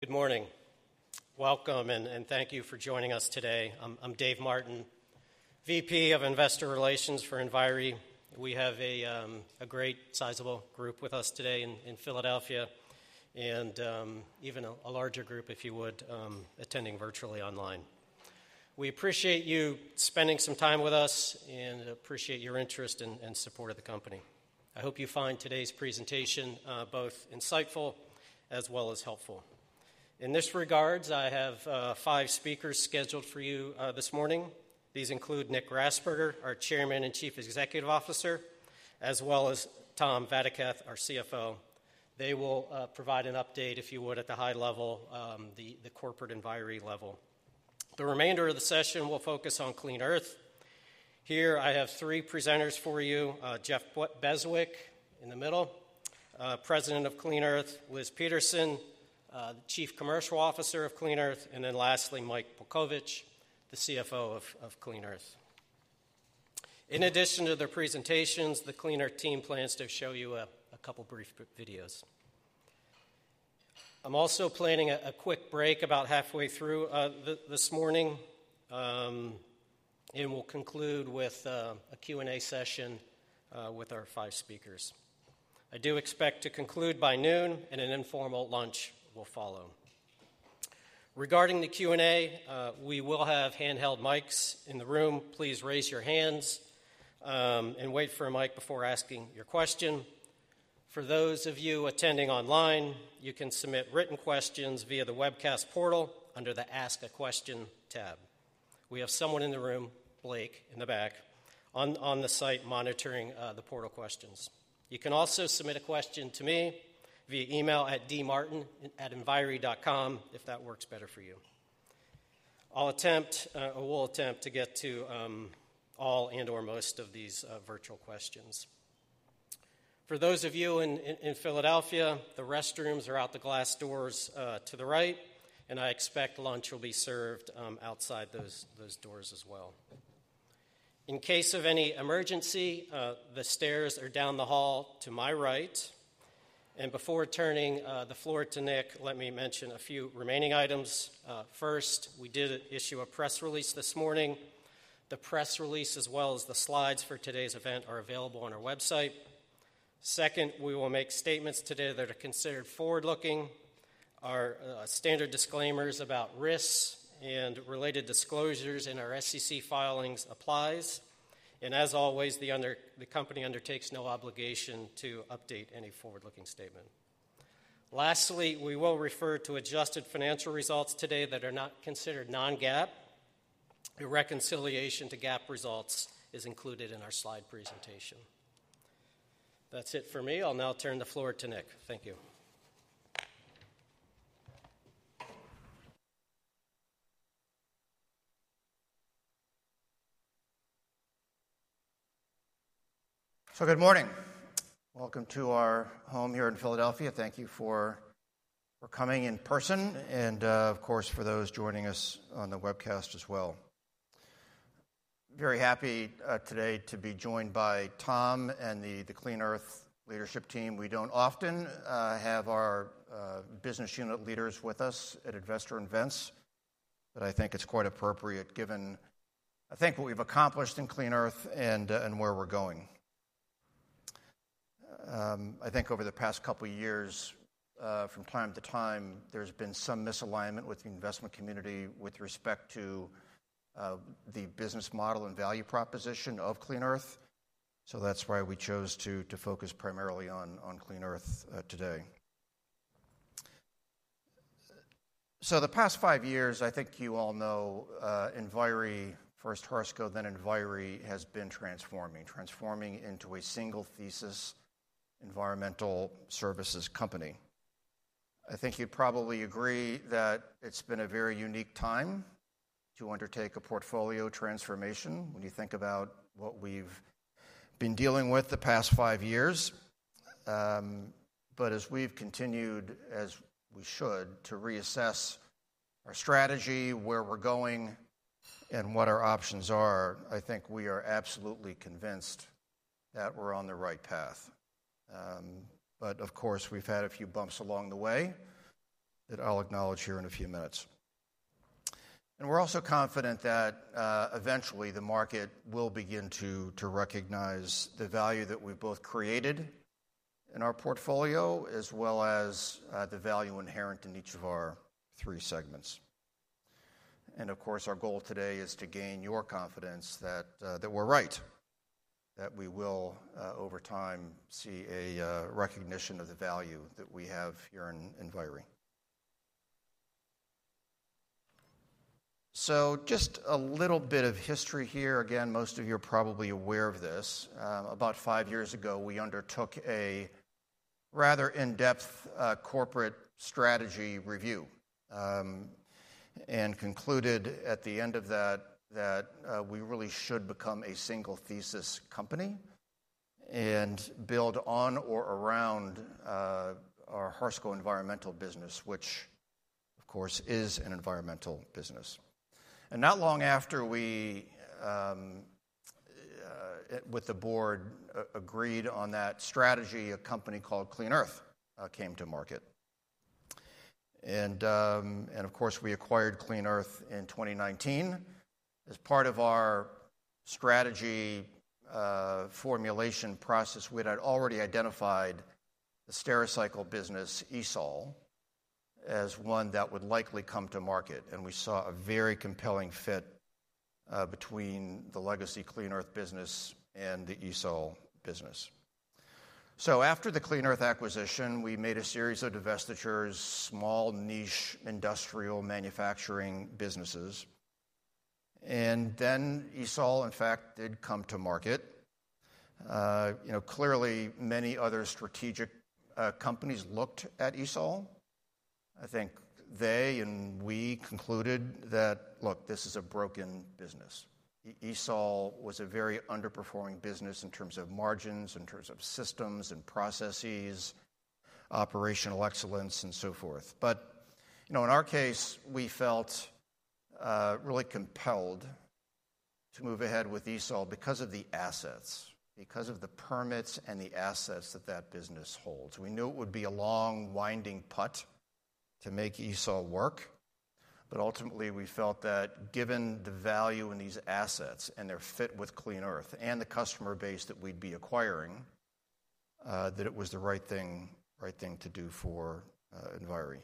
Good morning. Welcome, and thank you for joining us today. I'm Dave Martin, VP of Investor Relations for Enviri. We have a great, sizable group with us today in Philadelphia, and even a larger group, if you would, attending virtually online. We appreciate you spending some time with us and appreciate your interest and support of the company. I hope you find today's presentation both insightful as well as helpful. In this regard, I have five speakers scheduled for you this morning. These include Nick Grasberger, our Chairman and Chief Executive Officer, as well as Tom Vadaketh, our CFO. They will provide an update, if you would, at the high level, the corporate Enviri level. The remainder of the session will focus on Clean Earth. Here, I have three presenters for you: Jeff Beswick in the middle, President of Clean Earth, Liz Peterson, Chief Commercial Officer of Clean Earth, and then lastly, Mike Polkovich, the CFO of Clean Earth. In addition to their presentations, the Clean Earth team plans to show you a couple of brief videos. I'm also planning a quick break about halfway through this morning, and we'll conclude with a Q&A session with our five speakers. I do expect to conclude by noon, and an informal lunch will follow. Regarding the Q&A, we will have handheld mics in the room. Please raise your hands and wait for a mic before asking your question. For those of you attending online, you can submit written questions via the webcast portal under the Ask a Question tab. We have someone in the room, Blake, in the back on the site monitoring the portal questions. You can also submit a question to me via email at dmartin@enviri.com if that works better for you. I'll attempt, or will attempt, to get to all and/or most of these virtual questions. For those of you in Philadelphia, the restrooms are out the glass doors to the right, and I expect lunch will be served outside those doors as well. In case of any emergency, the stairs are down the hall to my right. Before turning the floor to Nick, let me mention a few remaining items. First, we did issue a press release this morning. The press release, as well as the slides for today's event, are available on our website. Second, we will make statements today that are considered forward-looking. Our standard disclaimers about risks and related disclosures in our SEC filings apply. As always, the company undertakes no obligation to update any forward-looking statement. Lastly, we will refer to adjusted financial results today that are not considered non-GAAP. The reconciliation to GAAP results is included in our slide presentation. That's it for me. I'll now turn the floor to Nick. Thank you. So good morning. Welcome to our home here in Philadelphia. Thank you for coming in person, and of course, for those joining us on the webcast as well. Very happy today to be joined by Tom and the Clean Earth leadership team. We don't often have our business unit leaders with us at investor events, but I think it's quite appropriate given, I think, what we've accomplished in Clean Earth and where we're going. I think over the past couple of years, from time to time, there's been some misalignment with the investment community with respect to the business model and value proposition of Clean Earth. The past five years, I think you all know, Enviri, first Harsco, then Enviri, has been transforming, transforming into a single thesis environmental services company. I think you'd probably agree that it's been a very unique time to undertake a portfolio transformation when you think about what we've been dealing with the past five years. But as we've continued, as we should, to reassess our strategy, where we're going, and what our options are, I think we are absolutely convinced that we're on the right path. But of course, we've had a few bumps along the way that I'll acknowledge here in a few minutes. And we're also confident that eventually the market will begin to recognize the value that we've both created in our portfolio, as well as the value inherent in each of our three segments. And of course, our goal today is to gain your confidence that we're right, that we will, over time, see a recognition of the value that we have here in Enviri. So just a little bit of history here. Again, most of you are probably aware of this. About five years ago, we undertook a rather in-depth corporate strategy review and concluded at the end of that that we really should become a single thesis company and build on or around our Harsco Environmental business, which, of course, is an environmental business. And not long after we, with the board, agreed on that strategy, a company called Clean Earth came to market. And of course, we acquired Clean Earth in 2019. As part of our strategy formulation process, we had already identified the Stericycle business as a whole as one that would likely come to market. And we saw a very compelling fit between the legacy Clean Earth business and the Stericycle business. So after the Clean Earth acquisition, we made a series of divestitures, small niche industrial manufacturing businesses. Then ESOL, in fact, did come to market. Clearly, many other strategic companies looked at ESOL. I think they and we concluded that, look, this is a broken business. ESOL was a very underperforming business in terms of margins, in terms of systems and processes, operational excellence, and so forth. But in our case, we felt really compelled to move ahead with ESOL because of the assets, because of the permits and the assets that that business holds. We knew it would be a long, winding putt to make ESOL work. But ultimately, we felt that given the value in these assets and their fit with Clean Earth and the customer base that we'd be acquiring, that it was the right thing to do for Enviri.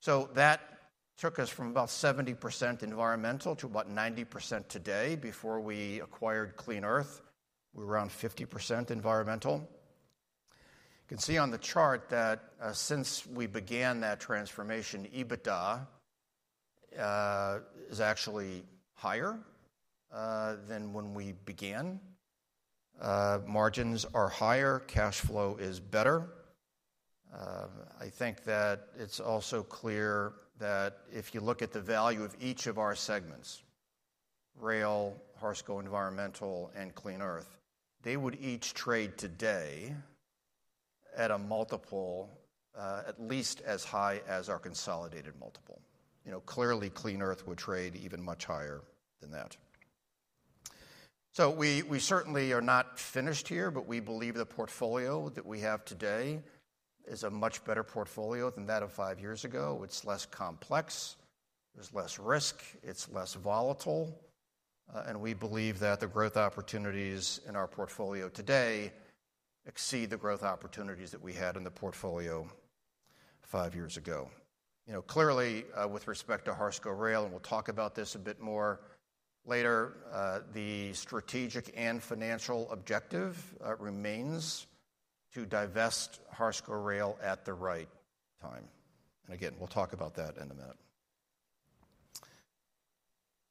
So that took us from about 70% environmental to about 90% today. Before we acquired Clean Earth, we were around 50% environmental. You can see on the chart that since we began that transformation, EBITDA is actually higher than when we began. Margins are higher, cash flow is better. I think that it's also clear that if you look at the value of each of our segments, Rail, Harsco Environmental, and Clean Earth, they would each trade today at a multiple at least as high as our consolidated multiple. Clearly, Clean Earth would trade even much higher than that. So we certainly are not finished here, but we believe the portfolio that we have today is a much better portfolio than that of five years ago. It's less complex, there's less risk, it's less volatile. And we believe that the growth opportunities in our portfolio today exceed the growth opportunities that we had in the portfolio five years ago. Clearly, with respect to Harsco Rail, and we'll talk about this a bit more later, the strategic and financial objective remains to divest Harsco Rail at the right time. And again, we'll talk about that in a minute.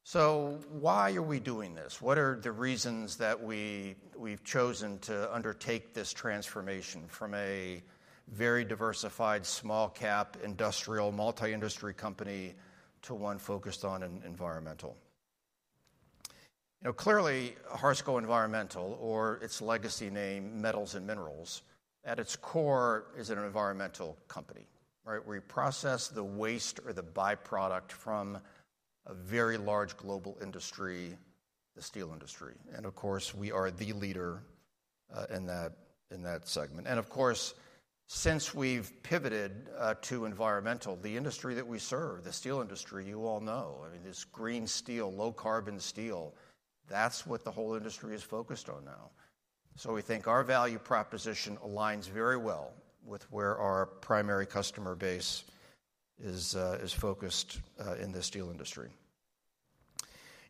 So why are we doing this? What are the reasons that we've chosen to undertake this transformation from a very diversified small-cap industrial multi-industry company to one focused on environmental? Clearly, Harsco Environmental, or its legacy name, Metals and Minerals, at its core is an environmental company. We process the waste or the byproduct from a very large global industry, the steel industry. And of course, we are the leader in that segment. And of course, since we've pivoted to environmental, the industry that we serve, the steel industry, you all know, I mean, this green steel, low-carbon steel, that's what the whole industry is focused on now. We think our value proposition aligns very well with where our primary customer base is focused in the steel industry.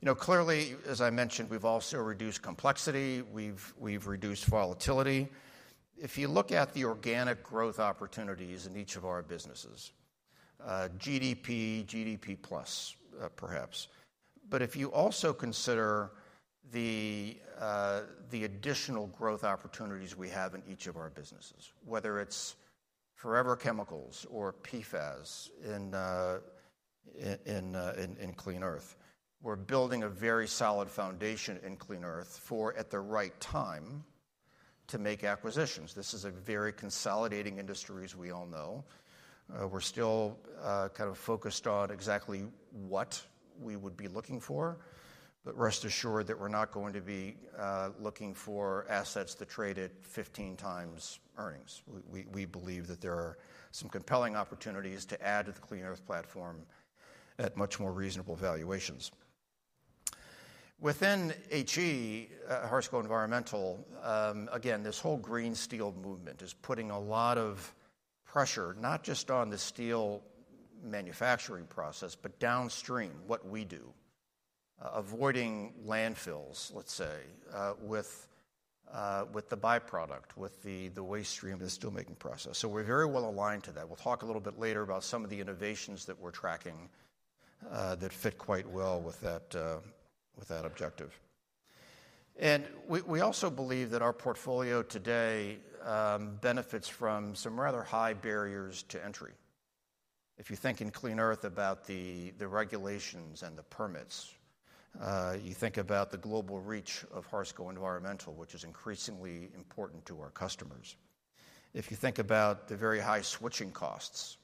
Clearly, as I mentioned, we've also reduced complexity, we've reduced volatility. If you look at the organic growth opportunities in each of our businesses, GDP, GDP+, perhaps. But if you also consider the additional growth opportunities we have in each of our businesses, whether it's Forever Chemicals or PFAS in Clean Earth, we're building a very solid foundation in Clean Earth for, at the right time, to make acquisitions. This is a very consolidating industry, as we all know. We're still kind of focused on exactly what we would be looking for, but rest assured that we're not going to be looking for assets that trade at 15x earnings. We believe that there are some compelling opportunities to add to the Clean Earth platform at much more reasonable valuations. Within HE, Harsco Environmental, again, this whole green steel movement is putting a lot of pressure, not just on the steel manufacturing process, but downstream, what we do, avoiding landfills, let's say, with the byproduct, with the waste stream and the steelmaking process. So we're very well aligned to that. We'll talk a little bit later about some of the innovations that we're tracking that fit quite well with that objective. And we also believe that our portfolio today benefits from some rather high barriers to entry. If you think in Clean Earth about the regulations and the permits, you think about the global reach of Harsco Environmental, which is increasingly important to our customers. If you think about the very high switching costs,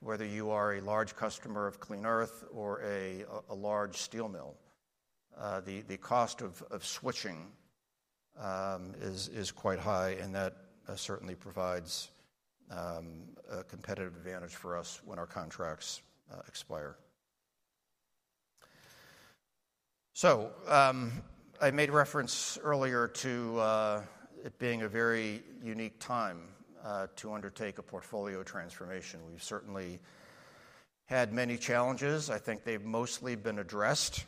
whether you are a large customer of Clean Earth or a large steel mill, the cost of switching is quite high, and that certainly provides a competitive advantage for us when our contracts expire. So I made reference earlier to it being a very unique time to undertake a portfolio transformation. We've certainly had many challenges. I think they've mostly been addressed.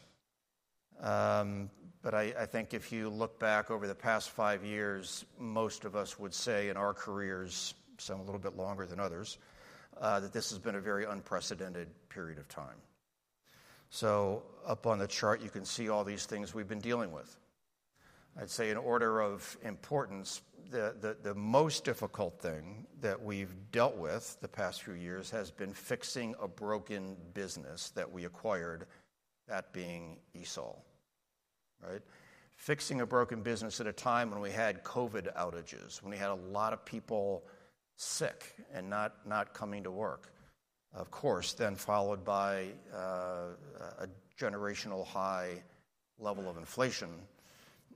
But I think if you look back over the past five years, most of us would say in our careers, some a little bit longer than others, that this has been a very unprecedented period of time. So up on the chart, you can see all these things we've been dealing with. I'd say in order of importance, the most difficult thing that we've dealt with the past few years has been fixing a broken business that we acquired, that being ESOL. Fixing a broken business at a time when we had COVID outages, when we had a lot of people sick and not coming to work, of course, then followed by a generational high level of inflation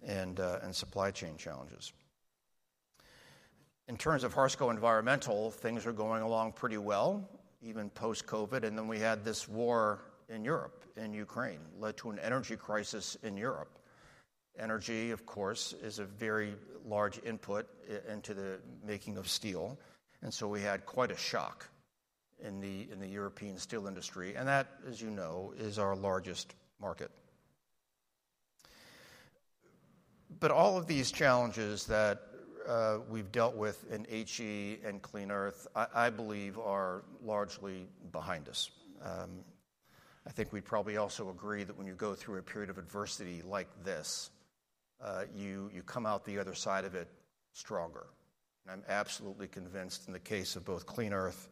and supply chain challenges. In terms of Harsco Environmental, things are going along pretty well, even post-COVID. And then we had this war in Europe and Ukraine led to an energy crisis in Europe. Energy, of course, is a very large input into the making of steel. And so we had quite a shock in the European steel industry. And that, as you know, is our largest market. But all of these challenges that we've dealt with in HE and Clean Earth, I believe, are largely behind us. I think we'd probably also agree that when you go through a period of adversity like this, you come out the other side of it stronger. And I'm absolutely convinced in the case of both Clean Earth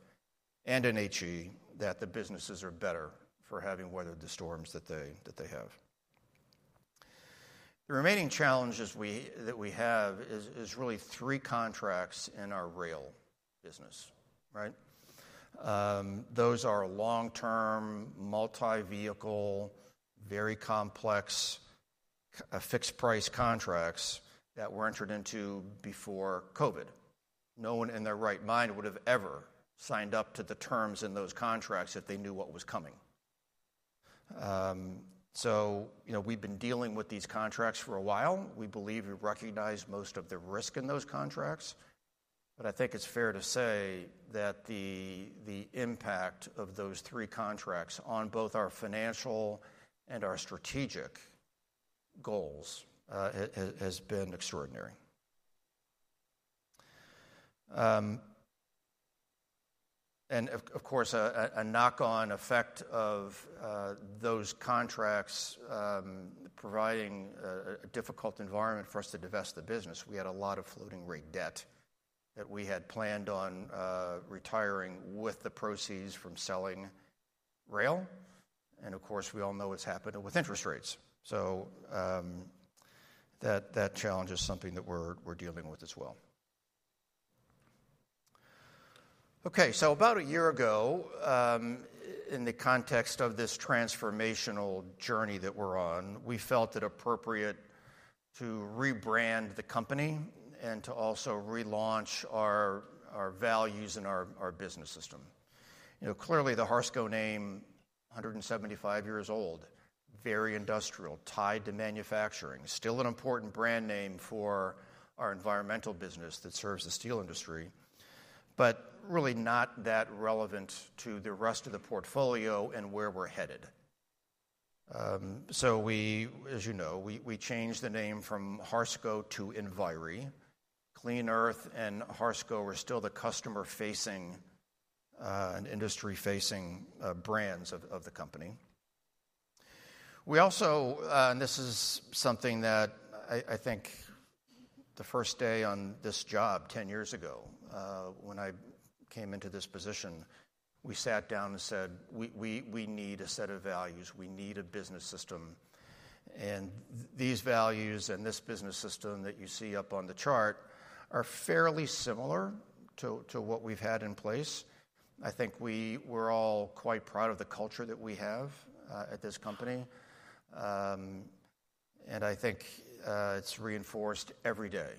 and in HE that the businesses are better for having weathered the storms that they have. The remaining challenges that we have is really three contracts in our rail business. Those are long-term, multi-vehicle, very complex, fixed-price contracts that were entered into before COVID. No one in their right mind would have ever signed up to the terms in those contracts if they knew what was coming. So we've been dealing with these contracts for a while. We believe we recognize most of the risk in those contracts. But I think it's fair to say that the impact of those three contracts on both our financial and our strategic goals has been extraordinary. And of course, a knock-on effect of those contracts providing a difficult environment for us to divest the business. We had a lot of floating-rate debt that we had planned on retiring with the proceeds from selling rail. And of course, we all know what's happened with interest rates. So that challenge is something that we're dealing with as well. Okay. So about a year ago, in the context of this transformational journey that we're on, we felt it appropriate to rebrand the company and to also relaunch our values and our business system. Clearly, the Harsco name, 175 years old, very industrial, tied to manufacturing, still an important brand name for our environmental business that serves the steel industry, but really not that relevant to the rest of the portfolio and where we're headed. So as you know, we changed the name from Harsco to Enviri. Clean Earth and Harsco are still the customer-facing and industry-facing brands of the company. We also, and this is something that I think the first day on this job, 10 years ago, when I came into this position, we sat down and said, "We need a set of values. We need a business system." And these values and this business system that you see up on the chart are fairly similar to what we've had in place. I think we're all quite proud of the culture that we have at this company. I think it's reinforced every day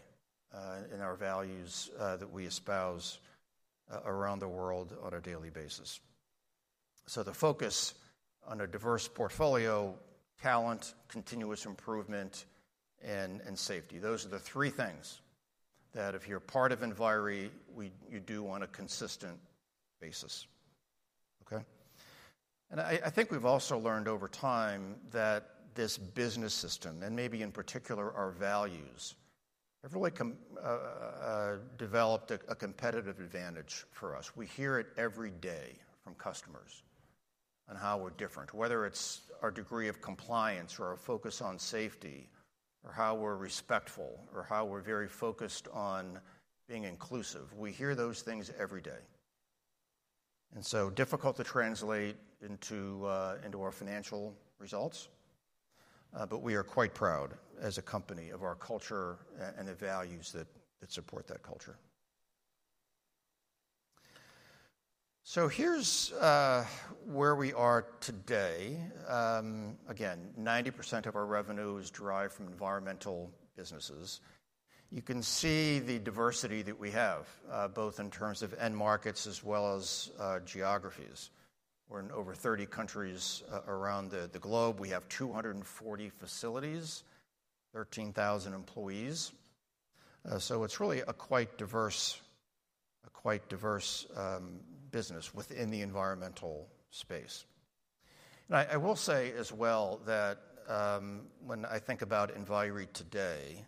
in our values that we espouse around the world on a daily basis. The focus on a diverse portfolio, talent, continuous improvement, and safety, those are the three things that if you're part of Enviri, you do on a consistent basis. I think we've also learned over time that this business system, and maybe in particular our values, have really developed a competitive advantage for us. We hear it every day from customers on how we're different, whether it's our degree of compliance or our focus on safety or how we're respectful or how we're very focused on being inclusive. We hear those things every day. And so difficult to translate into our financial results, but we are quite proud as a company of our culture and the values that support that culture. Here's where we are today. Again, 90% of our revenues derive from environmental businesses. You can see the diversity that we have, both in terms of end markets as well as geographies. We're in over 30 countries around the globe. We have 240 facilities, 13,000 employees. So it's really a quite diverse business within the environmental space. And I will say as well that when I think about Enviri today,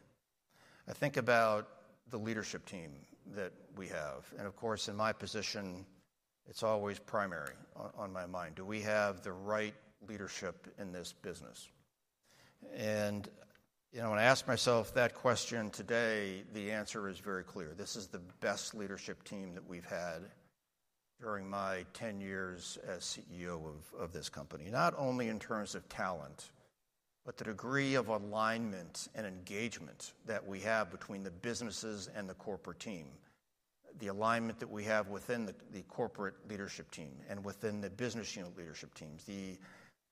I think about the leadership team that we have. And of course, in my position, it's always primary on my mind. Do we have the right leadership in this business? And when I ask myself that question today, the answer is very clear. This is the best leadership team that we've had during my 10 years as CEO of this company, not only in terms of talent, but the degree of alignment and engagement that we have between the businesses and the corporate team, the alignment that we have within the corporate leadership team and within the business unit leadership teams, the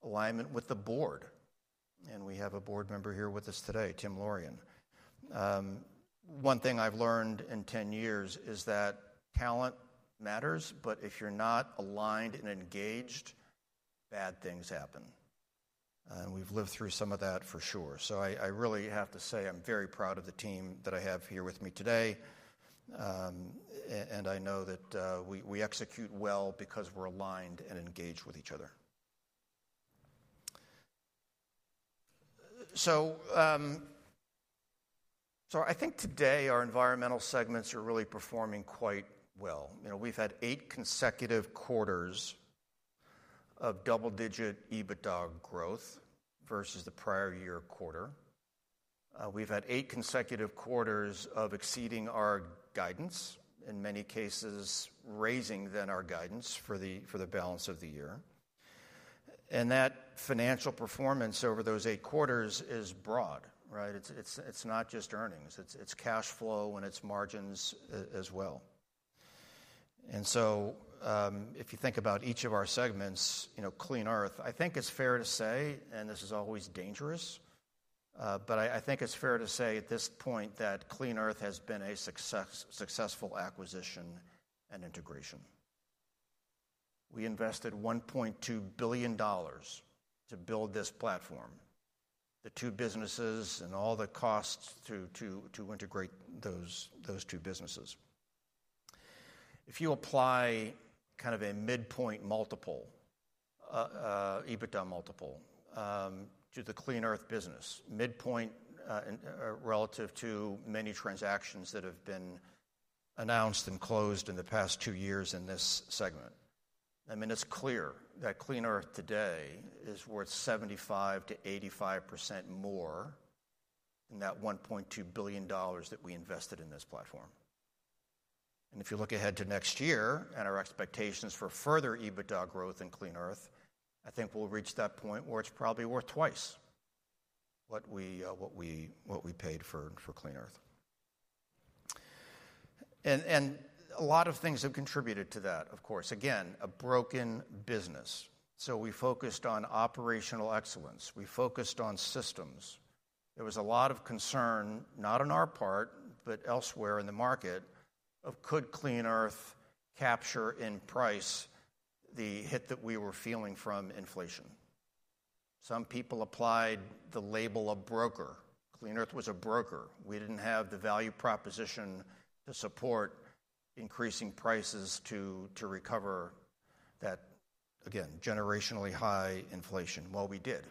alignment with the board. And we have a board member here with us today, Timothy Laurion. One thing I've learned in 10 years is that talent matters, but if you're not aligned and engaged, bad things happen. And we've lived through some of that for sure. So I really have to say I'm very proud of the team that I have here with me today. And I know that we execute well because we're aligned and engaged with each other. I think today our environmental segments are really performing quite well. We've had eight consecutive quarters of double-digit EBITDA growth versus the prior-year quarter. We've had eight consecutive quarters of exceeding our guidance, in many cases raising our guidance for the balance of the year. That financial performance over those eight quarters is broad. It's not just earnings. It's cash flow and it's margins as well. If you think about each of our segments, Clean Earth, I think it's fair to say, and this is always dangerous, but I think it's fair to say at this point that Clean Earth has been a successful acquisition and integration. We invested $1.2 billion to build this platform, the two businesses and all the costs to integrate those two businesses. If you apply kind of a midpoint multiple, EBITDA multiple, to the Clean Earth business, midpoint relative to many transactions that have been announced and closed in the past two years in this segment, I mean, it's clear that Clean Earth today is worth 75%-85% more than that $1.2 billion that we invested in this platform. And if you look ahead to next year and our expectations for further EBITDA growth in Clean Earth, I think we'll reach that point where it's probably worth twice what we paid for Clean Earth. And a lot of things have contributed to that, of course. Again, a broken business. So we focused on operational excellence. We focused on systems. There was a lot of concern, not on our part, but elsewhere in the market, of could Clean Earth capture in price the hit that we were feeling from inflation. Some people applied the label of broker. Clean Earth was a broker. We didn't have the value proposition to support increasing prices to recover that, again, generationally high inflation. Well, we did.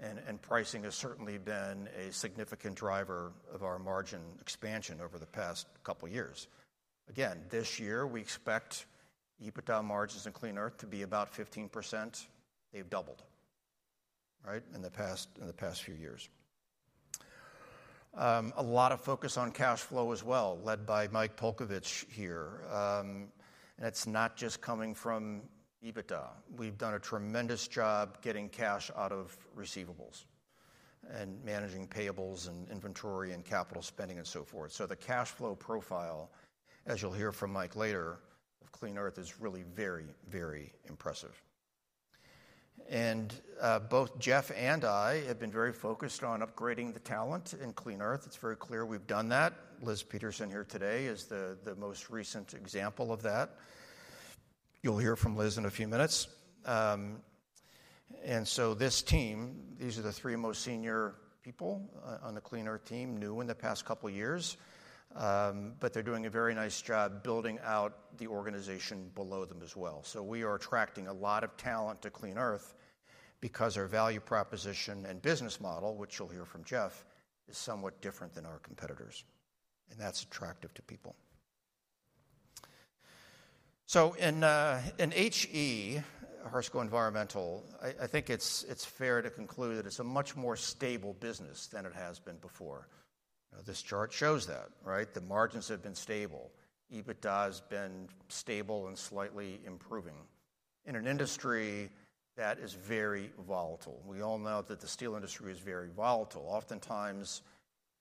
And pricing has certainly been a significant driver of our margin expansion over the past couple of years. Again, this year, we expect EBITDA margins in Clean Earth to be about 15%. They've doubled in the past few years. A lot of focus on cash flow as well, led by Mike Polkovich here. And it's not just coming from EBITDA. We've done a tremendous job getting cash out of receivables and managing payables and inventory and capital spending and so forth. So the cash flow profile, as you'll hear from Mike later, of Clean Earth is really very, very impressive. And both Jeff and I have been very focused on upgrading the talent in Clean Earth. It's very clear we've done that. Liz Peterson here today is the most recent example of that. You'll hear from Liz in a few minutes. So this team, these are the three most senior people on the Clean Earth team, new in the past couple of years, but they're doing a very nice job building out the organization below them as well. We are attracting a lot of talent to Clean Earth because our value proposition and business model, which you'll hear from Jeff, is somewhat different than our competitors. And that's attractive to people. So in HE, Harsco Environmental, I think it's fair to conclude that it's a much more stable business than it has been before. This chart shows that. The margins have been stable. EBITDA has been stable and slightly improving in an industry that is very volatile. We all know that the steel industry is very volatile. Oftentimes,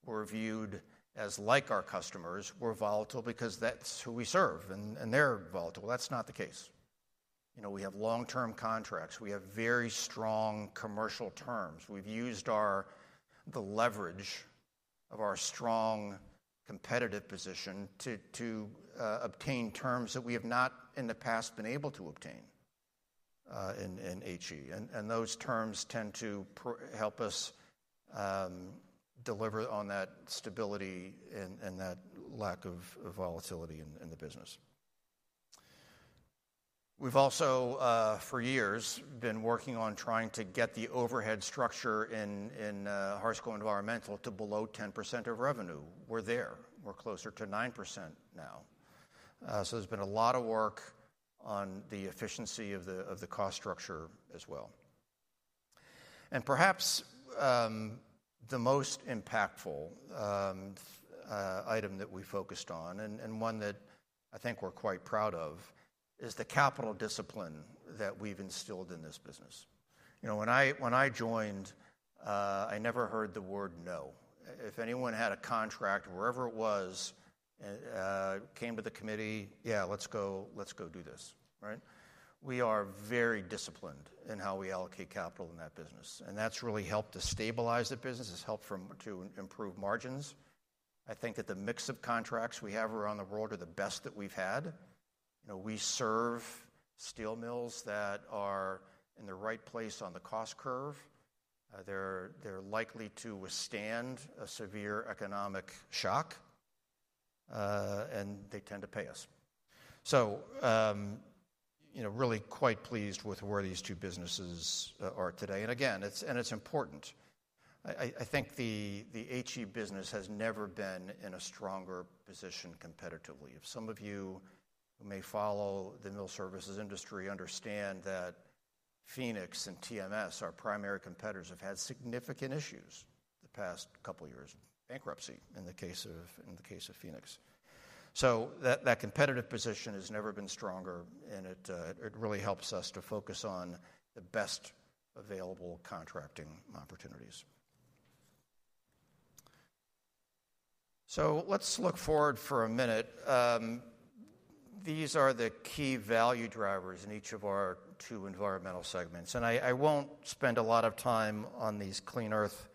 we're viewed as like our customers. We're volatile because that's who we serve. And they're volatile. That's not the case. We have long-term contracts. We have very strong commercial terms. We've used the leverage of our strong competitive position to obtain terms that we have not in the past been able to obtain in HE. And those terms tend to help us deliver on that stability and that lack of volatility in the business. We've also, for years, been working on trying to get the overhead structure in Harsco Environmental to below 10% of revenue. We're there. We're closer to 9% now. So there's been a lot of work on the efficiency of the cost structure as well. Perhaps the most impactful item that we focused on, and one that I think we're quite proud of, is the capital discipline that we've instilled in this business. When I joined, I never heard the word no. If anyone had a contract, wherever it was, came to the committee, "Yeah, let's go do this." We are very disciplined in how we allocate capital in that business. That's really helped to stabilize the business. It's helped to improve margins. I think that the mix of contracts we have around the world are the best that we've had. We serve steel mills that are in the right place on the cost curve. They're likely to withstand a severe economic shock, and they tend to pay us. So really quite pleased with where these two businesses are today. Again, it's important. I think the HE business has never been in a stronger position competitively. If some of you who may follow the mill services industry understand that Phoenix and TMS, our primary competitors, have had significant issues the past couple of years: bankruptcy in the case of Phoenix. So that competitive position has never been stronger, and it really helps us to focus on the best available contracting opportunities. So let's look forward for a minute. These are the key value drivers in each of our two environmental segments. I won't spend a lot of time on these Clean Earth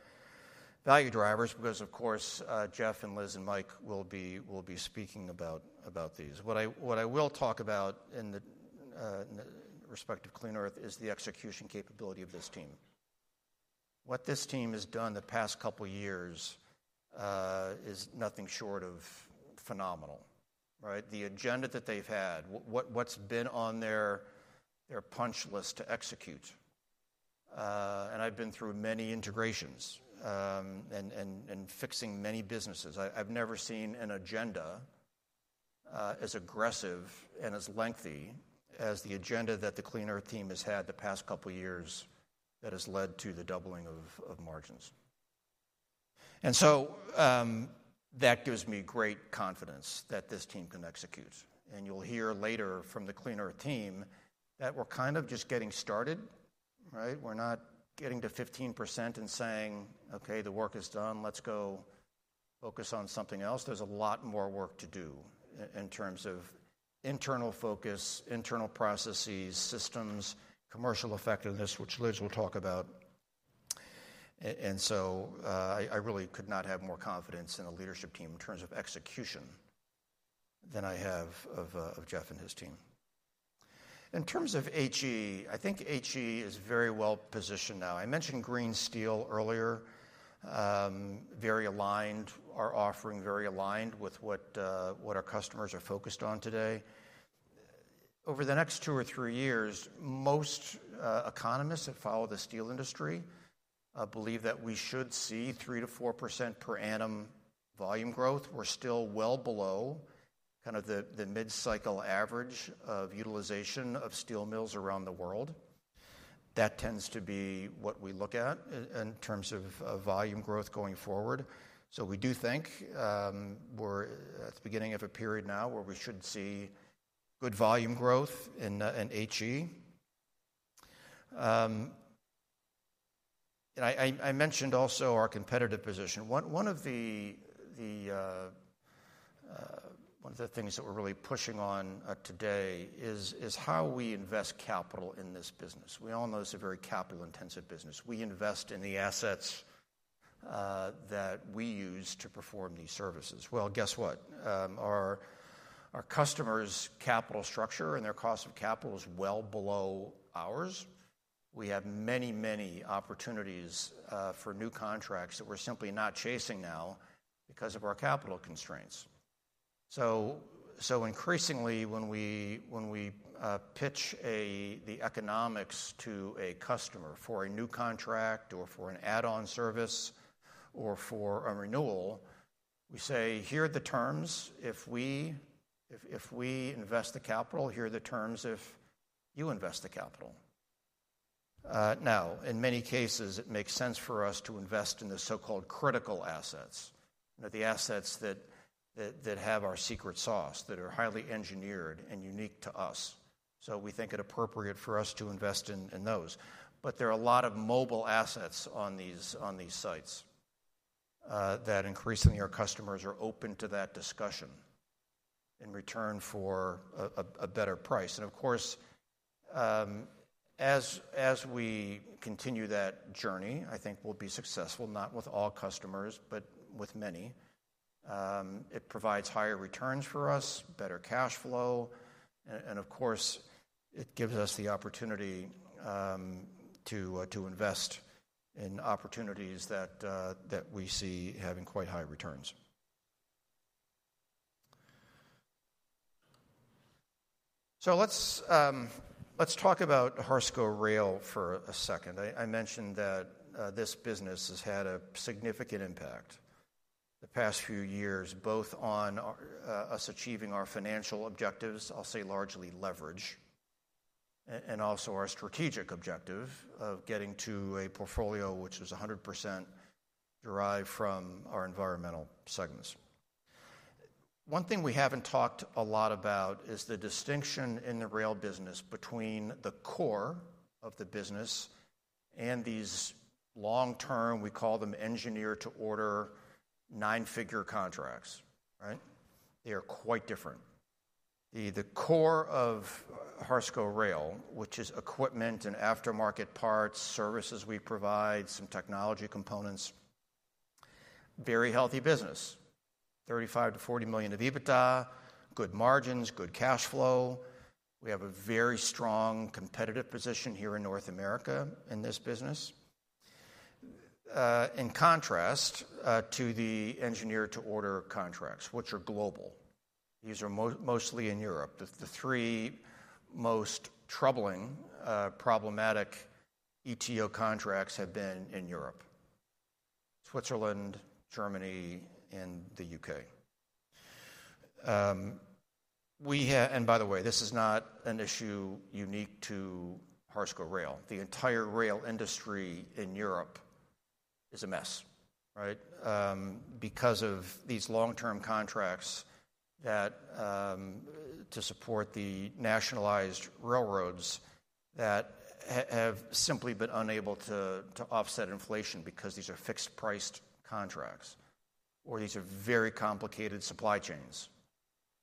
value drivers because, of course, Jeff and Liz and Mike will be speaking about these. What I will talk about in respect of Clean Earth is the execution capability of this team. What this team has done the past couple of years is nothing short of phenomenal. The agenda that they've had, what's been on their punch list to execute. I've been through many integrations and fixing many businesses. I've never seen an agenda as aggressive and as lengthy as the agenda that the Clean Earth team has had the past couple of years that has led to the doubling of margins. So that gives me great confidence that this team can execute. You'll hear later from the Clean Earth team that we're kind of just getting started. We're not getting to 15% and saying, "Okay, the work is done. Let's go focus on something else." There's a lot more work to do in terms of internal focus, internal processes, systems, commercial effectiveness, which Liz will talk about. I really could not have more confidence in the leadership team in terms of execution than I have of Jeff and his team. In terms of HE, I think HE is very well positioned now. I mentioned green steel earlier, very aligned, our offering very aligned with what our customers are focused on today. Over the next 2-3 years, most economists that follow the steel industry believe that we should see 3%-4% per annum volume growth. We're still well below kind of the mid-cycle average of utilization of steel mills around the world. That tends to be what we look at in terms of volume growth going forward. So we do think we're at the beginning of a period now where we should see good volume growth in HE. And I mentioned also our competitive position. One of the things that we're really pushing on today is how we invest capital in this business. We all know it's a very capital-intensive business. We invest in the assets that we use to perform these services. Well, guess what? Our customers' capital structure and their cost of capital is well below ours. We have many, many opportunities for new contracts that we're simply not chasing now because of our capital constraints. So increasingly, when we pitch the economics to a customer for a new contract or for an add-on service or for a renewal, we say, "Here are the terms. If we invest the capital, here are the terms if you invest the capital." Now, in many cases, it makes sense for us to invest in the so-called critical assets, the assets that have our secret sauce, that are highly engineered and unique to us. So we think it appropriate for us to invest in those. There are a lot of mobile assets on these sites that increasingly our customers are open to that discussion in return for a better price. Of course, as we continue that journey, I think we'll be successful, not with all customers, but with many. It provides higher returns for us, better cash flow. Of course, it gives us the opportunity to invest in opportunities that we see having quite high returns. Let's talk about Harsco Rail for a second. I mentioned that this business has had a significant impact the past few years, both on us achieving our financial objectives, I'll say largely leverage, and also our strategic objective of getting to a portfolio which is 100% derived from our environmental segments. One thing we haven't talked a lot about is the distinction in the rail business between the core of the business and these long-term, we call them engineered-to-order, nine-figure contracts. They are quite different. The core of Harsco Rail, which is equipment and aftermarket parts, services we provide, some technology components, very healthy business, $35 million-$40 million of EBITDA, good margins, good cash flow. We have a very strong competitive position here in North America in this business, in contrast to the engineered-to-order contracts, which are global. These are mostly in Europe. The three most troubling, problematic ETO contracts have been in Europe: Switzerland, Germany, and the UK. And by the way, this is not an issue unique to Harsco Rail. The entire rail industry in Europe is a mess because of these long-term contracts to support the nationalized railroads that have simply been unable to offset inflation because these are fixed-price contracts or these are very complicated supply chains.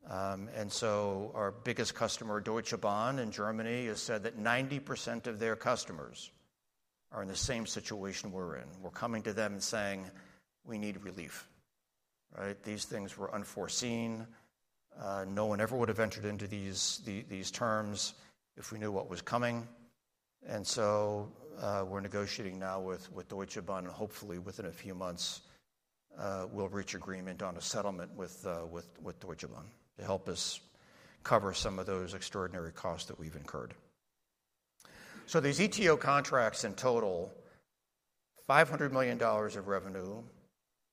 And so our biggest customer, Deutsche Bahn in Germany, has said that 90% of their customers are in the same situation we're in. We're coming to them and saying, "We need relief." These things were unforeseen. No one ever would have ventured into these terms if we knew what was coming. And so we're negotiating now with Deutsche Bahn. Hopefully, within a few months, we'll reach agreement on a settlement with Deutsche Bahn to help us cover some of those extraordinary costs that we've incurred. So these ETO contracts in total, $500 million of revenue,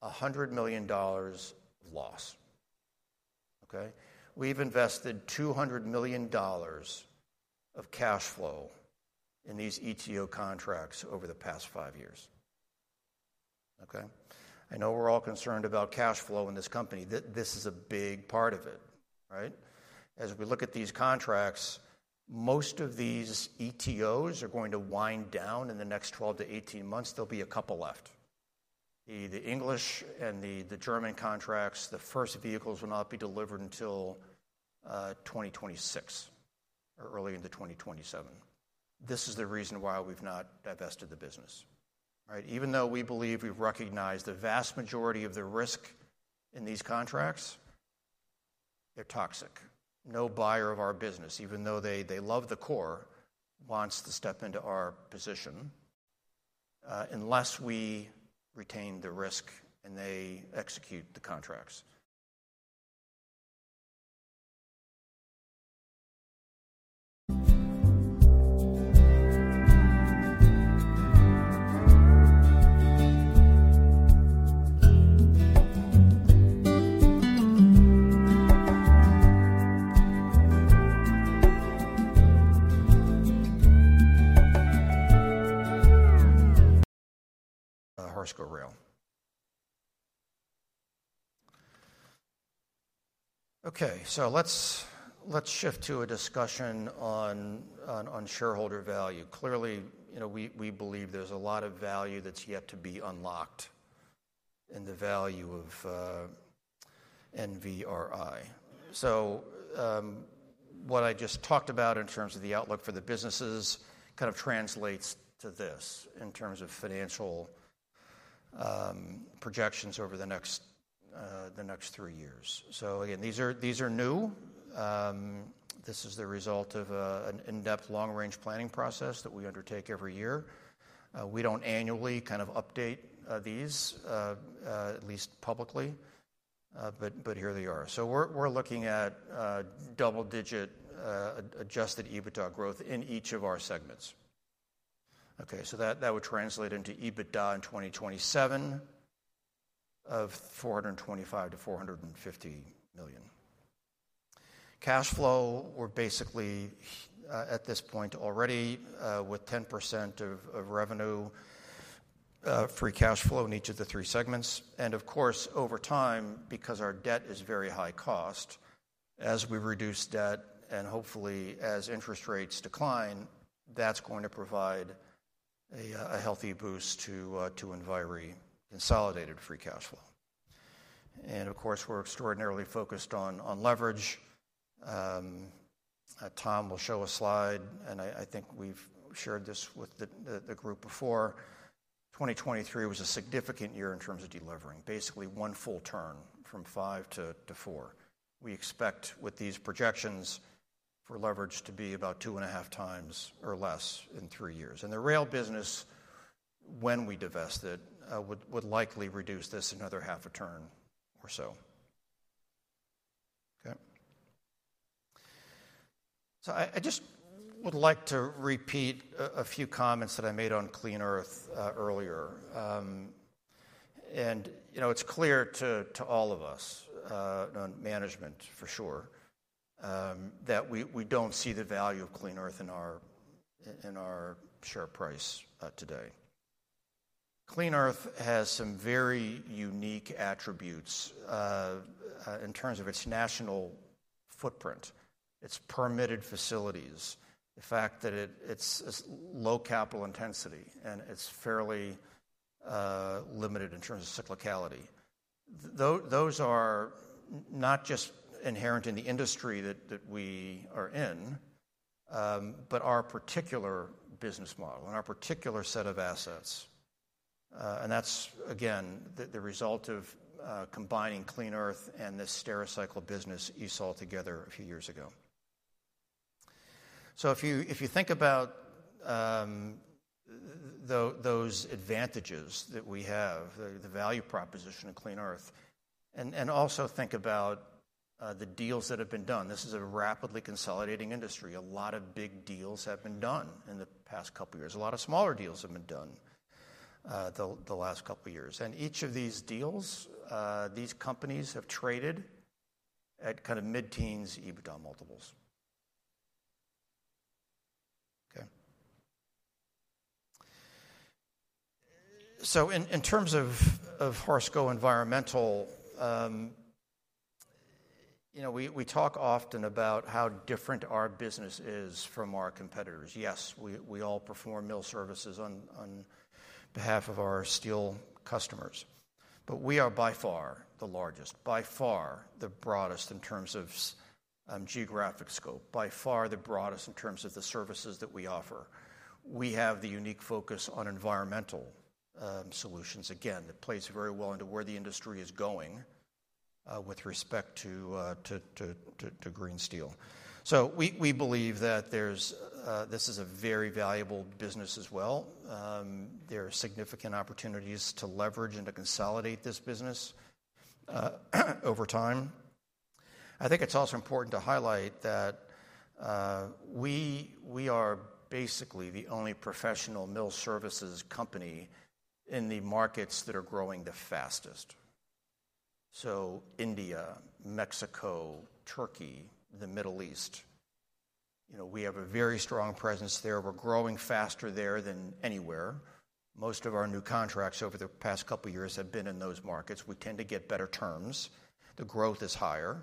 $100 million of loss. We've invested $200 million of cash flow in these ETO contracts over the past five years. I know we're all concerned about cash flow in this company. This is a big part of it. As we look at these contracts, most of these ETOs are going to wind down in the next 12-18 months. There'll be a couple left. The English and the German contracts, the first vehicles will not be delivered until 2026 or early into 2027. This is the reason why we've not divested the business. Even though we believe we've recognized the vast majority of the risk in these contracts, they're toxic. No buyer of our business, even though they love the core, wants to step into our position unless we retain the risk and they execute the contracts. Harsco Rail. Okay. So let's shift to a discussion on shareholder value. Clearly, we believe there's a lot of value that's yet to be unlocked in the value of Enviri. So what I just talked about in terms of the outlook for the businesses kind of translates to this in terms of financial projections over the next three years. So again, these are new. This is the result of an in-depth long-range planning process that we undertake every year. We don't annually kind of update these, at least publicly, but here they are. So we're looking at double-digit Adjusted EBITDA growth in each of our segments. Okay. So that would translate into EBITDA in 2027 of $425 million-$450 million. Cash flow, we're basically at this point already with 10% of revenue, free cash flow in each of the three segments. Of course, over time, because our debt is very high cost, as we reduce debt and hopefully as interest rates decline, that's going to provide a healthy boost to Enviri consolidated free cash flow. Of course, we're extraordinarily focused on leverage. Tom will show a slide, and I think we've shared this with the group before. 2023 was a significant year in terms of delivering, basically one full turn from five to four. We expect with these projections for leverage to be about 2.5x or less in three years. And the rail business, when we divest it, would likely reduce this another half a turn or so. Okay. So I just would like to repeat a few comments that I made on Clean Earth earlier. It's clear to all of us, management for sure, that we don't see the value of Clean Earth in our share price today. Clean Earth has some very unique attributes in terms of its national footprint, its permitted facilities, the fact that it's low capital intensity, and it's fairly limited in terms of cyclicality. Those are not just inherent in the industry that we are in, but our particular business model and our particular set of assets. And that's, again, the result of combining Clean Earth and this Stericycle business you saw together a few years ago. So if you think about those advantages that we have, the value proposition of Clean Earth, and also think about the deals that have been done. This is a rapidly consolidating industry. A lot of big deals have been done in the past couple of years. A lot of smaller deals have been done the last couple of years. Each of these deals, these companies have traded at kind of mid-teens EBITDA multiples. Okay. In terms of Harsco Environmental, we talk often about how different our business is from our competitors. Yes, we all perform mill services on behalf of our steel customers, but we are by far the largest, by far the broadest in terms of geographic scope, by far the broadest in terms of the services that we offer. We have the unique focus on environmental solutions, again, that plays very well into where the industry is going with respect to green steel. We believe that this is a very valuable business as well. There are significant opportunities to leverage and to consolidate this business over time. I think it's also important to highlight that we are basically the only professional mill services company in the markets that are growing the fastest. So India, Mexico, Turkey, the Middle East, we have a very strong presence there. We're growing faster there than anywhere. Most of our new contracts over the past couple of years have been in those markets. We tend to get better terms. The growth is higher.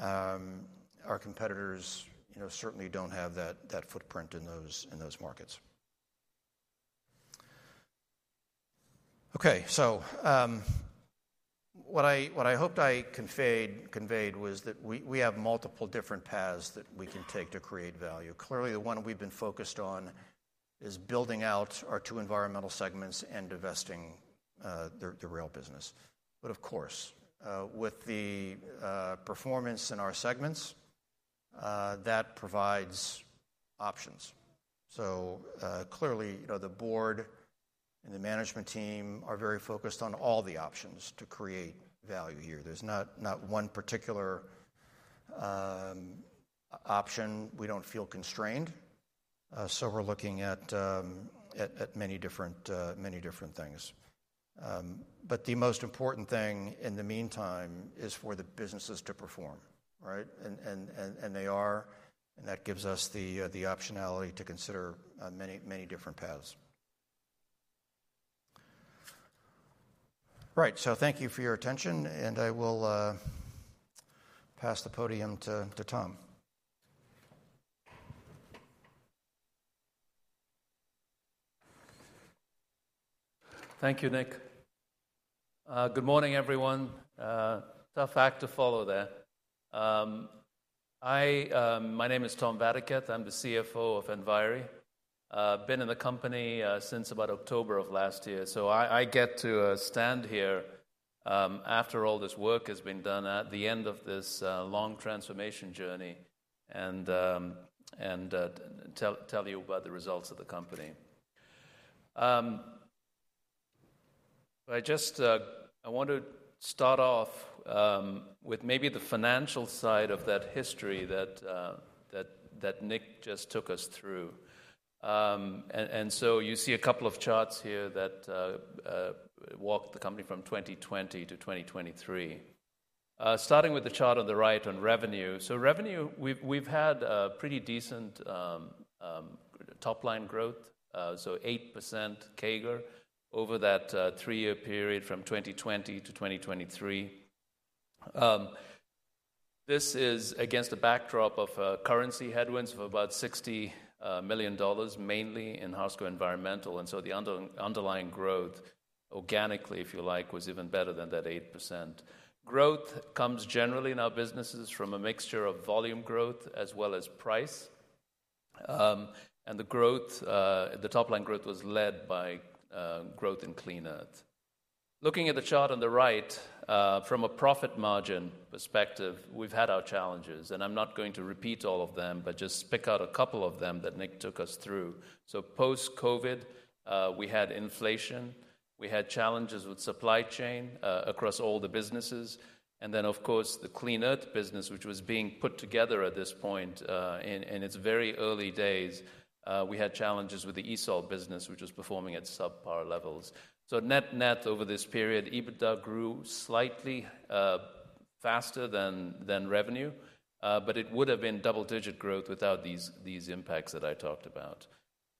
Our competitors certainly don't have that footprint in those markets. Okay. So what I hoped I conveyed was that we have multiple different paths that we can take to create value. Clearly, the one we've been focused on is building out our two environmental segments and divesting the rail business. But of course, with the performance in our segments, that provides options. So clearly, the board and the management team are very focused on all the options to create value here. There's not one particular option. We don't feel constrained. So we're looking at many different things. But the most important thing in the meantime is for the businesses to perform. And they are, and that gives us the optionality to consider many different paths. Right. So thank you for your attention, and I will pass the podium to Tom. Thank you, Nick. Good morning, everyone. Tough act to follow there. My name is Tom Vadaketh. I'm the CFO of Enviri. I've been in the company since about October of last year. So I get to stand here after all this work has been done at the end of this long transformation journey and tell you about the results of the company. I want to start off with maybe the financial side of that history that Nick just took us through. So you see a couple of charts here that walked the company from 2020 to 2023, starting with the chart on the right on revenue. So revenue, we've had pretty decent top-line growth, so 8% CAGR over that three-year period from 2020 to 2023. This is against the backdrop of currency headwinds of about $60 million, mainly in Harsco Environmental. And so the underlying growth, organically, if you like, was even better than that 8%. Growth comes generally in our businesses from a mixture of volume growth as well as price. And the top-line growth was led by growth in Clean Earth. Looking at the chart on the right, from a profit margin perspective, we've had our challenges. I'm not going to repeat all of them, but just pick out a couple of them that Nick took us through. So post-COVID, we had inflation. We had challenges with supply chain across all the businesses. And then, of course, the Clean Earth business, which was being put together at this point in its very early days, we had challenges with the Harsco business, which was performing at subpar levels. So net over this period, EBITDA grew slightly faster than revenue, but it would have been double-digit growth without these impacts that I talked about.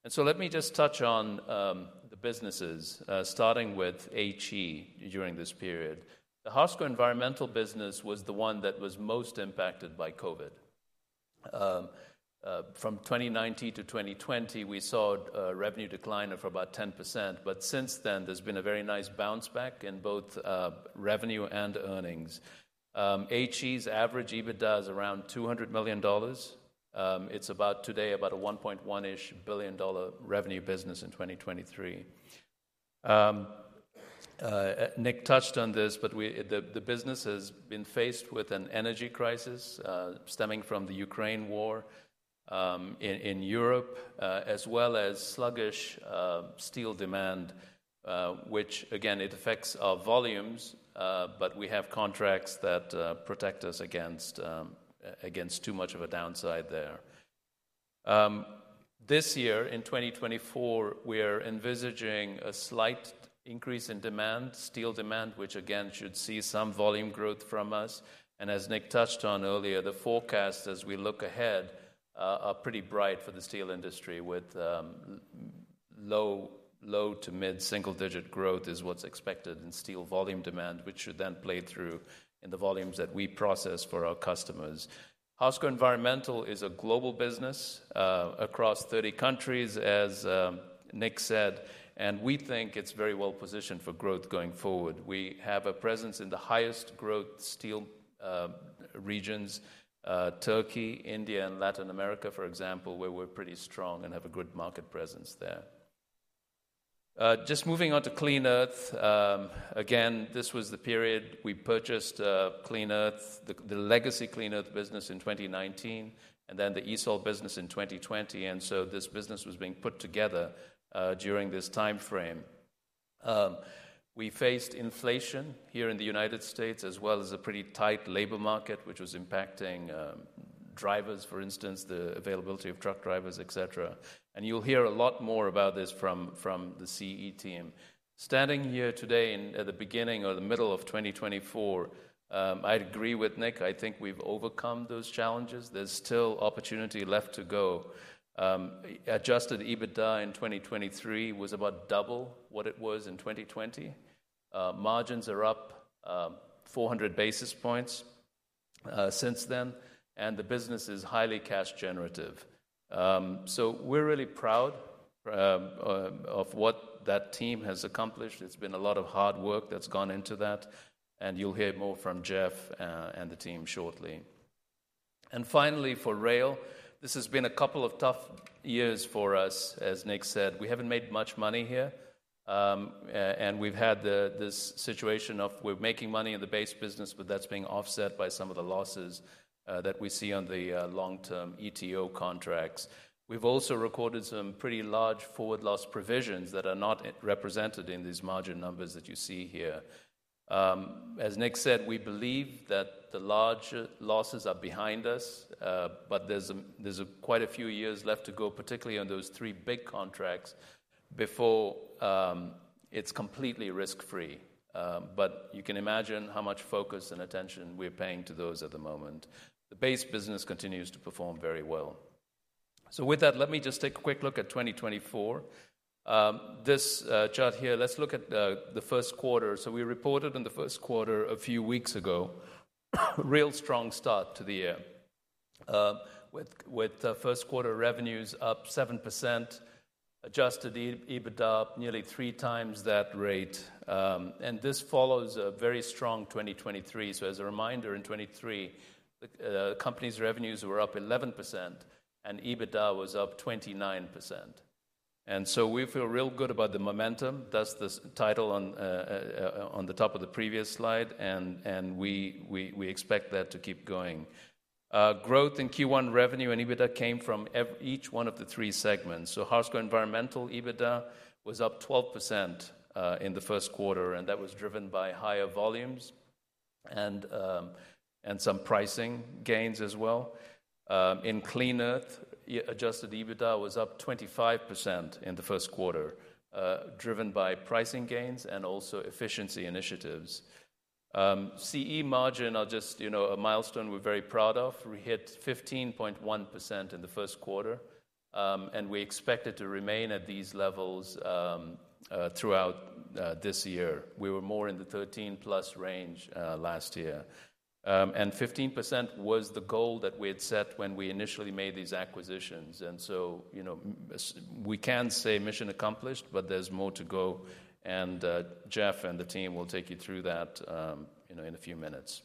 And so let me just touch on the businesses, starting with HE during this period. The Harsco Environmental business was the one that was most impacted by COVID. From 2019 to 2020, we saw a revenue decline of about 10%. But since then, there's been a very nice bounce back in both revenue and earnings. HE's average EBITDA is around $200 million. It's about today about a $1.1-ish billion revenue business in 2023. Nick touched on this, but the business has been faced with an energy crisis stemming from the Ukraine war in Europe, as well as sluggish steel demand, which, again, it affects our volumes, but we have contracts that protect us against too much of a downside there. This year, in 2024, we are envisaging a slight increase in demand, steel demand, which again should see some volume growth from us. As Nick touched on earlier, the forecasts as we look ahead are pretty bright for the steel industry with low- to mid-single-digit growth is what's expected in steel volume demand, which should then play through in the volumes that we process for our customers. Harsco Environmental is a global business across 30 countries, as Nick said, and we think it's very well positioned for growth going forward. We have a presence in the highest growth steel regions, Turkey, India, and Latin America, for example, where we're pretty strong and have a good market presence there. Just moving on to Clean Earth. Again, this was the period we purchased Clean Earth, the legacy Clean Earth business in 2019, and then the ESOL business in 2020. And so this business was being put together during this timeframe. We faced inflation here in the United States, as well as a pretty tight labor market, which was impacting drivers, for instance, the availability of truck drivers, etc. You'll hear a lot more about this from the CE team. Standing here today at the beginning or the middle of 2024, I agree with Nick. I think we've overcome those challenges. There's still opportunity left to go. Adjusted EBITDA in 2023 was about double what it was in 2020. Margins are up 400 basis points since then, and the business is highly cash generative. So we're really proud of what that team has accomplished. It's been a lot of hard work that's gone into that. And you'll hear more from Jeff and the team shortly. And finally, for rail, this has been a couple of tough years for us, as Nick said. We haven't made much money here, and we've had this situation of we're making money in the base business, but that's being offset by some of the losses that we see on the long-term ETO contracts. We've also recorded some pretty large forward loss provisions that are not represented in these margin numbers that you see here. As Nick said, we believe that the large losses are behind us, but there's quite a few years left to go, particularly on those three big contracts before it's completely risk-free. You can imagine how much focus and attention we're paying to those at the moment. The base business continues to perform very well. With that, let me just take a quick look at 2024. This chart here, let's look at the first quarter. We reported on the first quarter a few weeks ago, real strong start to the year with first quarter revenues up 7%, adjusted EBITDA nearly 3x that rate. This follows a very strong 2023. As a reminder, in 2023, the company's revenues were up 11% and EBITDA was up 29%. So we feel real good about the momentum, thus the title on the top of the previous slide, and we expect that to keep going. Growth in Q1 revenue and EBITDA came from each one of the three segments. Harsco Environmental EBITDA was up 12% in the first quarter, and that was driven by higher volumes and some pricing gains as well. In Clean Earth, adjusted EBITDA was up 25% in the first quarter, driven by pricing gains and also efficiency initiatives. CE margin, a milestone we're very proud of. We hit 15.1% in the first quarter, and we expect it to remain at these levels throughout this year. We were more in the 13%+ range last year. 15% was the goal that we had set when we initially made these acquisitions. We can say mission accomplished, but there's more to go. Jeff and the team will take you through that in a few minutes.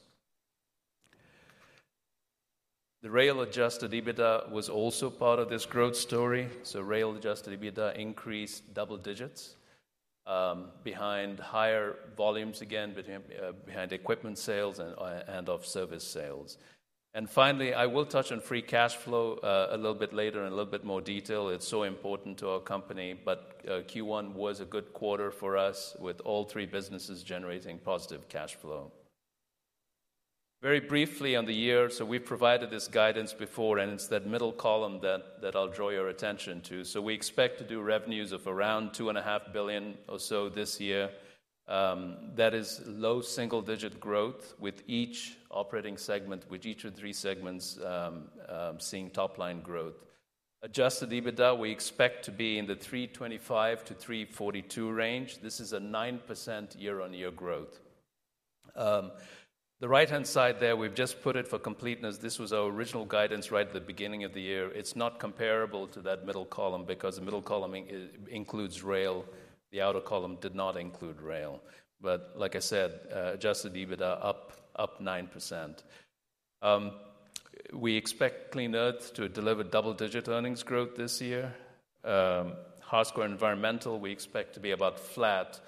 The rail adjusted EBITDA was also part of this growth story. So rail adjusted EBITDA increased double digits behind higher volumes again, behind equipment sales and off-service sales. And finally, I will touch on free cash flow a little bit later in a little bit more detail. It's so important to our company, but Q1 was a good quarter for us with all three businesses generating positive cash flow. Very briefly on the year, so we've provided this guidance before, and it's that middle column that I'll draw your attention to. So we expect to do revenues of around $2.5 billion or so this year. That is low single-digit growth with each operating segment, with each of three segments seeing top-line growth. Adjusted EBITDA, we expect to be in the $325-$342 range. This is a 9% year-on-year growth. The right-hand side there, we've just put it for completeness. This was our original guidance right at the beginning of the year. It's not comparable to that middle column because the middle column includes rail. The outer column did not include rail. But like I said, adjusted EBITDA up 9%. We expect Clean Earth to deliver double-digit earnings growth this year. Harsco Environmental, we expect to be about flat.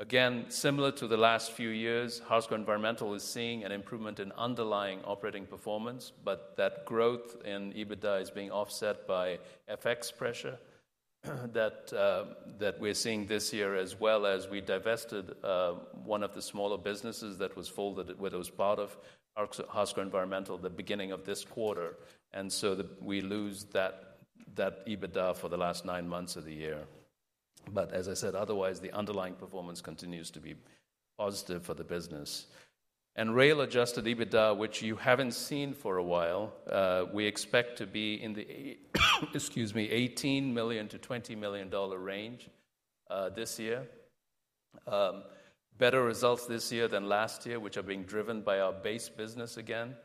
Again, similar to the last few years, Harsco Environmental is seeing an improvement in underlying operating performance, but that growth in EBITDA is being offset by FX pressure that we're seeing this year, as well as we divested one of the smaller businesses that was folded with us part of Harsco Environmental at the beginning of this quarter. And so we lose that EBITDA for the last nine months of the year. But as I said, otherwise, the underlying performance continues to be positive for the business. Rail Adjusted EBITDA, which you haven't seen for a while, we expect to be in the $18 million-$20 million range this year. Better results this year than last year, which are being driven by our base business again,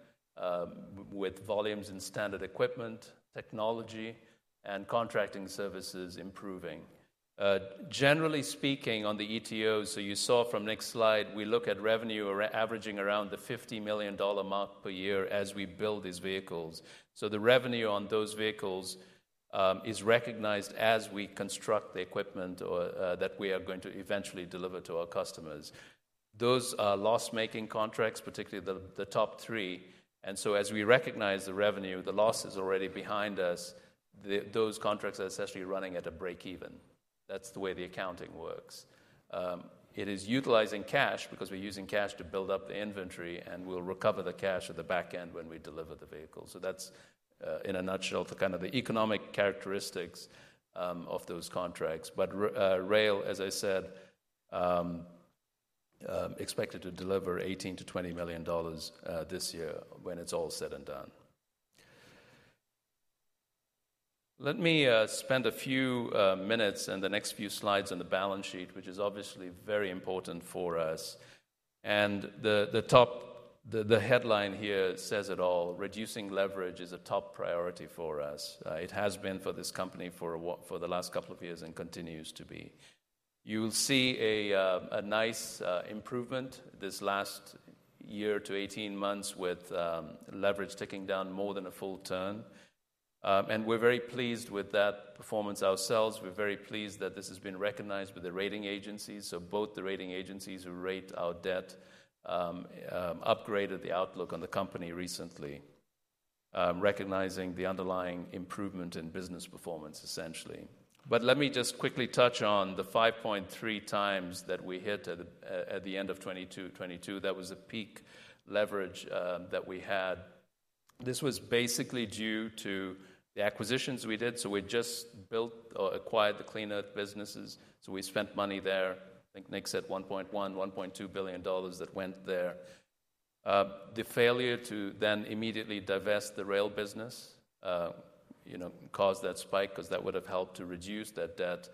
with volumes in standard equipment, technology, and contracting services improving. Generally speaking, on the ETO, so you saw from Nick's slide, we look at revenue averaging around the $50 million mark per year as we build these vehicles. So the revenue on those vehicles is recognized as we construct the equipment that we are going to eventually deliver to our customers. Those are loss-making contracts, particularly the top three. And so as we recognize the revenue, the loss is already behind us. Those contracts are essentially running at a break-even. That's the way the accounting works. It is utilizing cash because we're using cash to build up the inventory, and we'll recover the cash at the back end when we deliver the vehicles. So that's, in a nutshell, kind of the economic characteristics of those contracts. But rail, as I said, expected to deliver $18 million-$20 million this year when it's all said and done. Let me spend a few minutes and the next few slides on the balance sheet, which is obviously very important for us. The headline here says it all. Reducing leverage is a top priority for us. It has been for this company for the last couple of years and continues to be. You'll see a nice improvement this last year to 18 months with leverage ticking down more than a full turn. We're very pleased with that performance ourselves. We're very pleased that this has been recognized by the rating agencies. So both the rating agencies who rate our debt upgraded the outlook on the company recently, recognizing the underlying improvement in business performance, essentially. But let me just quickly touch on the 5.3x that we hit at the end of 2022. That was a peak leverage that we had. This was basically due to the acquisitions we did. So we just built or acquired the Clean Earth businesses. So we spent money there. I think Nick said $1.1 billion-$1.2 billion that went there. The failure to then immediately divest the rail business caused that spike because that would have helped to reduce that debt.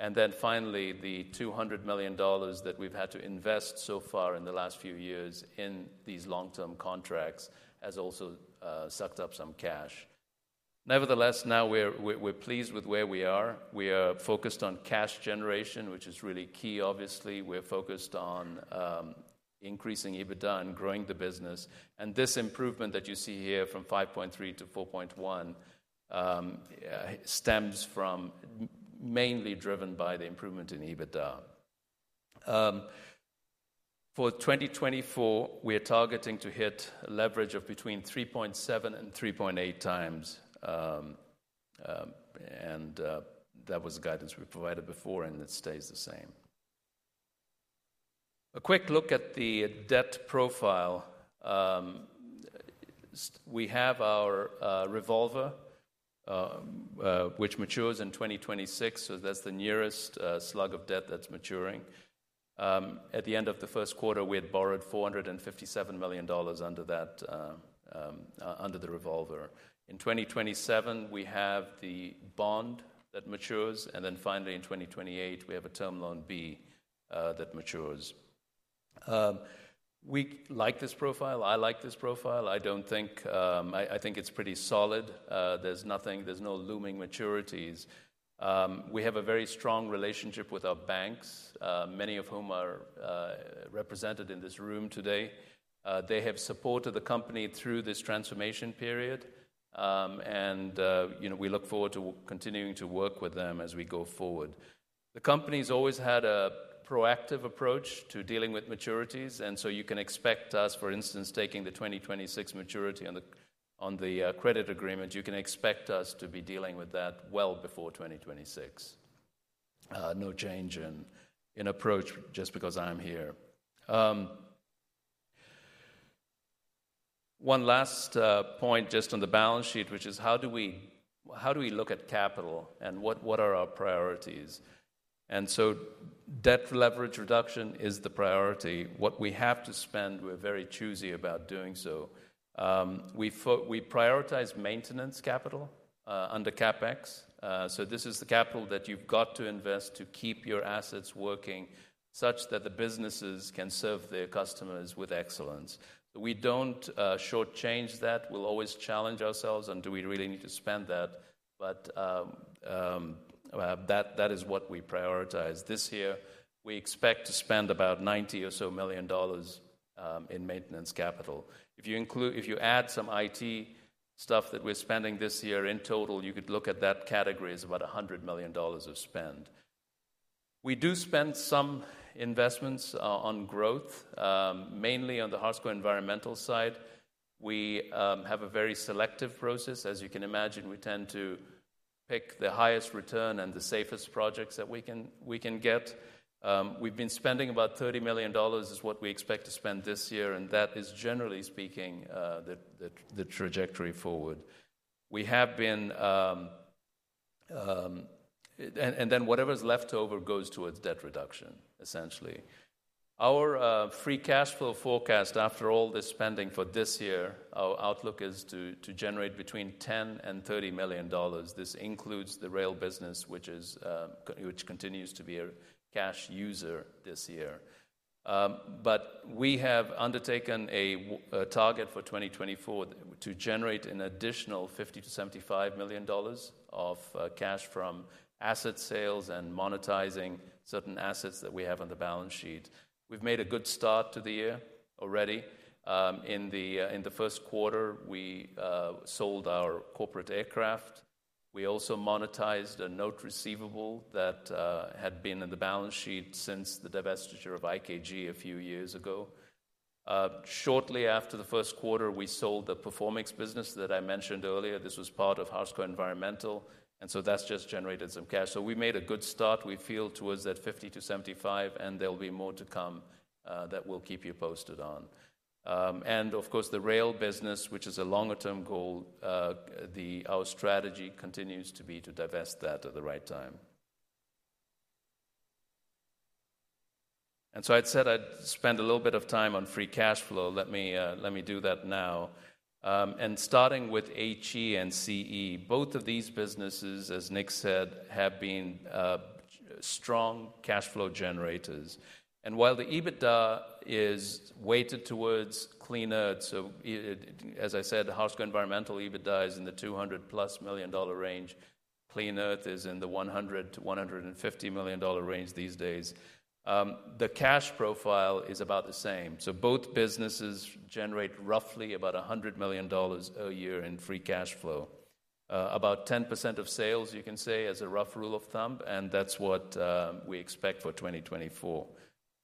And then finally, the $200 million that we've had to invest so far in the last few years in these long-term contracts has also sucked up some cash. Nevertheless, now we're pleased with where we are. We are focused on cash generation, which is really key, obviously. We're focused on increasing EBITDA and growing the business. This improvement that you see here from 5.3 to 4.1 stems from mainly driven by the improvement in EBITDA. For 2024, we are targeting to hit leverage of between 3.7 and 3.8x. That was the guidance we provided before, and it stays the same. A quick look at the debt profile. We have our revolver, which matures in 2026. So that's the nearest slug of debt that's maturing. At the end of the first quarter, we had borrowed $457 million under the revolver. In 2027, we have the bond that matures. Then finally, in 2028, we have a Term Loan B that matures. We like this profile. I like this profile. I think it's pretty solid. There's no looming maturities. We have a very strong relationship with our banks, many of whom are represented in this room today. They have supported the company through this transformation period, and we look forward to continuing to work with them as we go forward. The company has always had a proactive approach to dealing with maturities. And so you can expect us, for instance, taking the 2026 maturity on the credit agreement. You can expect us to be dealing with that well before 2026. No change in approach just because I'm here. One last point just on the balance sheet, which is how do we look at capital and what are our priorities? And so debt leverage reduction is the priority. What we have to spend, we're very choosy about doing so. We prioritize maintenance capital under CapEx. So this is the capital that you've got to invest to keep your assets working such that the businesses can serve their customers with excellence. We don't shortchange that. We'll always challenge ourselves, and do we really need to spend that? But that is what we prioritize this year. We expect to spend about $90 million or so in maintenance capital. If you add some IT stuff that we're spending this year in total, you could look at that category as about $100 million of spend. We do spend some investments on growth, mainly on the Harsco Environmental side. We have a very selective process. As you can imagine, we tend to pick the highest return and the safest projects that we can get. We've been spending about $30 million is what we expect to spend this year, and that is, generally speaking, the trajectory forward. Then whatever's left over goes towards debt reduction, essentially. Our free cash flow forecast, after all this spending for this year, our outlook is to generate between $10 million-$30 million. This includes the rail business, which continues to be a cash user this year. But we have undertaken a target for 2024 to generate an additional $50 million-$75 million of cash from asset sales and monetizing certain assets that we have on the balance sheet. We've made a good start to the year already. In the first quarter, we sold our corporate aircraft. We also monetized a note receivable that had been in the balance sheet since the divestiture of IKG a few years ago. Shortly after the first quarter, we sold the Performix business that I mentioned earlier. This was part of Harsco Environmental, and so that's just generated some cash. So we made a good start. We feel towards that $50-$75, and there'll be more to come that we'll keep you posted on. And of course, the rail business, which is a longer-term goal, our strategy continues to be to divest that at the right time. And so I'd said I'd spend a little bit of time on free cash flow. Let me do that now. And starting with HE and CE, both of these businesses, as Nick said, have been strong cash flow generators. And while the EBITDA is weighted towards Clean Earth, so as I said, Harsco Environmental EBITDA is in the $200+ million range. Clean Earth is in the $100 million-$150 million range these days. The cash profile is about the same. So both businesses generate roughly about $100 million a year in free cash flow. About 10% of sales, you can say, as a rough rule of thumb, and that's what we expect for 2024.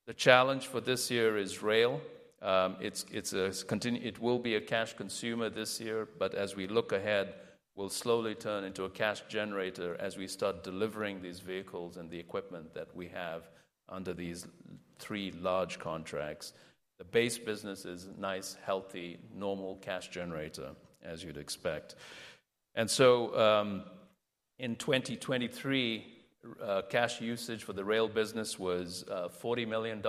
The challenge for this year is rail. It will be a cash consumer this year, but as we look ahead, we'll slowly turn into a cash generator as we start delivering these vehicles and the equipment that we have under these three large contracts. The base business is a nice, healthy, normal cash generator, as you'd expect. And so in 2023, cash usage for the rail business was $40 million.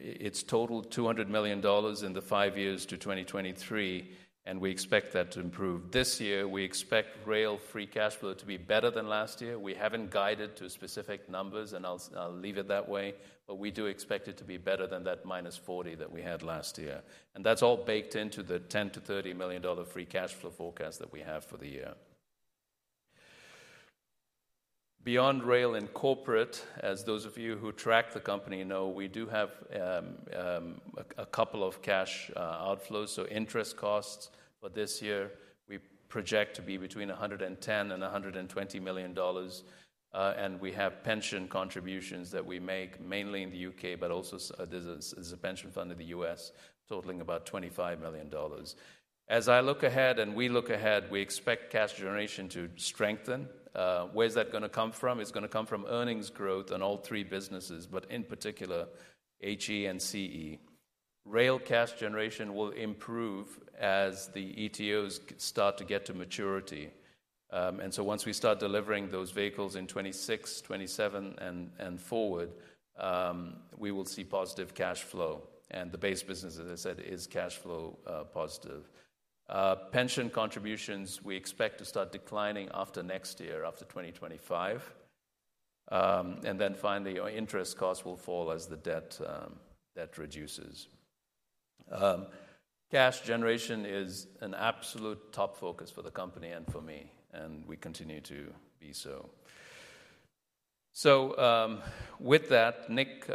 It's totaled $200 million in the five years to 2023, and we expect that to improve. This year, we expect rail free cash flow to be better than last year. We haven't guided to specific numbers, and I'll leave it that way, but we do expect it to be better than that minus 40 that we had last year. That's all baked into the $10 million-$30 million free cash flow forecast that we have for the year. Beyond rail and corporate, as those of you who track the company know, we do have a couple of cash outflows. So interest costs for this year, we project to be between $110 million-$120 million. And we have pension contributions that we make mainly in the U.K., but also there's a pension fund in the U.S. totaling about $25 million. As I look ahead and we look ahead, we expect cash generation to strengthen. Where's that going to come from? It's going to come from earnings growth in all three businesses, but in particular, HE and CE. Rail cash generation will improve as the ETOs start to get to maturity. And so once we start delivering those vehicles in 2026, 2027, and forward, we will see positive cash flow. The base business, as I said, is cash flow positive. Pension contributions, we expect to start declining after next year, after 2025. Then finally, our interest costs will fall as the debt reduces. Cash generation is an absolute top focus for the company and for me, and we continue to be so. With that, Nick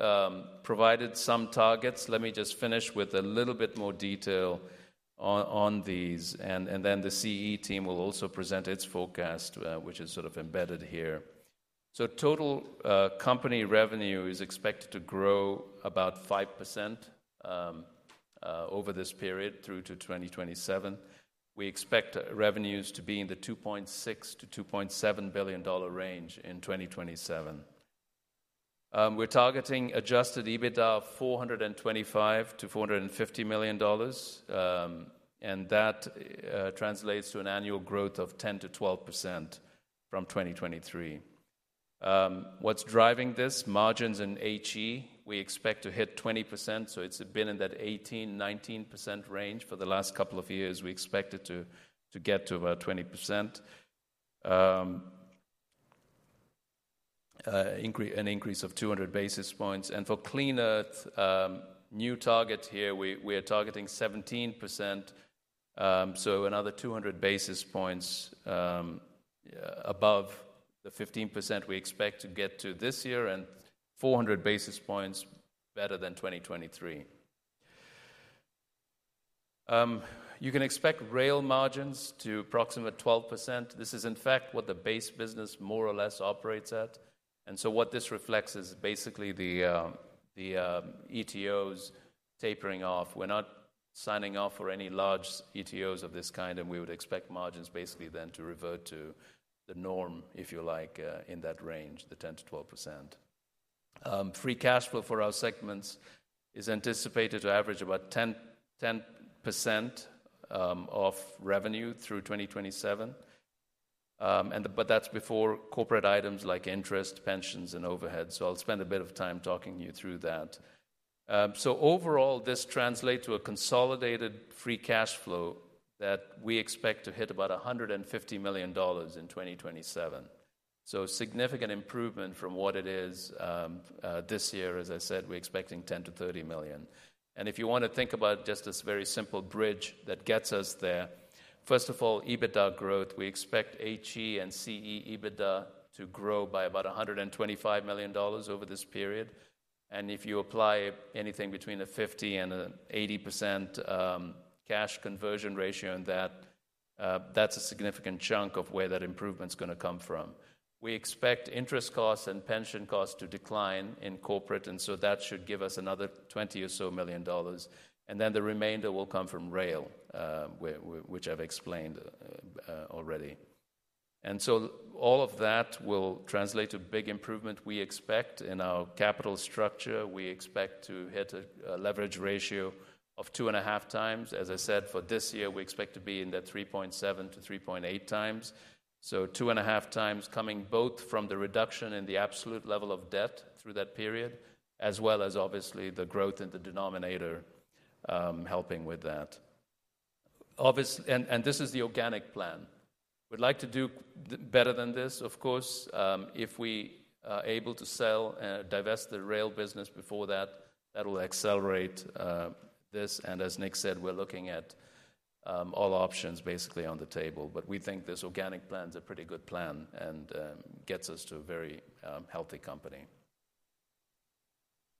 provided some targets. Let me just finish with a little bit more detail on these. Then the CE team will also present its forecast, which is sort of embedded here. Total company revenue is expected to grow about 5% over this period through to 2027. We expect revenues to be in the $2.6 billion-$2.7 billion range in 2027. We're targeting adjusted EBITDA of $425 million-$450 million. And that translates to an annual growth of 10%-12% from 2023. What's driving this? Margins in HE. We expect to hit 20%. So it's been in that 18%-19% range for the last couple of years. We expect it to get to about 20%, an increase of 200 basis points. And for Clean Earth, new target here, we are targeting 17%. So another 200 basis points above the 15% we expect to get to this year and 400 basis points better than 2023. You can expect rail margins to approximate 12%. This is, in fact, what the base business more or less operates at. And so what this reflects is basically the ETOs tapering off. We're not signing off for any large ETOs of this kind, and we would expect margins basically then to revert to the norm, if you like, in that range, the 10%-12%. Free cash flow for our segments is anticipated to average about 10% of revenue through 2027. But that's before corporate items like interest, pensions, and overhead. So I'll spend a bit of time talking you through that. So overall, this translates to a consolidated free cash flow that we expect to hit about $150 million in 2027. So significant improvement from what it is this year. As I said, we're expecting $10 million-$30 million. And if you want to think about just this very simple bridge that gets us there, first of all, EBITDA growth, we expect HE and CE EBITDA to grow by about $125 million over this period. And if you apply anything between a 50%-80% cash conversion ratio in that, that's a significant chunk of where that improvement's going to come from. We expect interest costs and pension costs to decline in corporate, and so that should give us another $20 million or so. Then the remainder will come from Rail, which I've explained already. So all of that will translate to big improvement. We expect in our capital structure, we expect to hit a leverage ratio of 2.5 times. As I said, for this year, we expect to be in that 3.7-3.8x. So 2.5x coming both from the reduction in the absolute level of debt through that period, as well as obviously the growth in the denominator helping with that. And this is the organic plan. We'd like to do better than this, of course. If we are able to sell and divest the Rail business before that, that will accelerate this. And as Nick said, we're looking at all options basically on the table. But we think this organic plan is a pretty good plan and gets us to a very healthy company.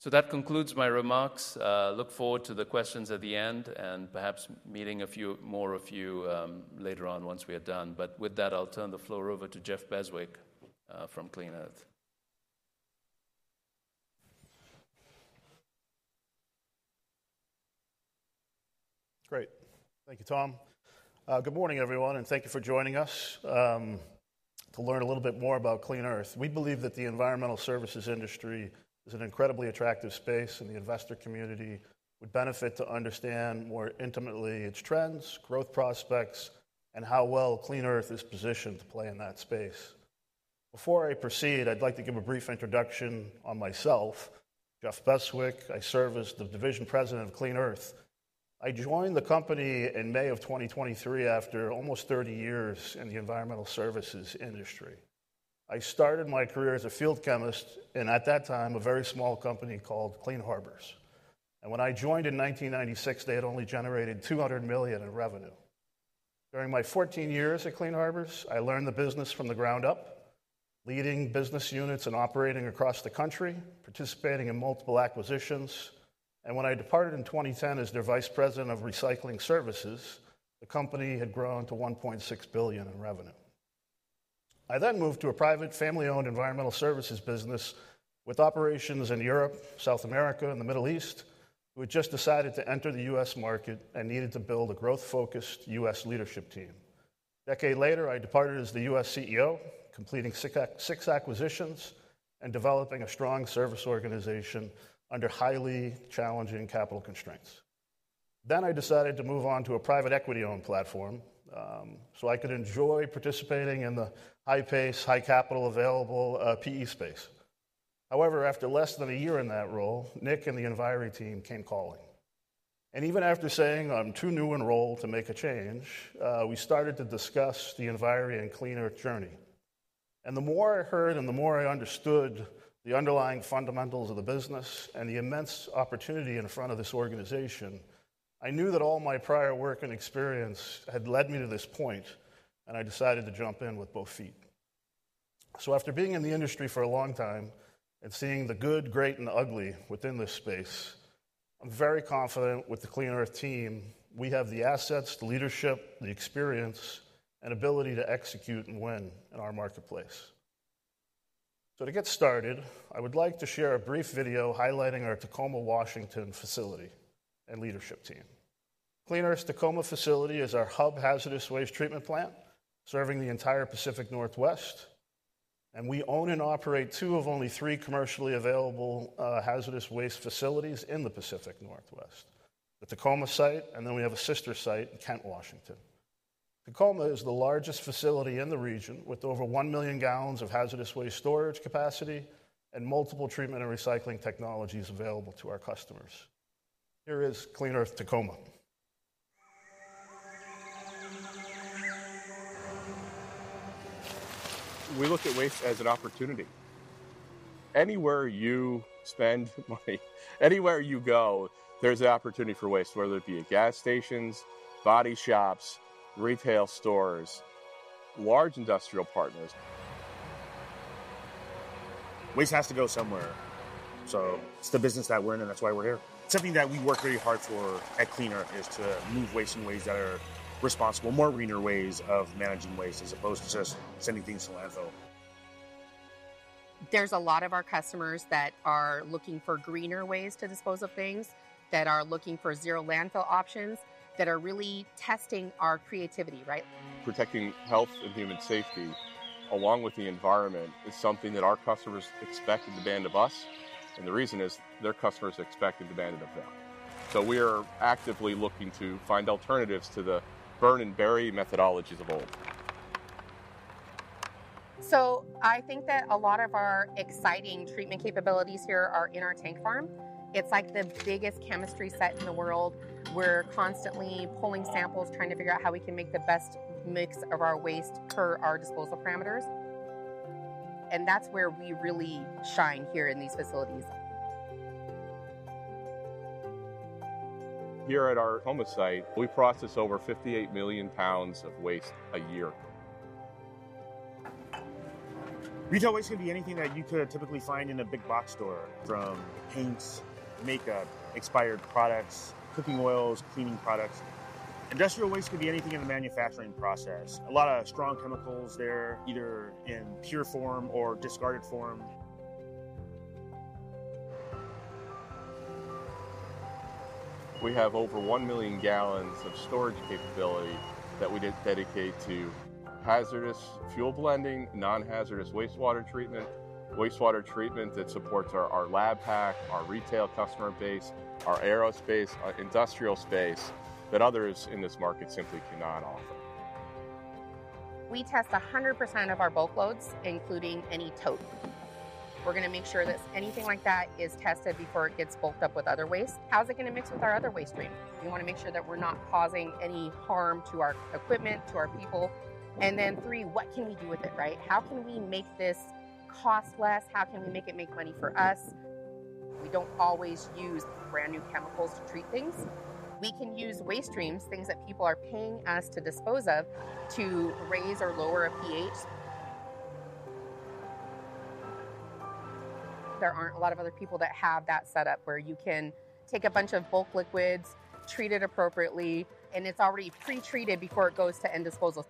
So that concludes my remarks. Look forward to the questions at the end and perhaps meeting a few more of you later on once we are done. But with that, I'll turn the floor over to Jeff Beswick from Clean Earth. Great. Thank you, Tom. Good morning, everyone, and thank you for joining us to learn a little bit more about Clean Earth. We believe that the environmental services industry is an incredibly attractive space, and the investor community would benefit to understand more intimately its trends, growth prospects, and how well Clean Earth is positioned to play in that space. Before I proceed, I'd like to give a brief introduction on myself. Jeff Beswick. I serve as the Division President of Clean Earth. I joined the company in May of 2023 after almost 30 years in the environmental services industry. I started my career as a field chemist in, at that time, a very small company called Clean Harbors. When I joined in 1996, they had only generated $200 million in revenue. During my 14 years at Clean Harbors, I learned the business from the ground up, leading business units and operating across the country, participating in multiple acquisitions. When I departed in 2010 as their vice president of recycling services, the company had grown to $1.6 billion in revenue. I then moved to a private, family-owned environmental services business with operations in Europe, South America, and the Middle East, who had just decided to enter the U.S. market and needed to build a growth-focused U.S. leadership team. A decade later, I departed as the U.S. CEO, completing six acquisitions and developing a strong service organization under highly challenging capital constraints. Then I decided to move on to a private equity-owned platform so I could enjoy participating in the high-paced, high-capital available PE space. However, after less than a year in that role, Nick and the Enviri team came calling. And even after saying, "I'm too new and loath to make a change," we started to discuss the Enviri and Clean Earth journey. And the more I heard and the more I understood the underlying fundamentals of the business and the immense opportunity in front of this organization, I knew that all my prior work and experience had led me to this point, and I decided to jump in with both feet. So after being in the industry for a long time and seeing the good, great, and ugly within this space, I'm very confident with the Clean Earth team. We have the assets, the leadership, the experience, and ability to execute and win in our marketplace. So to get started, I would like to share a brief video highlighting our Tacoma, Washington facility and leadership team. Clean Earth's Tacoma facility is our hub hazardous waste treatment plant serving the entire Pacific Northwest. We own and operate two of only three commercially available hazardous waste facilities in the Pacific Northwest, the Tacoma site, and then we have a sister site in Kent, Washington. Tacoma is the largest facility in the region with over 1 million gal of hazardous waste storage capacity and multiple treatment and recycling technologies available to our customers. Here is Clean Earth Tacoma. We look at waste as an opportunity. Anywhere you spend money, anywhere you go, there's an opportunity for waste, whether it be at gas stations, body shops, retail stores, large industrial partners. Waste has to go somewhere. So it's the business that we're in, and that's why we're here. Something that we work very hard for at Clean Earth is to move waste in ways that are responsible, more greener ways of managing waste as opposed to just sending things to landfill. There's a lot of our customers that are looking for greener ways to dispose of things, that are looking for zero landfill options, that are really testing our creativity, right? Protecting health and human safety along with the environment is something that our customers expect of us. The reason is their customers expect it of them. We are actively looking to find alternatives to the burn and bury methodologies of old. I think that a lot of our exciting treatment capabilities here are in our tank farm. It's like the biggest chemistry set in the world. We're constantly pulling samples, trying to figure out how we can make the best mix of our waste per our disposal parameters. That's where we really shine here in these facilities. Here at our Tacoma site, we process over 58 million lbs of waste a year. Retail waste can be anything that you could typically find in a big box store, from paints, makeup, expired products, cooking oils, cleaning products. Industrial waste can be anything in the manufacturing process. A lot of strong chemicals there, either in pure form or discarded form. We have over 1 million gal of storage capability that we dedicate to hazardous fuel blending, non-hazardous wastewater treatment, wastewater treatment that supports our lab pack, our retail customer base, our aerospace, our industrial space that others in this market simply cannot offer. We test 100% of our bulk loads, including any tote. We're going to make sure that anything like that is tested before it gets bulked up with other waste. How's it going to mix with our other waste stream? We want to make sure that we're not causing any harm to our equipment, to our people. And then three, what can we do with it, right? How can we make this cost less? How can we make it make money for us? We don't always use brand new chemicals to treat things. We can use waste streams, things that people are paying us to dispose of, to raise or lower a pH. There aren't a lot of other people that have that setup where you can take a bunch of bulk liquids, treat it appropriately, and it's already pre-treated before it goes to end disposal.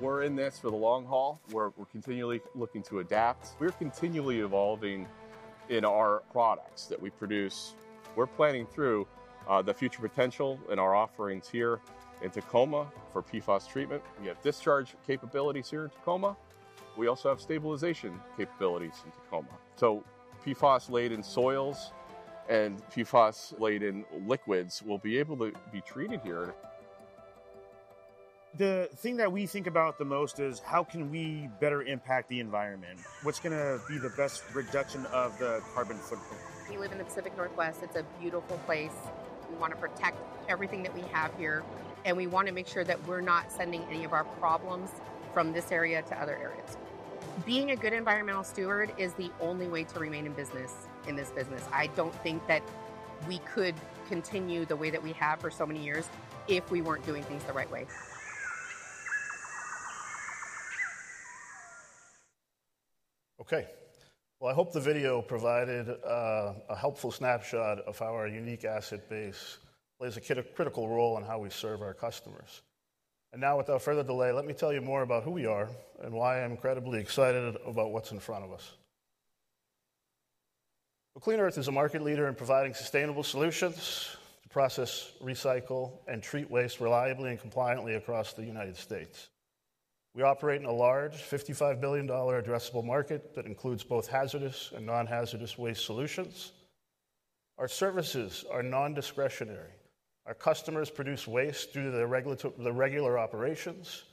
We're in this for the long haul. We're continually looking to adapt. We're continually evolving in our products that we produce. We're planning through the future potential in our offerings here in Tacoma for PFAS treatment. We have discharge capabilities here in Tacoma. We also have stabilization capabilities in Tacoma. So PFAS-laden soils and PFAS-laden liquids will be able to be treated here. The thing that we think about the most is how can we better impact the environment? What's going to be the best reduction of the carbon footprint? We live in the Pacific Northwest. It's a beautiful place. We want to protect everything that we have here, and we want to make sure that we're not sending any of our problems from this area to other areas. Being a good environmental steward is the only way to remain in business in this business. I don't think that we could continue the way that we have for so many years if we weren't doing things the right way. Okay. Well, I hope the video provided a helpful snapshot of how our unique asset base plays a critical role in how we serve our customers. Now, without further delay, let me tell you more about who we are and why I'm incredibly excited about what's in front of us. Clean Earth is a market leader in providing sustainable solutions to process, recycle, and treat waste reliably and compliantly across the United States. We operate in a large $55 billion addressable market that includes both hazardous and non-hazardous waste solutions. Our services are non-discretionary. Our customers produce waste due to the regular operations,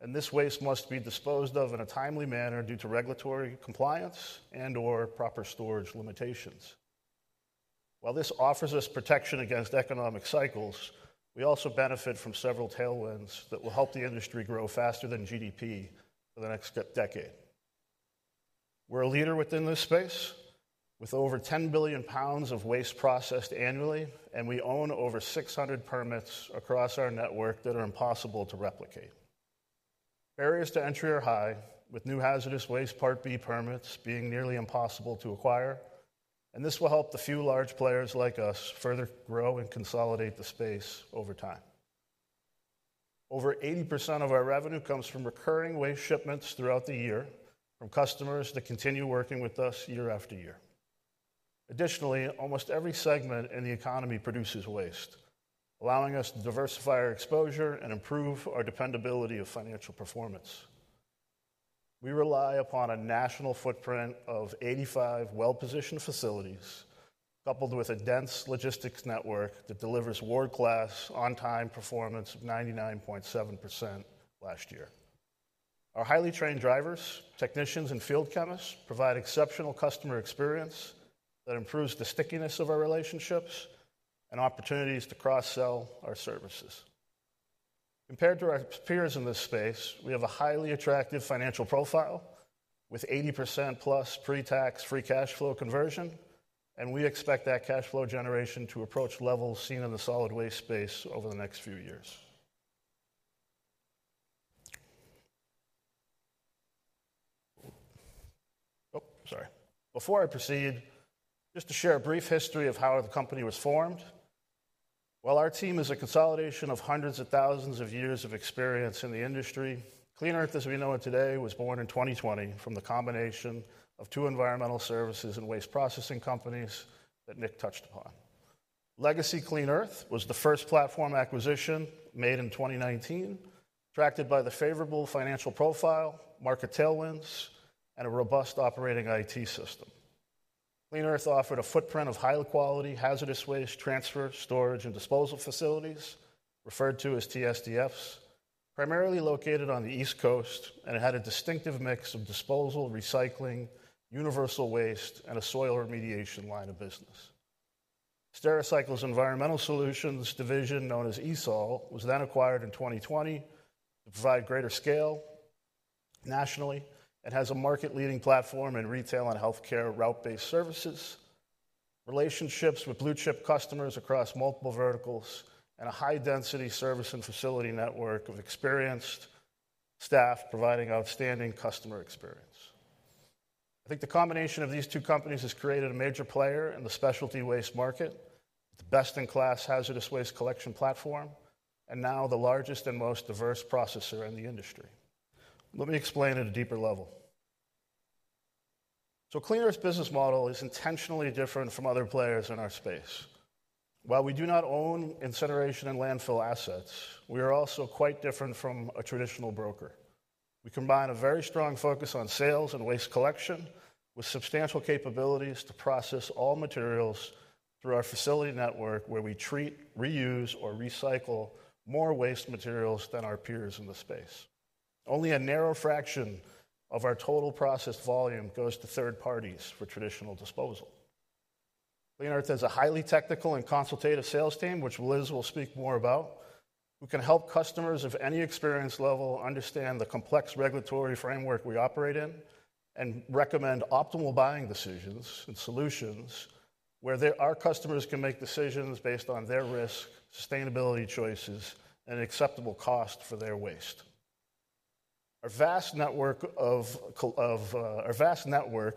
and this waste must be disposed of in a timely manner due to regulatory compliance and/or proper storage limitations. While this offers us protection against economic cycles, we also benefit from several tailwinds that will help the industry grow faster than GDP for the next decade. We're a leader within this space with over 10 billion lbs of waste processed annually, and we own over 600 permits across our network that are impossible to replicate. Barriers to entry are high, with new hazardous waste Part B permits being nearly impossible to acquire. This will help the few large players like us further grow and consolidate the space over time. Over 80% of our revenue comes from recurring waste shipments throughout the year from customers that continue working with us year after year. Additionally, almost every segment in the economy produces waste, allowing us to diversify our exposure and improve our dependability of financial performance. We rely upon a national footprint of 85 well-positioned facilities, coupled with a dense logistics network that delivers world-class on-time performance of 99.7% last year. Our highly trained drivers, technicians, and field chemists provide exceptional customer experience that improves the stickiness of our relationships and opportunities to cross-sell our services. Compared to our peers in this space, we have a highly attractive financial profile with 80%+ pre-tax free cash flow conversion, and we expect that cash flow generation to approach levels seen in the solid waste space over the next few years. Oh, sorry. Before I proceed, just to share a brief history of how the company was formed. While our team is a consolidation of hundreds of thousands of years of experience in the industry, Clean Earth, as we know it today, was born in 2020 from the combination of two environmental services and waste processing companies that Nick touched upon. Legacy Clean Earth was the first platform acquisition made in 2019, attracted by the favorable financial profile, market tailwinds, and a robust operating IT system. Clean Earth offered a footprint of high-quality hazardous waste transfer, storage, and disposal facilities, referred to as TSDFs, primarily located on the East Coast, and it had a distinctive mix of disposal, recycling, universal waste, and a soil remediation line of business. Stericycle's environmental solutions division, known as ESOL, was then acquired in 2020 to provide greater scale nationally. It has a market-leading platform in retail and healthcare route-based services, relationships with blue-chip customers across multiple verticals, and a high-density service and facility network of experienced staff providing outstanding customer experience. I think the combination of these two companies has created a major player in the specialty waste market, the best-in-class hazardous waste collection platform, and now the largest and most diverse processor in the industry. Let me explain at a deeper level. So Clean Earth's business model is intentionally different from other players in our space. While we do not own incineration and landfill assets, we are also quite different from a traditional broker. We combine a very strong focus on sales and waste collection with substantial capabilities to process all materials through our facility network, where we treat, reuse, or recycle more waste materials than our peers in the space. Only a narrow fraction of our total process volume goes to third parties for traditional disposal. Clean Earth has a highly technical and consultative sales team, which Liz will speak more about, who can help customers of any experience level understand the complex regulatory framework we operate in and recommend optimal buying decisions and solutions where our customers can make decisions based on their risk, sustainability choices, and acceptable cost for their waste. Our vast network of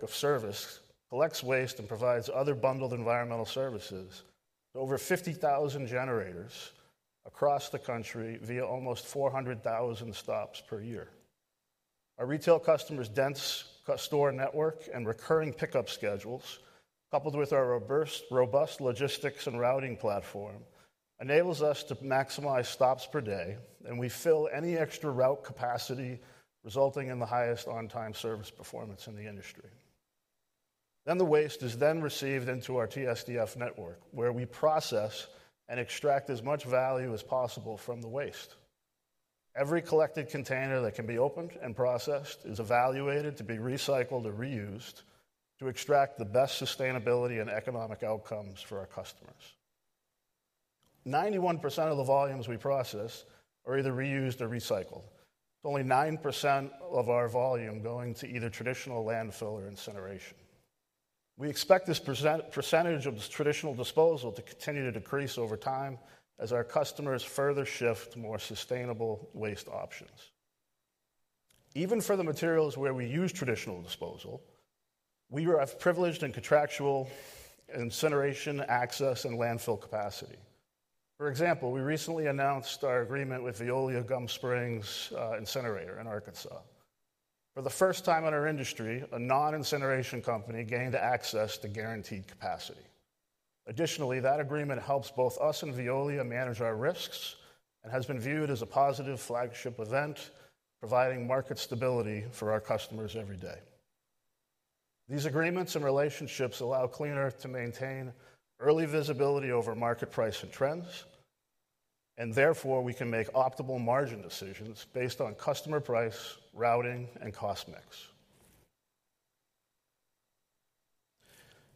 service collects waste and provides other bundled environmental services to over 50,000 generators across the country via almost 400,000 stops per year. Our retail customers' dense store network and recurring pickup schedules, coupled with our robust logistics and routing platform, enables us to maximize stops per day, and we fill any extra route capacity, resulting in the highest on-time service performance in the industry. Then the waste is received into our TSDF network, where we process and extract as much value as possible from the waste. Every collected container that can be opened and processed is evaluated to be recycled or reused to extract the best sustainability and economic outcomes for our customers. 91% of the volumes we process are either reused or recycled. It's only 9% of our volume going to either traditional landfill or incineration. We expect this percentage of traditional disposal to continue to decrease over time as our customers further shift to more sustainable waste options. Even for the materials where we use traditional disposal, we have privileged and contractual incineration access and landfill capacity. For example, we recently announced our agreement with Veolia Gum Springs incinerator in Arkansas. For the first time in our industry, a non-incineration company gained access to guaranteed capacity. Additionally, that agreement helps both us and Veolia manage our risks and has been viewed as a positive flagship event, providing market stability for our customers every day. These agreements and relationships allow Clean Earth to maintain early visibility over market price and trends, and therefore we can make optimal margin decisions based on customer price, routing, and cost mix.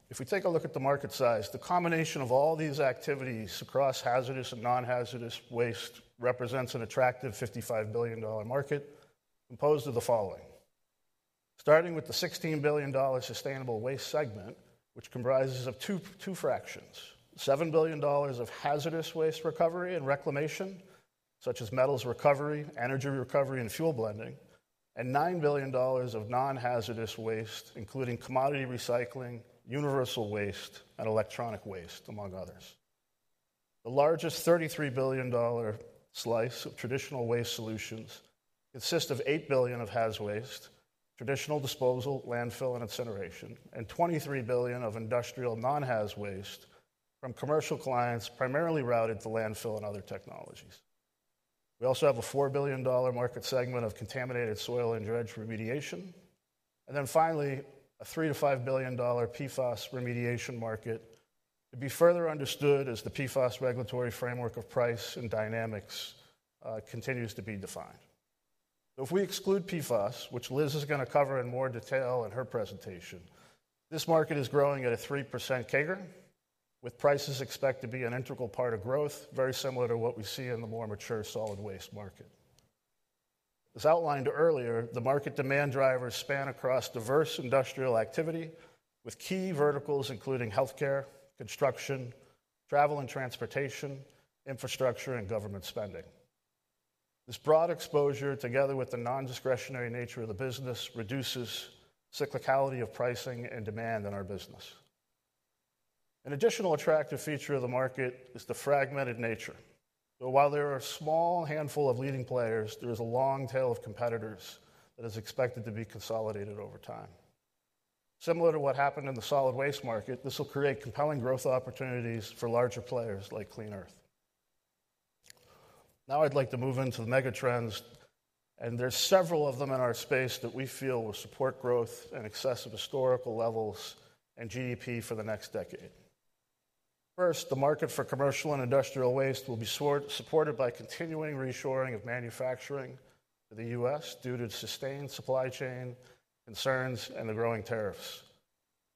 If we take a look at the market size, the combination of all these activities across hazardous and non-hazardous waste represents an attractive $55 billion market composed of the following. Starting with the $16 billion sustainable waste segment, which comprises of two fractions: $7 billion of hazardous waste recovery and reclamation, such as metals recovery, energy recovery, and fuel blending, and $9 billion of non-hazardous waste, including commodity recycling, universal waste, and electronic waste, among others. The largest $33 billion slice of traditional waste solutions consists of $8 billion of haz waste, traditional disposal, landfill, and incineration, and $23 billion of industrial non-haz waste from commercial clients primarily routed to landfill and other technologies. We also have a $4 billion market segment of contaminated soil and dredge remediation. And then finally, a $3 billion-$5 billion PFAS remediation market to be further understood as the PFAS regulatory framework of price and dynamics continues to be defined. If we exclude PFAS, which Liz is going to cover in more detail in her presentation, this market is growing at a 3% CAGR, with prices expected to be an integral part of growth, very similar to what we see in the more mature solid waste market. As outlined earlier, the market demand drivers span across diverse industrial activity with key verticals including healthcare, construction, travel and transportation, infrastructure, and government spending. This broad exposure, together with the non-discretionary nature of the business, reduces cyclicality of pricing and demand in our business. An additional attractive feature of the market is the fragmented nature. While there are a small handful of leading players, there is a long tail of competitors that is expected to be consolidated over time. Similar to what happened in the solid waste market, this will create compelling growth opportunities for larger players like Clean Earth. Now I'd like to move into the megatrends, and there are several of them in our space that we feel will support growth and excessive historical levels and GDP for the next decade. First, the market for commercial and industrial waste will be supported by continuing reshoring of manufacturing to the U.S. due to sustained supply chain concerns and the growing tariffs.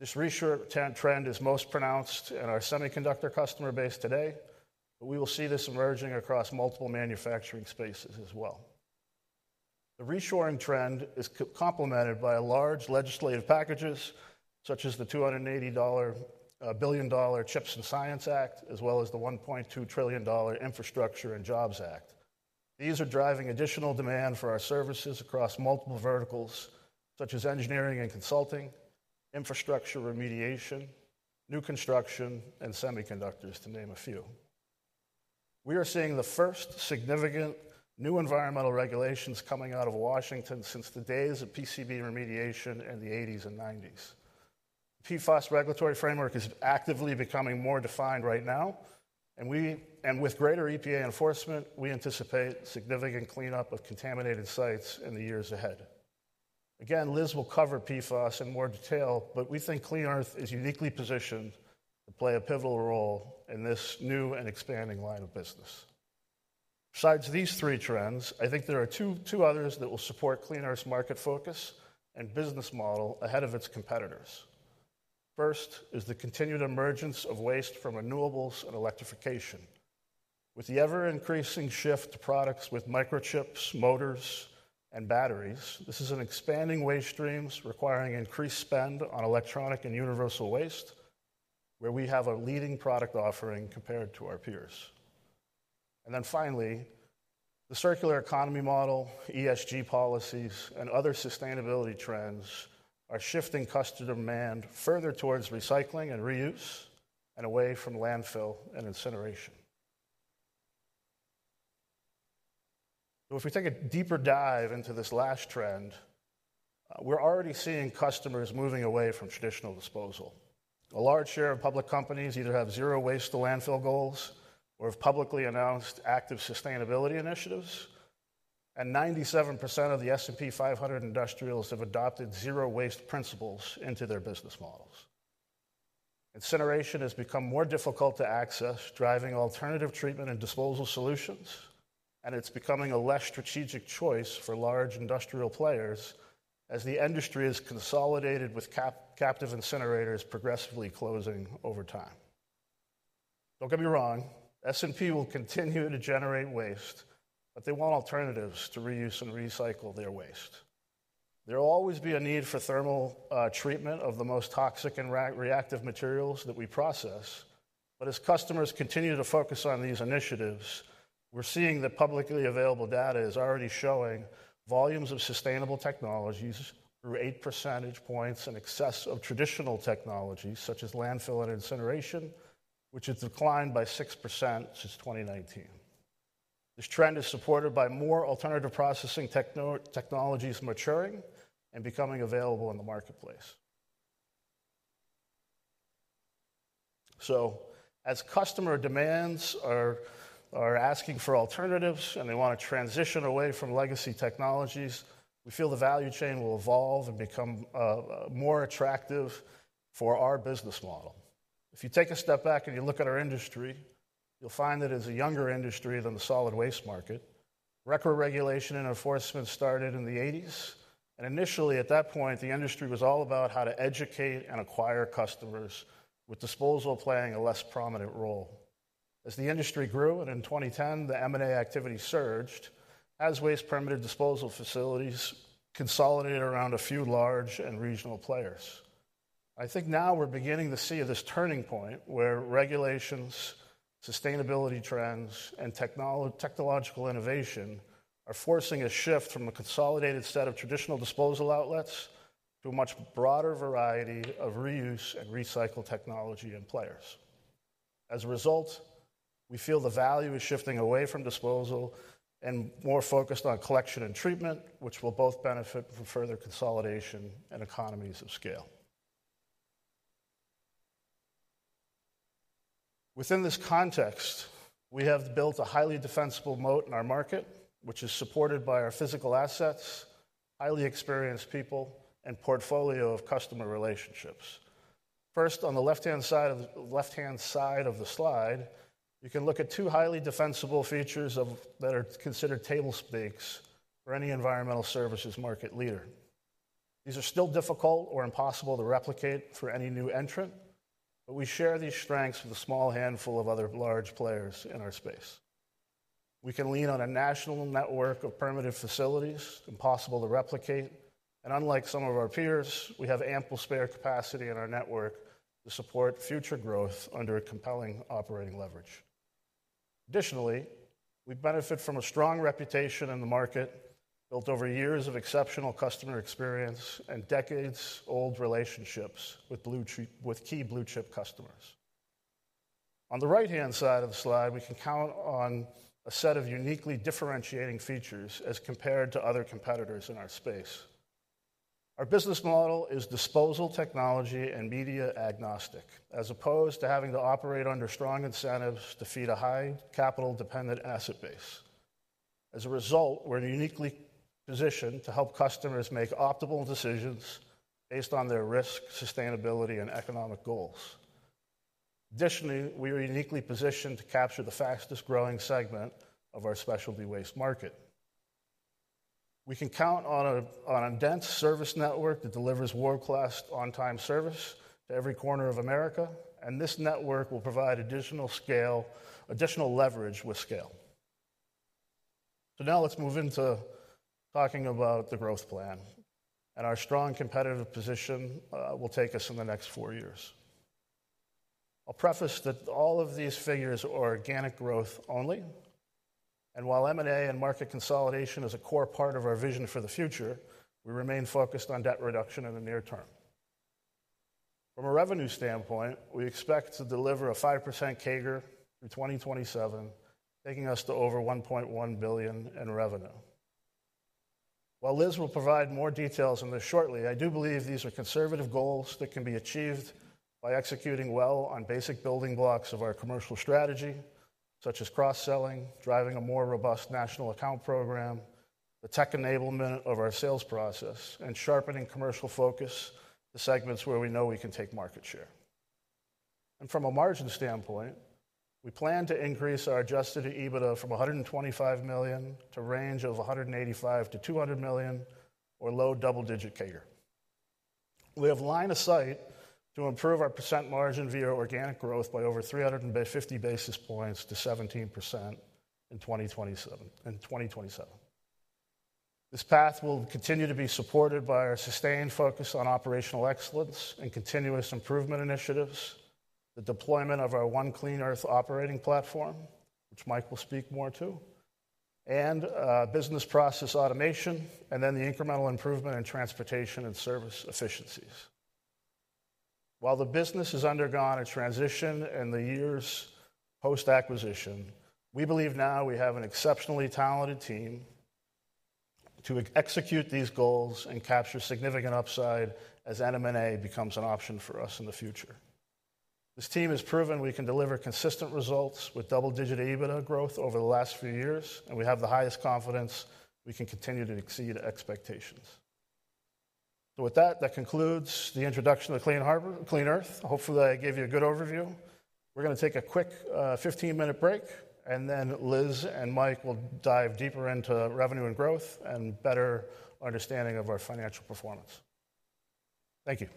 This reshoring trend is most pronounced in our semiconductor customer base today, but we will see this emerging across multiple manufacturing spaces as well. The reshoring trend is complemented by large legislative packages such as the $280 billion CHIPS and Science Act, as well as the $1.2 trillion Infrastructure and Jobs Act. These are driving additional demand for our services across multiple verticals such as engineering and consulting, infrastructure remediation, new construction, and semiconductors, to name a few. We are seeing the first significant new environmental regulations coming out of Washington since the days of PCB remediation in the 1980s and 1990s. The PFAS regulatory framework is actively becoming more defined right now, and with greater EPA enforcement, we anticipate significant cleanup of contaminated sites in the years ahead. Again, Liz will cover PFAS in more detail, but we think Clean Earth is uniquely positioned to play a pivotal role in this new and expanding line of business. Besides these three trends, I think there are two others that will support Clean Earth's market focus and business model ahead of its competitors. First is the continued emergence of waste from renewables and electrification. With the ever-increasing shift to products with microchips, motors, and batteries, this is an expanding waste stream requiring increased spend on electronic and universal waste, where we have a leading product offering compared to our peers. And then finally, the circular economy model, ESG policies, and other sustainability trends are shifting customer demand further towards recycling and reuse and away from landfill and incineration. If we take a deeper dive into this last trend, we're already seeing customers moving away from traditional disposal. A large share of public companies either have zero waste to landfill goals or have publicly announced active sustainability initiatives, and 97% of the S&P 500 industrials have adopted zero waste principles into their business models. Incineration has become more difficult to access, driving alternative treatment and disposal solutions, and it's becoming a less strategic choice for large industrial players as the industry is consolidated with captive incinerators progressively closing over time. Don't get me wrong, S&P will continue to generate waste, but they want alternatives to reuse and recycle their waste. There will always be a need for thermal treatment of the most toxic and reactive materials that we process, but as customers continue to focus on these initiatives, we're seeing that publicly available data is already showing volumes of sustainable technologies through 8 percentage points in excess of traditional technologies such as landfill and incineration, which has declined by 6% since 2019. This trend is supported by more alternative processing technologies maturing and becoming available in the marketplace. So as customer demands are asking for alternatives and they want to transition away from legacy technologies, we feel the value chain will evolve and become more attractive for our business model. If you take a step back and you look at our industry, you'll find that it is a younger industry than the solid waste market. Regulated regulation and enforcement started in the 1980s, and initially at that point, the industry was all about how to educate and acquire customers, with disposal playing a less prominent role. As the industry grew and in 2010, the M&A activity surged, haz waste permitted disposal facilities consolidated around a few large and regional players. I think now we're beginning to see this turning point where regulations, sustainability trends, and technological innovation are forcing a shift from a consolidated set of traditional disposal outlets to a much broader variety of reuse and recycle technology and players. As a result, we feel the value is shifting away from disposal and more focused on collection and treatment, which will both benefit from further consolidation and economies of scale. Within this context, we have built a highly defensible moat in our market, which is supported by our physical assets, highly experienced people, and portfolio of customer relationships. First, on the left-hand side of the left-hand side of the slide, you can look at two highly defensible features that are considered table stakes for any environmental services market leader. These are still difficult or impossible to replicate for any new entrant, but we share these strengths with a small handful of other large players in our space. We can lean on a national network of permitted facilities, impossible to replicate, and unlike some of our peers, we have ample spare capacity in our network to support future growth under a compelling operating leverage. Additionally, we benefit from a strong reputation in the market built over years of exceptional customer experience and decades-old relationships with key blue chip customers. On the right-hand side of the slide, we can count on a set of uniquely differentiating features as compared to other competitors in our space. Our business model is disposal technology and media agnostic, as opposed to having to operate under strong incentives to feed a high capital-dependent asset base. As a result, we're uniquely positioned to help customers make optimal decisions based on their risk, sustainability, and economic goals. Additionally, we are uniquely positioned to capture the fastest-growing segment of our specialty waste market. We can count on a dense service network that delivers world-class on-time service to every corner of America, and this network will provide additional leverage with scale. So now let's move into talking about the growth plan and our strong competitive position will take us in the next four years. I'll preface that all of these figures are organic growth only, and while M&A and market consolidation is a core part of our vision for the future, we remain focused on debt reduction in the near term. From a revenue standpoint, we expect to deliver a 5% CAGR through 2027, taking us to over $1.1 billion in revenue. While Liz will provide more details on this shortly, I do believe these are conservative goals that can be achieved by executing well on basic building blocks of our commercial strategy, such as cross-selling, driving a more robust national account program, the tech enablement of our sales process, and sharpening commercial focus to segments where we know we can take market share. And from a margin standpoint, we plan to increase our adjusted EBITDA from $125 million to a range of $185 million-$200 million, or low double-digit CAGR. We have a line of sight to improve our percent margin via organic growth by over 350 basis points to 17% in 2027. This path will continue to be supported by our sustained focus on operational excellence and continuous improvement initiatives, the deployment of our One Clean Earth operating platform, which Mike will speak more to, and business process automation, and then the incremental improvement in transportation and service efficiencies. While the business has undergone a transition in the years post-acquisition, we believe now we have an exceptionally talented team to execute these goals and capture significant upside as M&A becomes an option for us in the future. This team has proven we can deliver consistent results with double-digit EBITDA growth over the last few years, and we have the highest confidence we can continue to exceed expectations. So with that, that concludes the introduction to Clean Earth. Hopefully, I gave you a good overview. We're going to take a quick 15-minute break, and then Liz and Mike will dive deeper into revenue and growth and better understanding of our financial performance. Thank you.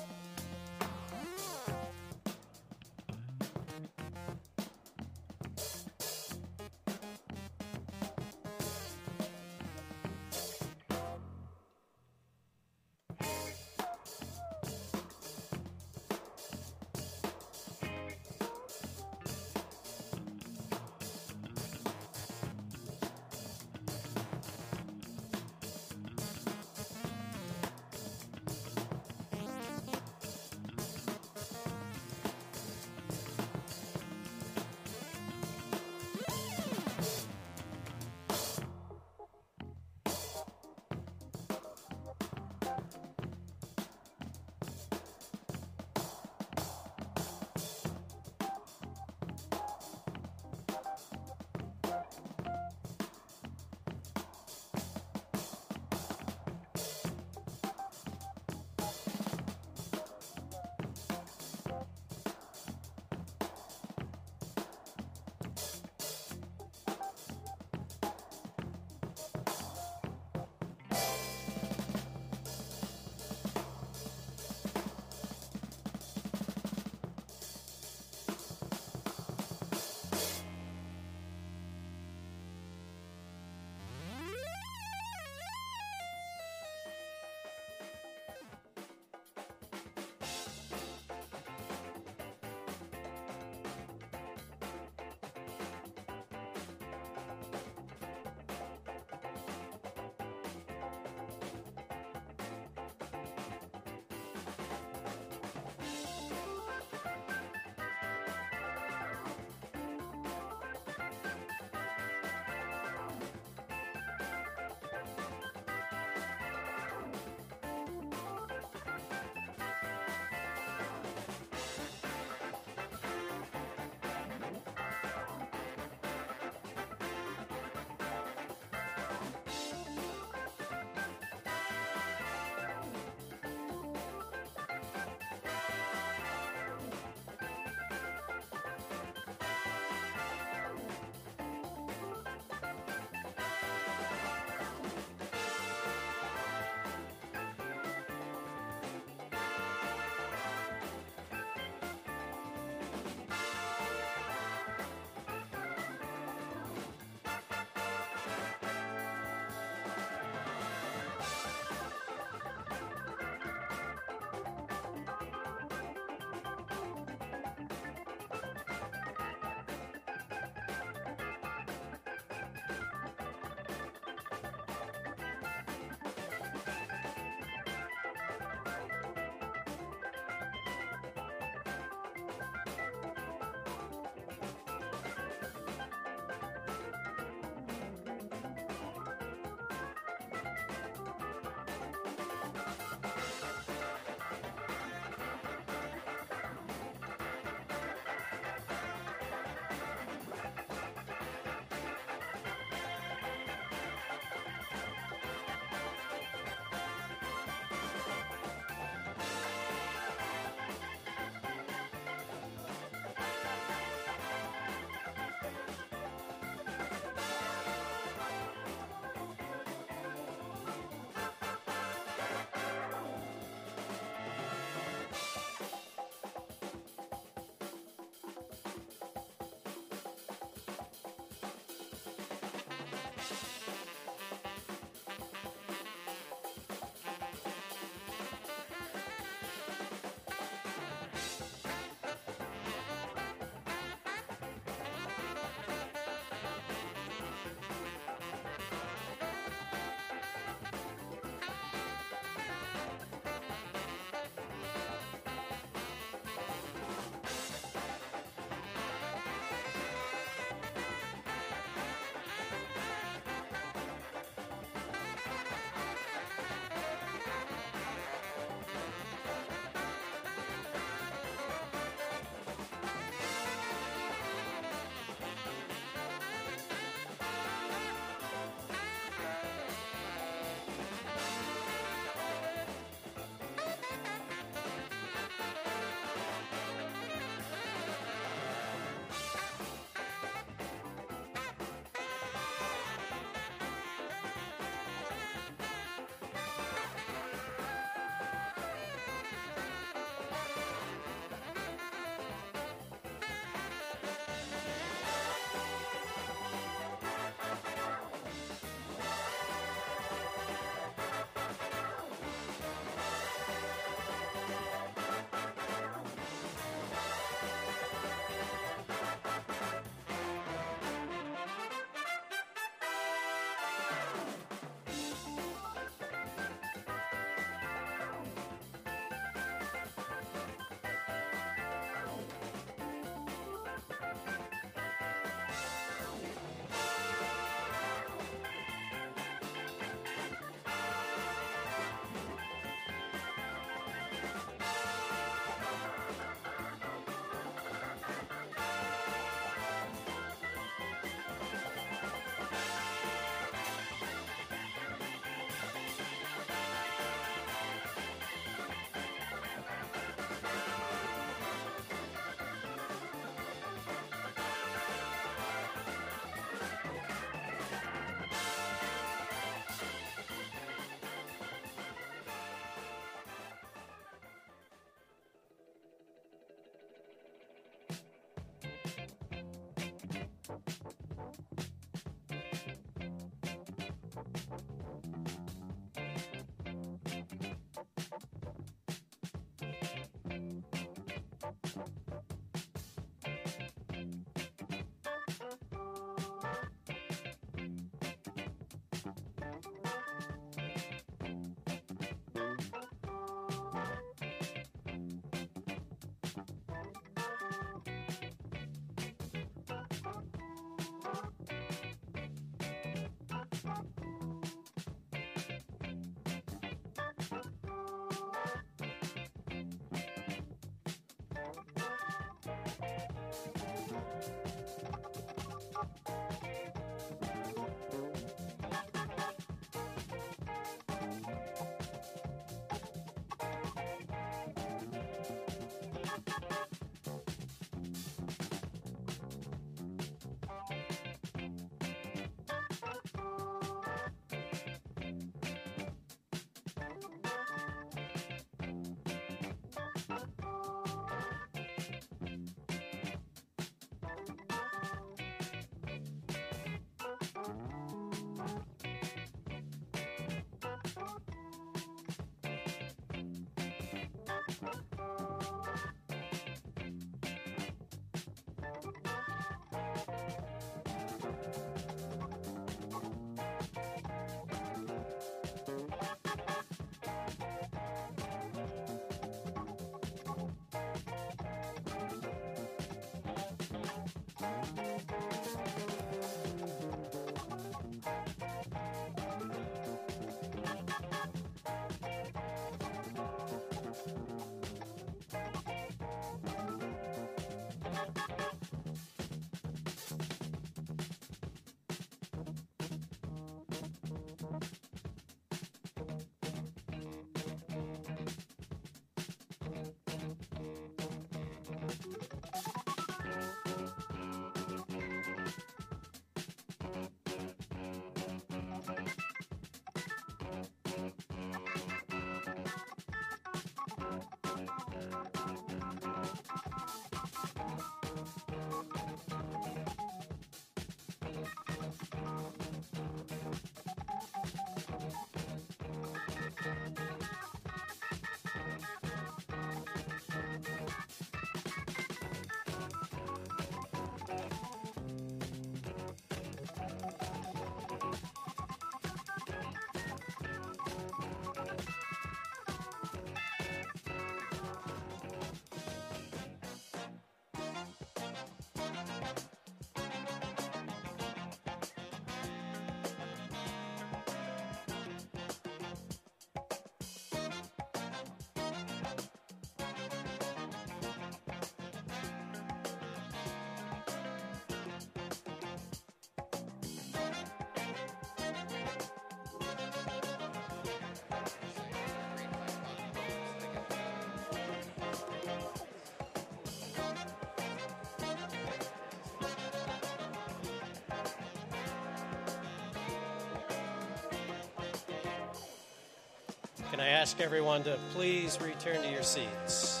Can I ask everyone to please return to your seats?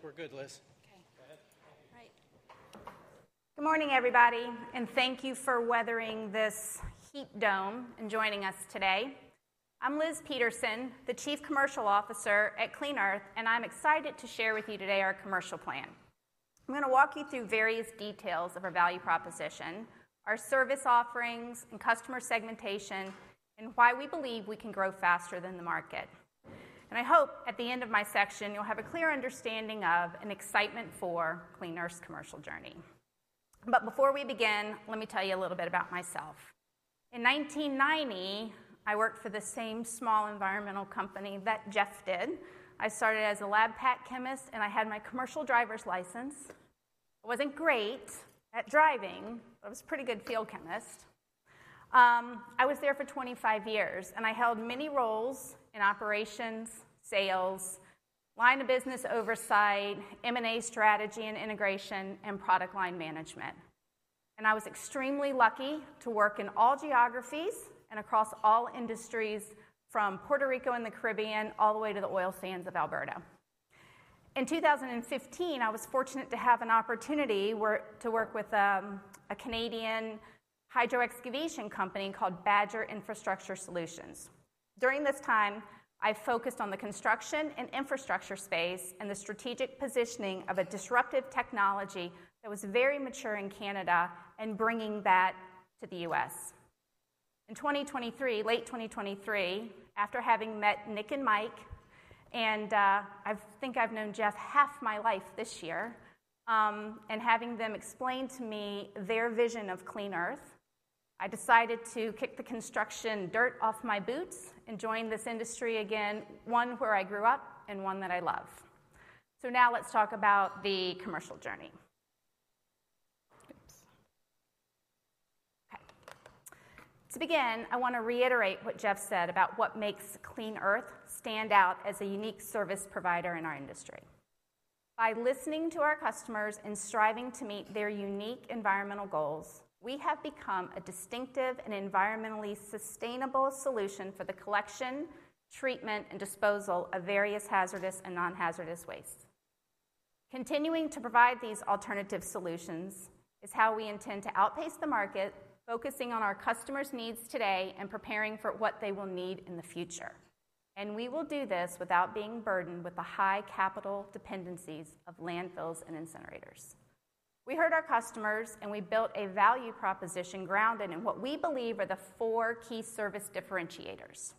Liz, you can come on up. Is this all your stuff? Okay. Good. I think we're good, Liz. Okay. Go ahead. Thank you. All right. Good morning, everybody, and thank you for weathering this heat dome and joining us today. I'm Liz Peterson, the Chief Commercial Officer at Clean Earth, and I'm excited to share with you today our commercial plan. I'm going to walk you through various details of our value proposition, our service offerings, and customer segmentation, and why we believe we can grow faster than the market. I hope at the end of my section you'll have a clear understanding of and excitement for Clean Earth's commercial journey. But before we begin, let me tell you a little bit about myself. In 1990, I worked for the same small environmental company that Jeff did. I started as a lab pack chemist, and I had my commercial driver's license. I wasn't great at driving, but I was a pretty good field chemist. I was there for 25 years, and I held many roles in operations, sales, line of business oversight, M&A strategy, and integration, and product line management. I was extremely lucky to work in all geographies and across all industries, from Puerto Rico and the Caribbean all the way to the oil sands of Alberta. In 2015, I was fortunate to have an opportunity to work with a Canadian hydro excavation company called Badger Infrastructure Solutions. During this time, I focused on the construction and infrastructure space and the strategic positioning of a disruptive technology that was very mature in Canada and bringing that to the U.S. In 2023, late 2023, after having met Nick and Mike, and I think I've known Jeff half my life this year, and having them explain to me their vision of Clean Earth, I decided to kick the construction dirt off my boots and join this industry again, one where I grew up and one that I love. So now let's talk about the commercial journey. Okay. To begin, I want to reiterate what Jeff said about what makes Clean Earth stand out as a unique service provider in our industry. By listening to our customers and striving to meet their unique environmental goals, we have become a distinctive and environmentally sustainable solution for the collection, treatment, and disposal of various hazardous and non-hazardous waste. Continuing to provide these alternative solutions is how we intend to outpace the market, focusing on our customers' needs today and preparing for what they will need in the future. We will do this without being burdened with the high capital dependencies of landfills and incinerators. We heard our customers, and we built a value proposition grounded in what we believe are the four key service differentiators.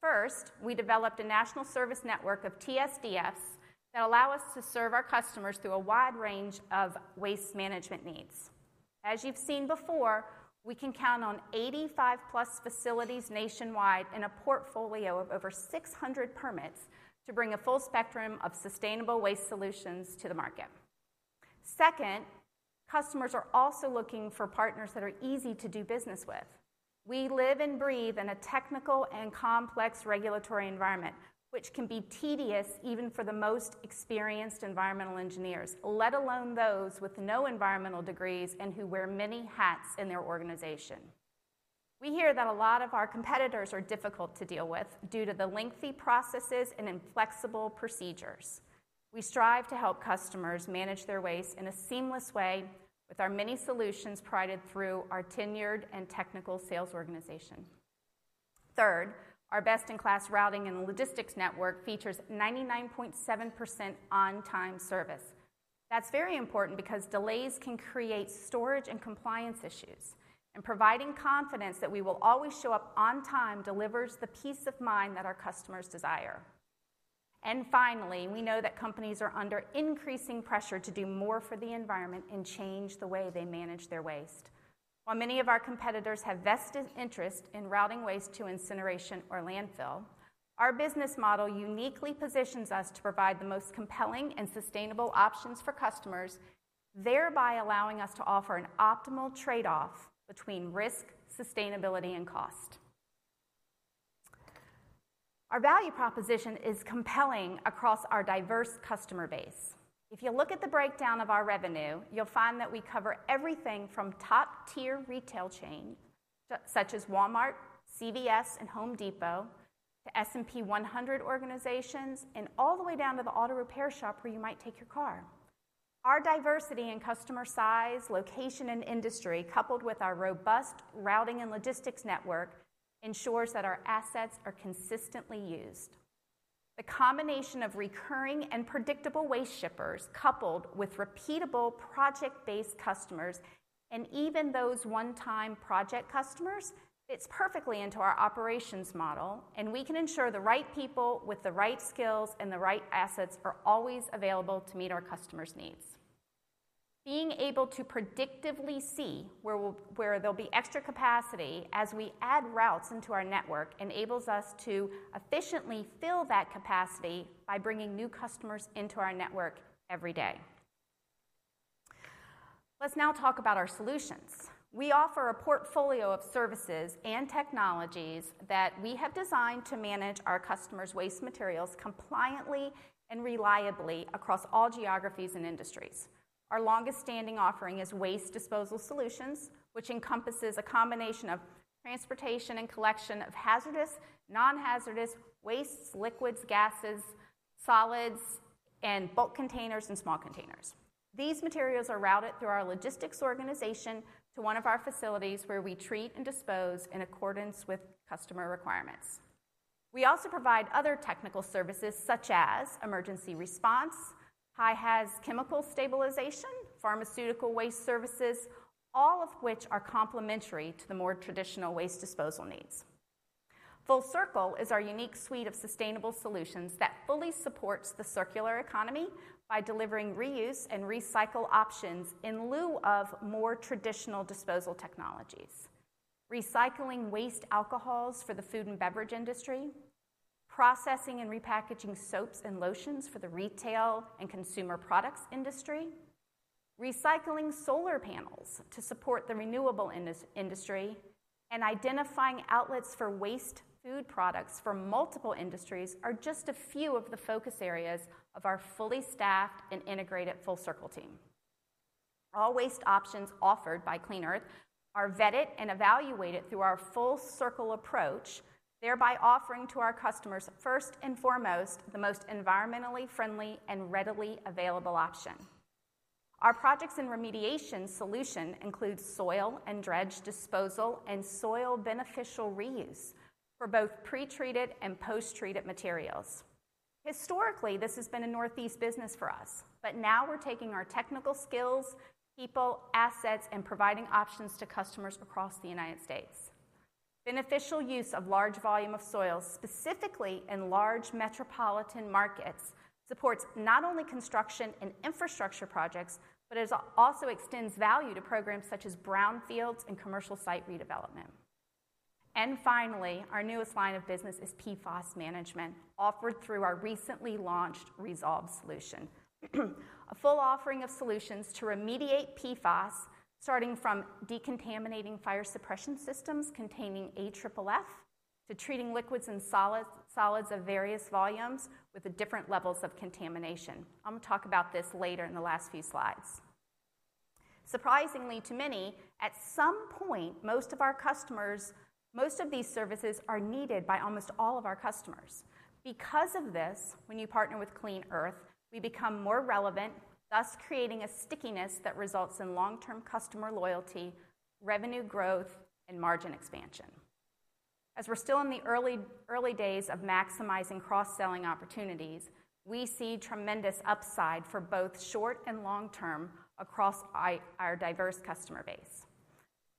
First, we developed a national service network of TSDFs that allow us to serve our customers through a wide range of waste management needs. As you've seen before, we can count on 85+ facilities nationwide and a portfolio of over 600 permits to bring a full spectrum of sustainable waste solutions to the market. Second, customers are also looking for partners that are easy to do business with. We live and breathe in a technical and complex regulatory environment, which can be tedious even for the most experienced environmental engineers, let alone those with no environmental degrees and who wear many hats in their organization. We hear that a lot of our competitors are difficult to deal with due to the lengthy processes and inflexible procedures. We strive to help customers manage their waste in a seamless way with our many solutions provided through our tenured and technical sales organization. Third, our best-in-class routing and logistics network features 99.7% on-time service. That's very important because delays can create storage and compliance issues, and providing confidence that we will always show up on time delivers the peace of mind that our customers desire. And finally, we know that companies are under increasing pressure to do more for the environment and change the way they manage their waste. While many of our competitors have vested interest in routing waste to incineration or landfill, our business model uniquely positions us to provide the most compelling and sustainable options for customers, thereby allowing us to offer an optimal trade-off between risk, sustainability, and cost. Our value proposition is compelling across our diverse customer base. If you look at the breakdown of our revenue, you'll find that we cover everything from top-tier retail chains such as Walmart, CVS, and Home Depot to S&P 100 organizations and all the way down to the auto repair shop where you might take your car. Our diversity in customer size, location, and industry, coupled with our robust routing and logistics network, ensures that our assets are consistently used. The combination of recurring and predictable waste shippers coupled with repeatable project-based customers and even those one-time project customers fits perfectly into our operations model, and we can ensure the right people with the right skills and the right assets are always available to meet our customers' needs. Being able to predictively see where there'll be extra capacity as we add routes into our network enables us to efficiently fill that capacity by bringing new customers into our network every day. Let's now talk about our solutions. We offer a portfolio of services and technologies that we have designed to manage our customers' waste materials compliantly and reliably across all geographies and industries. Our longest-standing offering is Waste Disposal Solutions, which encompasses a combination of transportation and collection of hazardous, non-hazardous waste, liquids, gases, solids, and bulk containers and small containers. These materials are routed through our logistics organization to one of our facilities where we treat and dispose in accordance with customer requirements. We also provide other technical services such as emergency response, high haz chemical stabilization, pharmaceutical waste services, all of which are complementary to the more traditional waste disposal needs. FullCircle is our unique suite of sustainable solutions that fully supports the circular economy by delivering reuse and recycle options in lieu of more traditional disposal technologies. Recycling waste alcohols for the food and beverage industry, processing and repackaging soaps and lotions for the retail and consumer products industry, recycling solar panels to support the renewable industry, and identifying outlets for waste food products for multiple industries are just a few of the focus areas of our fully staffed and integrated FullCircle team. All waste options offered by Clean Earth are vetted and evaluated through our FullCircle approach, thereby offering to our customers first and foremost the most environmentally friendly and readily available option. Our projects and remediation solution include soil and dredge disposal and soil beneficial reuse for both pre-treated and post-treated materials. Historically, this has been a Northeast business for us, but now we're taking our technical skills, people, assets, and providing options to customers across the United States. Beneficial use of large volume of soil, specifically in large metropolitan markets, supports not only construction and infrastructure projects, but also extends value to programs such as brownfields and commercial site redevelopment. And finally, our newest line of business is PFAS management offered through our recently launched ReSolve solution. A full offering of solutions to remediate PFAS, starting from decontaminating fire suppression systems containing AFFF to treating liquids and solids of various volumes with different levels of contamination. I'm going to talk about this later in the last few slides. Surprisingly to many, at some point, most of our customers, most of these services are needed by almost all of our customers. Because of this, when you partner with Clean Earth, we become more relevant, thus creating a stickiness that results in long-term customer loyalty, revenue growth, and margin expansion. As we're still in the early days of maximizing cross-selling opportunities, we see tremendous upside for both short and long term across our diverse customer base.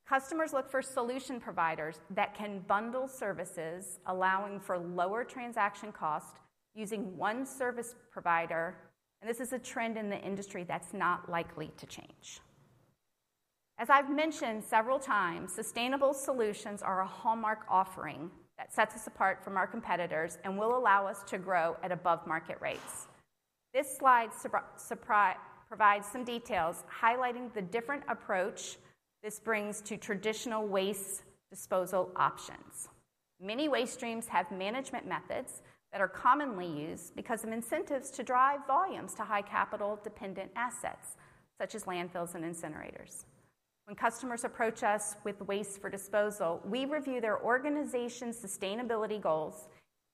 Customers look for solution providers that can bundle services, allowing for lower transaction costs using one service provider, and this is a trend in the industry that's not likely to change. As I've mentioned several times, sustainable solutions are a hallmark offering that sets us apart from our competitors and will allow us to grow at above-market rates. This slide provides some details highlighting the different approach this brings to traditional waste disposal options. Many waste streams have management methods that are commonly used because of incentives to drive volumes to high capital-dependent assets such as landfills and incinerators. When customers approach us with waste for disposal, we review their organization's sustainability goals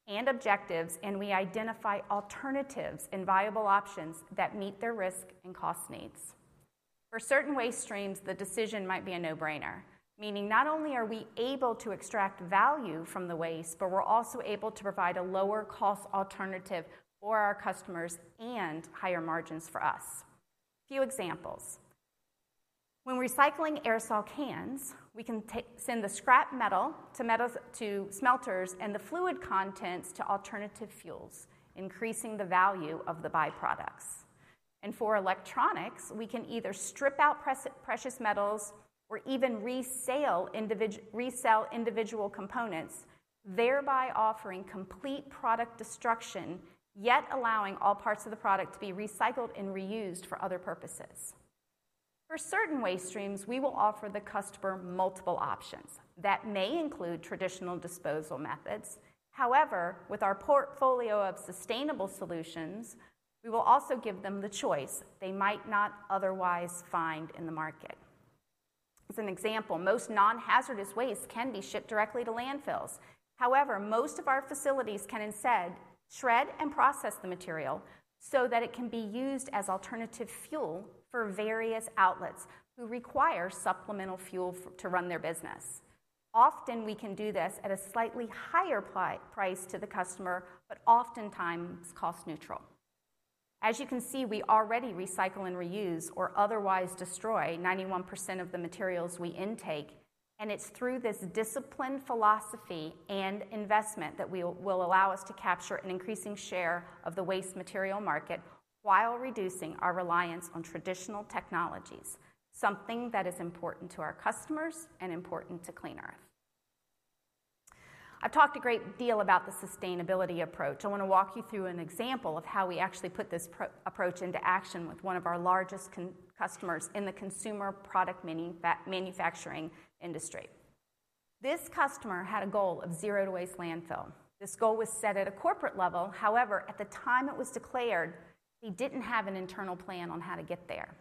and objectives, and we identify alternatives and viable options that meet their risk and cost needs. For certain waste streams, the decision might be a no-brainer, meaning not only are we able to extract value from the waste, but we're also able to provide a lower-cost alternative for our customers and higher margins for us. Few examples. When recycling aerosol cans, we can send the scrap metal to smelters and the fluid contents to alternative fuels, increasing the value of the byproducts. And for electronics, we can either strip out precious metals or even resell individual components, thereby offering complete product destruction, yet allowing all parts of the product to be recycled and reused for other purposes. For certain waste streams, we will offer the customer multiple options that may include traditional disposal methods. However, with our portfolio of sustainable solutions, we will also give them the choice they might not otherwise find in the market. As an example, most non-hazardous waste can be shipped directly to landfills. However, most of our facilities can instead shred and process the material so that it can be used as alternative fuel for various outlets who require supplemental fuel to run their business. Often, we can do this at a slightly higher price to the customer, but oftentimes cost-neutral. As you can see, we already recycle and reuse or otherwise destroy 91% of the materials we intake, and it's through this disciplined philosophy and investment that will allow us to capture an increasing share of the waste material market while reducing our reliance on traditional technologies, something that is important to our customers and important to Clean Earth. I've talked a great deal about the sustainability approach. I want to walk you through an example of how we actually put this approach into action with one of our largest customers in the consumer product manufacturing industry. This customer had a goal of Zero Waste to Landfill. This goal was set at a corporate level. However, at the time it was declared, we didn't have an internal plan on how to get there.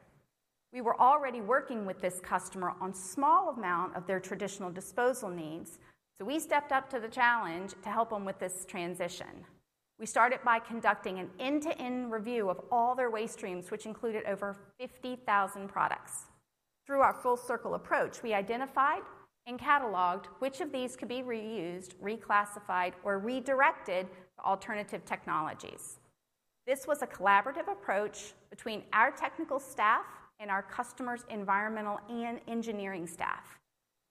We were already working with this customer on a small amount of their traditional disposal needs, so we stepped up to the challenge to help them with this transition. We started by conducting an end-to-end review of all their waste streams, which included over 50,000 products. Through our FullCircle approach, we identified and cataloged which of these could be reused, reclassified, or redirected to alternative technologies. This was a collaborative approach between our technical staff and our customers' environmental and engineering staff.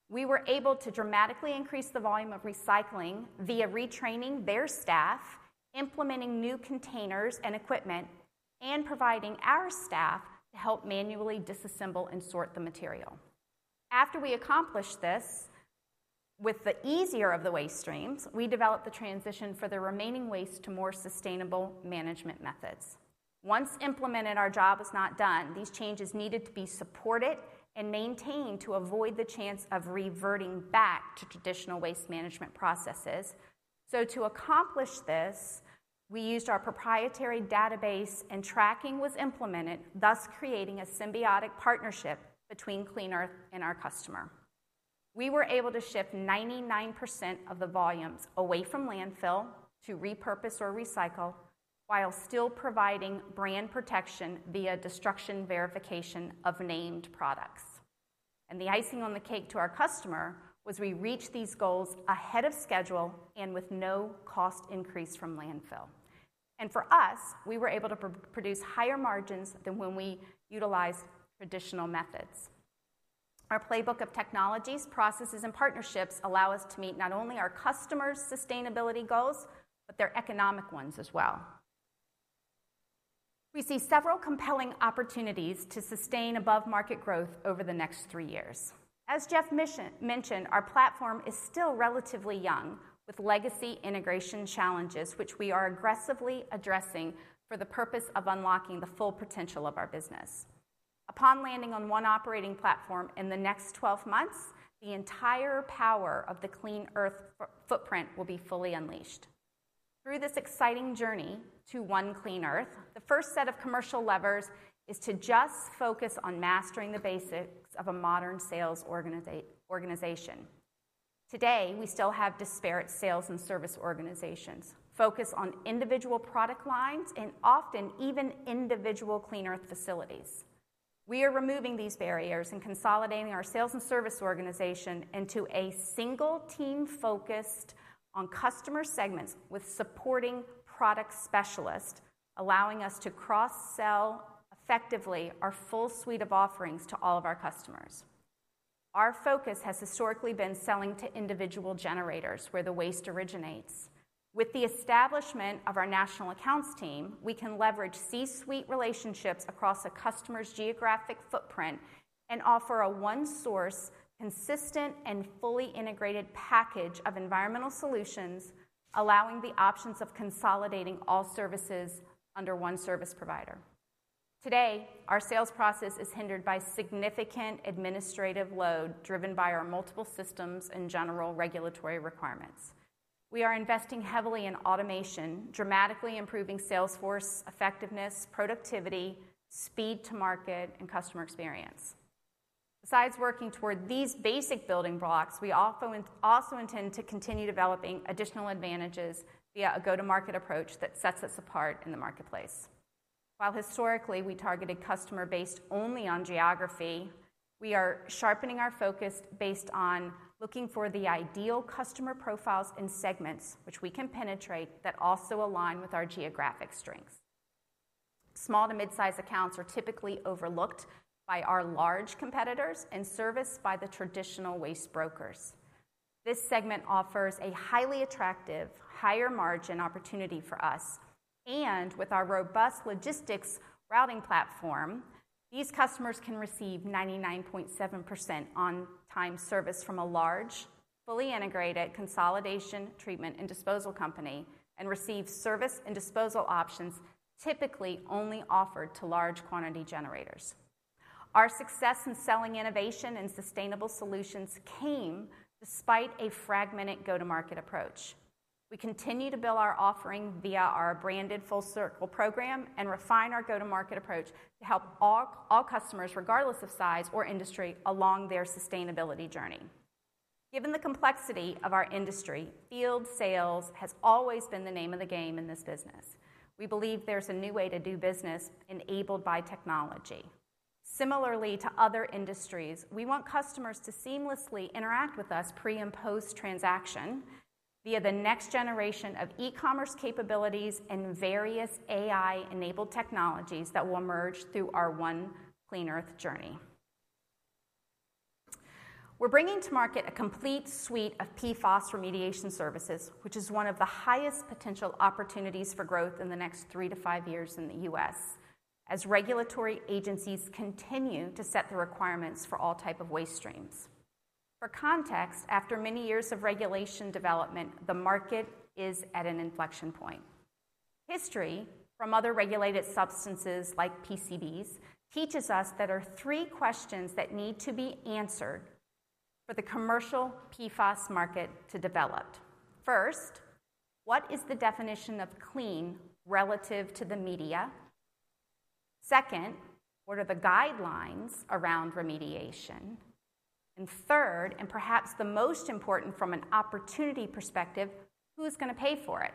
We were able to dramatically increase the volume of recycling via retraining their staff, implementing new containers and equipment, and providing our staff to help manually disassemble and sort the material. After we accomplished this with the easier of the waste streams, we developed the transition for the remaining waste to more sustainable management methods. Once implemented, our job was not done. These changes needed to be supported and maintained to avoid the chance of reverting back to traditional waste management processes. To accomplish this, we used our proprietary database, and tracking was implemented, thus creating a symbiotic partnership between Clean Earth and our customer. We were able to shift 99% of the volumes away from landfill to repurpose or recycle while still providing brand protection via destruction verification of named products. The icing on the cake to our customer was we reached these goals ahead of schedule and with no cost increase from landfill. For us, we were able to produce higher margins than when we utilized traditional methods. Our playbook of technologies, processes, and partnerships allows us to meet not only our customers' sustainability goals, but their economic ones as well. We see several compelling opportunities to sustain above-market growth over the next three years. As Jeff mentioned, our platform is still relatively young with legacy integration challenges, which we are aggressively addressing for the purpose of unlocking the full potential of our business. Upon landing on one operating platform in the next 12 months, the entire power of the Clean Earth footprint will be fully unleashed. Through this exciting journey to One Clean Earth, the first set of commercial levers is to just focus on mastering the basics of a modern sales organization. Today, we still have disparate sales and service organizations focused on individual product lines and often even individual Clean Earth facilities. We are removing these barriers and consolidating our sales and service organization into a single team focused on customer segments with supporting product specialists, allowing us to cross-sell effectively our full suite of offerings to all of our customers. Our focus has historically been selling to individual generators where the waste originates. With the establishment of our national accounts team, we can leverage C-suite relationships across a customer's geographic footprint and offer a one-source, consistent, and fully integrated package of environmental solutions, allowing the options of consolidating all services under one service provider. Today, our sales process is hindered by significant administrative load driven by our multiple systems and general regulatory requirements. We are investing heavily in automation, dramatically improving sales force effectiveness, productivity, speed to market, and customer experience. Besides working toward these basic building blocks, we also intend to continue developing additional advantages via a go-to-market approach that sets us apart in the marketplace. While historically we targeted customers based only on geography, we are sharpening our focus based on looking for the ideal customer profiles and segments which we can penetrate that also align with our geographic strengths. Small to mid-size accounts are typically overlooked by our large competitors and serviced by the traditional waste brokers. This segment offers a highly attractive, higher margin opportunity for us, and with our robust logistics routing platform, these customers can receive 99.7% on-time service from a large, fully integrated consolidation treatment and disposal company and receive service and disposal options typically only offered to large quantity generators. Our success in selling innovation and sustainable solutions came despite a fragmented go-to-market approach. We continue to build our offering via our branded FullCircle program and refine our go-to-market approach to help all customers, regardless of size or industry, along their sustainability journey. Given the complexity of our industry, field sales has always been the name of the game in this business. We believe there's a new way to do business enabled by technology. Similarly to other industries, we want customers to seamlessly interact with us pre and post transaction via the next generation of e-commerce capabilities and various AI-enabled technologies that will emerge through our One Clean Earth journey. We're bringing to market a complete suite of PFAS remediation services, which is one of the highest potential opportunities for growth in the next three to five years in the U.S., as regulatory agencies continue to set the requirements for all types of waste streams. For context, after many years of regulation development, the market is at an inflection point. History from other regulated substances like PCBs teaches us that there are three questions that need to be answered for the commercial PFAS market to develop. First, what is the definition of clean relative to the media? Second, what are the guidelines around remediation? Third, and perhaps the most important from an opportunity perspective, who is going to pay for it?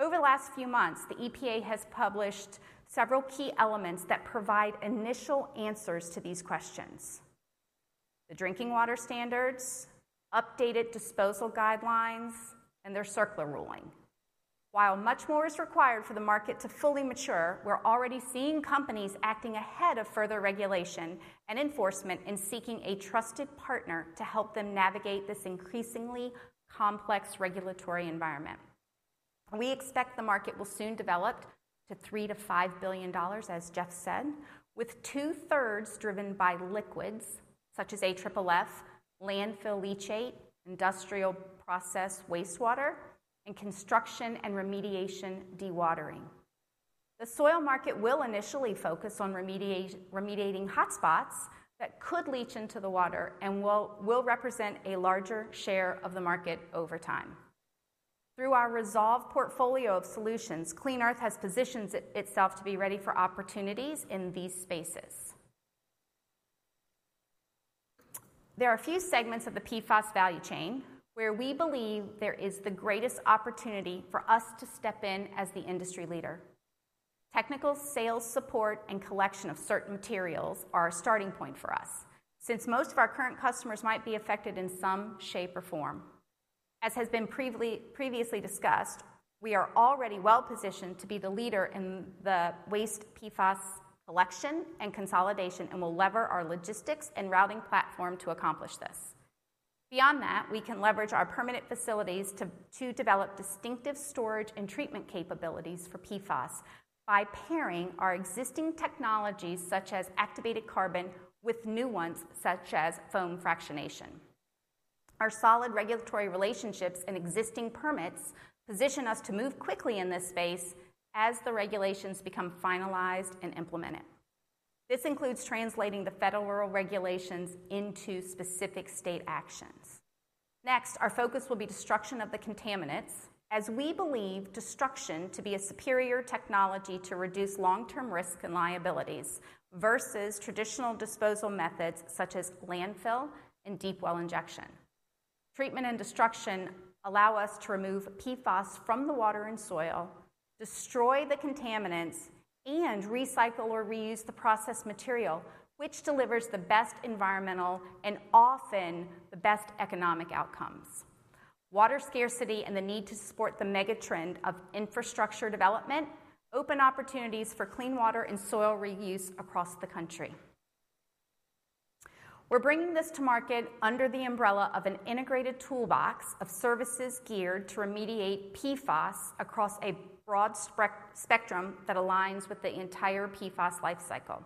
Over the last few months, the EPA has published several key elements that provide initial answers to these questions: the drinking water standards, updated disposal guidelines, and their CERCLA ruling. While much more is required for the market to fully mature, we're already seeing companies acting ahead of further regulation and enforcement and seeking a trusted partner to help them navigate this increasingly complex regulatory environment. We expect the market will soon develop to $3 billion-$5 billion, as Jeff said, with two-thirds driven by liquids such as AFFF, landfill leachate, industrial process wastewater, and construction and remediation dewatering. The soil market will initially focus on remediating hotspots that could leach into the water and will represent a larger share of the market over time. Through our ReSolve portfolio of solutions, Clean Earth has positioned itself to be ready for opportunities in these spaces. There are a few segments of the PFAS value chain where we believe there is the greatest opportunity for us to step in as the industry leader. Technical sales support and collection of certain materials are a starting point for us, since most of our current customers might be affected in some shape or form. As has been previously discussed, we are already well positioned to be the leader in the waste PFAS collection and consolidation and will lever our logistics and routing platform to accomplish this. Beyond that, we can leverage our permanent facilities to develop distinctive storage and treatment capabilities for PFAS by pairing our existing technologies such as activated carbon with new ones such as foam fractionation. Our solid regulatory relationships and existing permits position us to move quickly in this space as the regulations become finalized and implemented. This includes translating the federal regulations into specific state actions. Next, our focus will be destruction of the contaminants, as we believe destruction to be a superior technology to reduce long-term risk and liabilities versus traditional disposal methods such as landfill and deep well injection. Treatment and destruction allow us to remove PFAS from the water and soil, destroy the contaminants, and recycle or reuse the processed material, which delivers the best environmental and often the best economic outcomes. Water scarcity and the need to support the mega trend of infrastructure development open opportunities for clean water and soil reuse across the country. We're bringing this to market under the umbrella of an integrated toolbox of services geared to remediate PFAS across a broad spectrum that aligns with the entire PFAS lifecycle.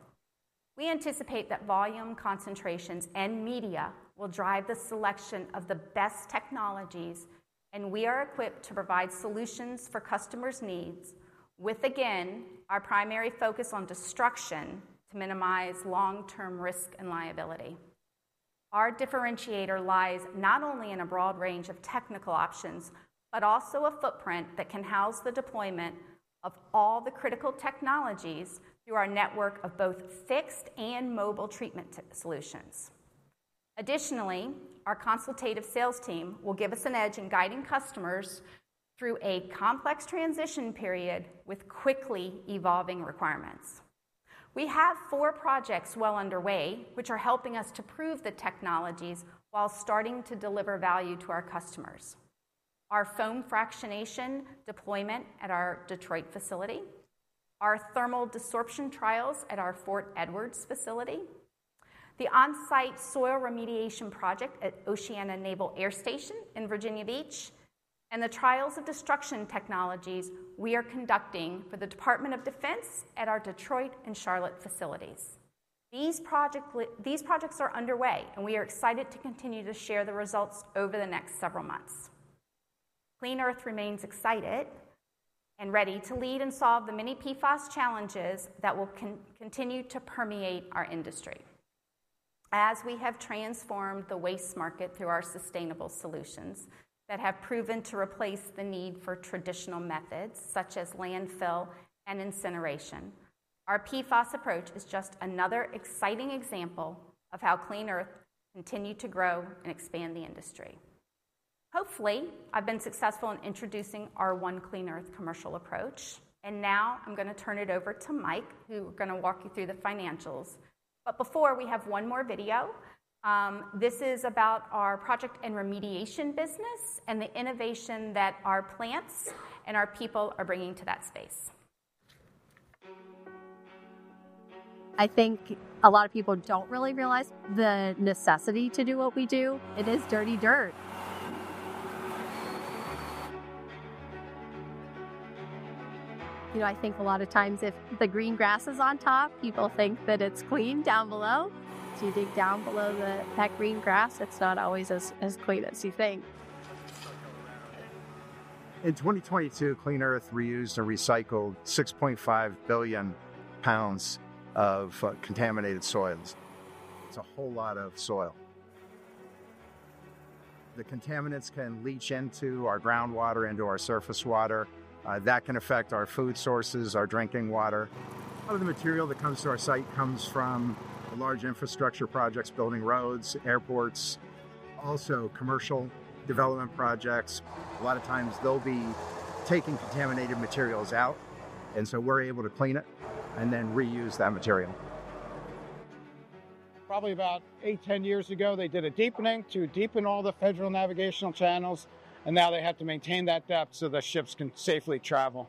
We anticipate that volume, concentrations, and media will drive the selection of the best technologies, and we are equipped to provide solutions for customers' needs, with, again, our primary focus on destruction to minimize long-term risk and liability. Our differentiator lies not only in a broad range of technical options, but also a footprint that can house the deployment of all the critical technologies through our network of both fixed and mobile treatment solutions. Additionally, our consultative sales team will give us an edge in guiding customers through a complex transition period with quickly evolving requirements. We have four projects well underway which are helping us to prove the technologies while starting to deliver value to our customers: our foam fractionation deployment at our Detroit facility, our thermal desroption trials at our Fort Edward facility, the on-site soil remediation project at Oceana Naval Air Station in Virginia Beach, and the trials of destruction technologies we are conducting for the Department of Defense at our Detroit and Charlotte facilities. These projects are underway, and we are excited to continue to share the results over the next several months. Clean Earth remains excited and ready to lead and solve the many PFAS challenges that will continue to permeate our industry. As we have transformed the waste market through our sustainable solutions that have proven to replace the need for traditional methods such as landfill and incineration, our PFAS approach is just another exciting example of how Clean Earth continues to grow and expand the industry. Hopefully, I've been successful in introducing our One Clean Earth commercial approach, and now I'm going to turn it over to Mike, who is going to walk you through the financials. But before, we have one more video. This is about our project and remediation business and the innovation that our plants and our people are bringing to that space. I think a lot of people don't really realize the necessity to do what we do. It is dirty dirt. You know, I think a lot of times if the green grass is on top, people think that it's clean down below. If you dig down below that green grass, it's not always as clean as you think. In 2022, Clean Earth reused and recycled 6.5 billion lbs of contaminated soils. It's a whole lot of soil. The contaminants can leach into our groundwater and into our surface water. That can affect our food sources, our drinking water. A lot of the material that comes to our site comes from large infrastructure projects, building roads, airports, also commercial development projects. A lot of times they'll be taking contaminated materials out, and so we're able to clean it and then reuse that material. Probably about 8-10 years ago, they did a deepening to deepen all the federal navigational channels, and now they have to maintain that depth so the ships can safely travel.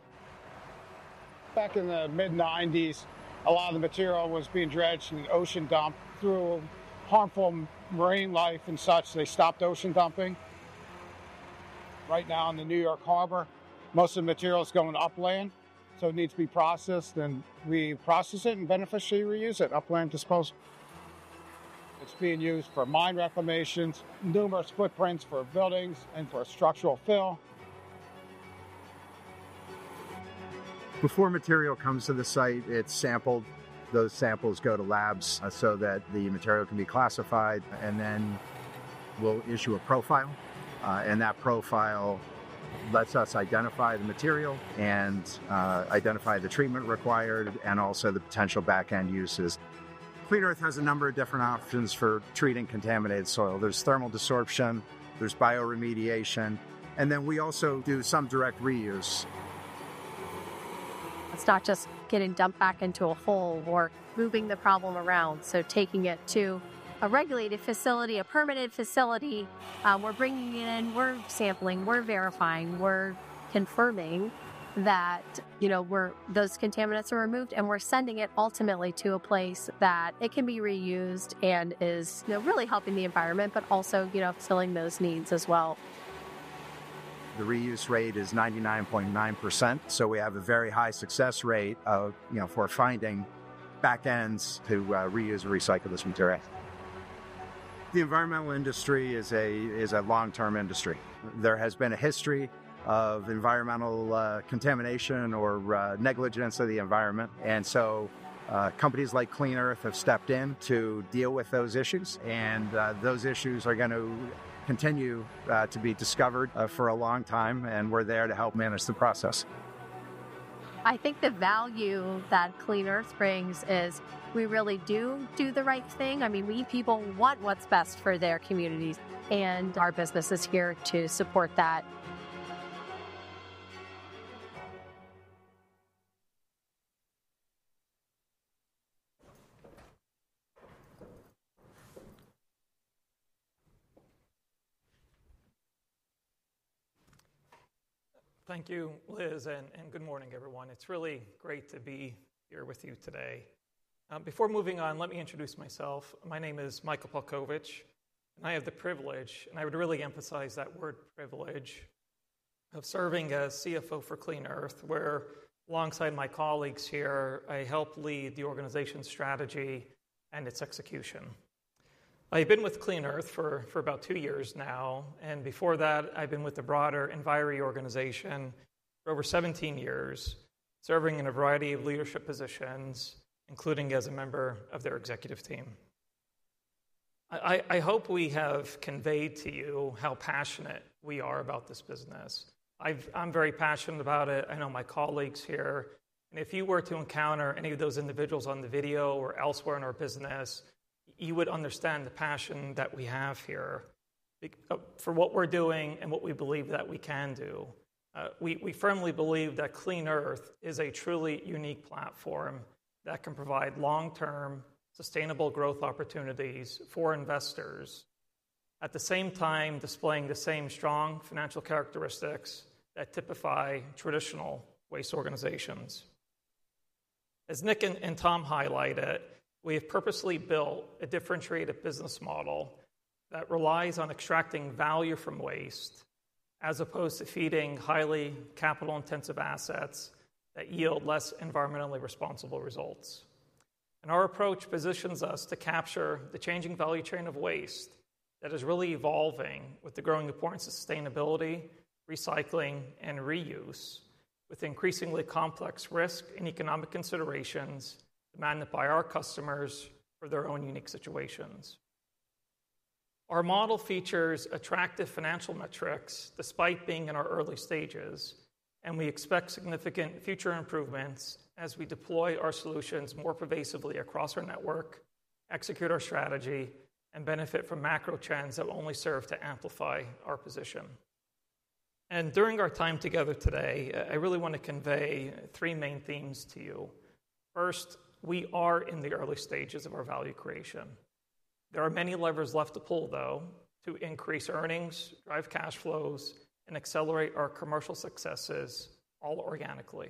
Back in the mid-1990s, a lot of the material was being dredged and ocean dumped through harmful marine life and such. They stopped ocean dumping. Right now in the New York Harbor, most of the material is going upland, so it needs to be processed, and we process it and beneficially reuse it upland disposal. It's being used for mine reclamations, numerous footprints for buildings, and for structural fill. Before material comes to the site, it's sampled. Those samples go to labs so that the material can be classified, and then we'll issue a profile, and that profile lets us identify the material and identify the treatment required and also the potential backend uses. Clean Earth has a number of different options for treating contaminated soil. There's thermal disruption, there's bioremediation, and then we also do some direct reuse. It's not just getting dumped back into a hole or moving the problem around. So taking it to a regulated facility, a permitted facility, we're bringing it in, we're sampling, we're verifying, we're confirming that, you know, those contaminants are removed, and we're sending it ultimately to a place that it can be reused and is really helping the environment, but also, you know, filling those needs as well. The reuse rate is 99.9%, so we have a very high success rate of, you know, for finding backends to reuse and recycle this material. The environmental industry is a long-term industry. There has been a history of environmental contamination or negligence of the environment, and so companies like Clean Earth have stepped in to deal with those issues, and those issues are going to continue to be discovered for a long time, and we're there to help manage the process. I think the value that Clean Earth brings is we really do do the right thing. I mean, we people want what's best for their communities, and our business is here to support that. Thank you, Liz, and good morning, everyone. It's really great to be here with you today. Before moving on, let me introduce myself. My name is Michael Polkovich, and I have the privilege, and I would really emphasize that word privilege, of serving as CFO for Clean Earth, where, alongside my colleagues here, I help lead the organization's strategy and its execution. I've been with Clean Earth for about two years now, and before that, I've been with the broader Enviri organization for over 17 years, serving in a variety of leadership positions, including as a member of their executive team. I hope we have conveyed to you how passionate we are about this business. I'm very passionate about it. I know my colleagues here, and if you were to encounter any of those individuals on the video or elsewhere in our business, you would understand the passion that we have here for what we're doing and what we believe that we can do. We firmly believe that Clean Earth is a truly unique platform that can provide long-term sustainable growth opportunities for investors, at the same time displaying the same strong financial characteristics that typify traditional waste organizations. As Nick and Tom highlighted, we have purposely built a different creative business model that relies on extracting value from waste as opposed to feeding highly capital-intensive assets that yield less environmentally responsible results. Our approach positions us to capture the changing value chain of waste that is really evolving with the growing importance of sustainability, recycling, and reuse, with increasingly complex risk and economic considerations demanded by our customers for their own unique situations. Our model features attractive financial metrics despite being in our early stages, and we expect significant future improvements as we deploy our solutions more pervasively across our network, execute our strategy, and benefit from macro trends that will only serve to amplify our position. During our time together today, I really want to convey three main themes to you. First, we are in the early stages of our value creation. There are many levers left to pull, though, to increase earnings, drive cash flows, and accelerate our commercial successes all organically.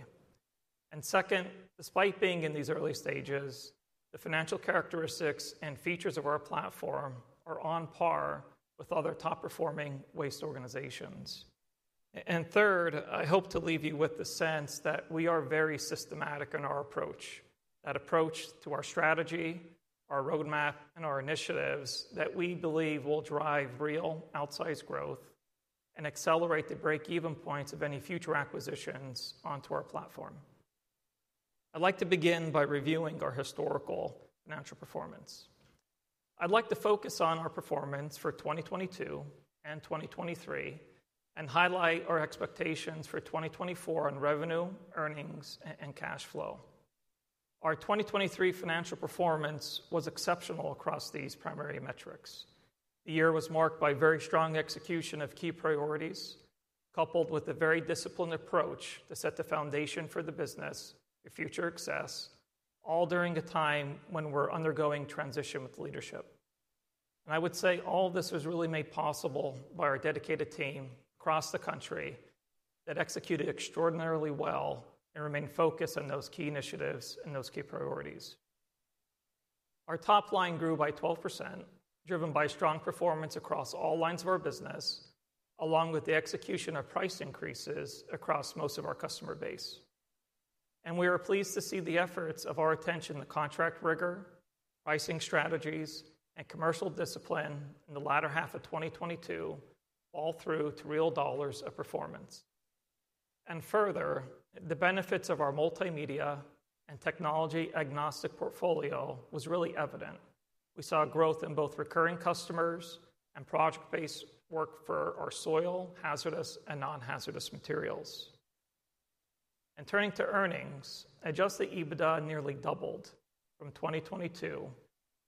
And second, despite being in these early stages, the financial characteristics and features of our platform are on par with other top-performing waste organizations. And third, I hope to leave you with the sense that we are very systematic in our approach, that approach to our strategy, our roadmap, and our initiatives that we believe will drive real outsized growth and accelerate the break-even points of any future acquisitions onto our platform. I'd like to begin by reviewing our historical financial performance. I'd like to focus on our performance for 2022 and 2023 and highlight our expectations for 2024 on revenue, earnings, and cash flow. Our 2023 financial performance was exceptional across these primary metrics. The year was marked by very strong execution of key priorities, coupled with a very disciplined approach to set the foundation for the business, future success, all during a time when we're undergoing transition with leadership. I would say all of this was really made possible by our dedicated team across the country that executed extraordinarily well and remained focused on those key initiatives and those key priorities. Our top line grew by 12%, driven by strong performance across all lines of our business, along with the execution of price increases across most of our customer base. We are pleased to see the efforts of our attention to contract rigor, pricing strategies, and commercial discipline in the latter half of 2022, all through to real dollars of performance. Further, the benefits of our multimedia and technology-agnostic portfolio were really evident. We saw growth in both recurring customers and project-based work for our soil, hazardous, and non-hazardous materials. Turning to earnings, Adjusted EBITDA nearly doubled from 2022,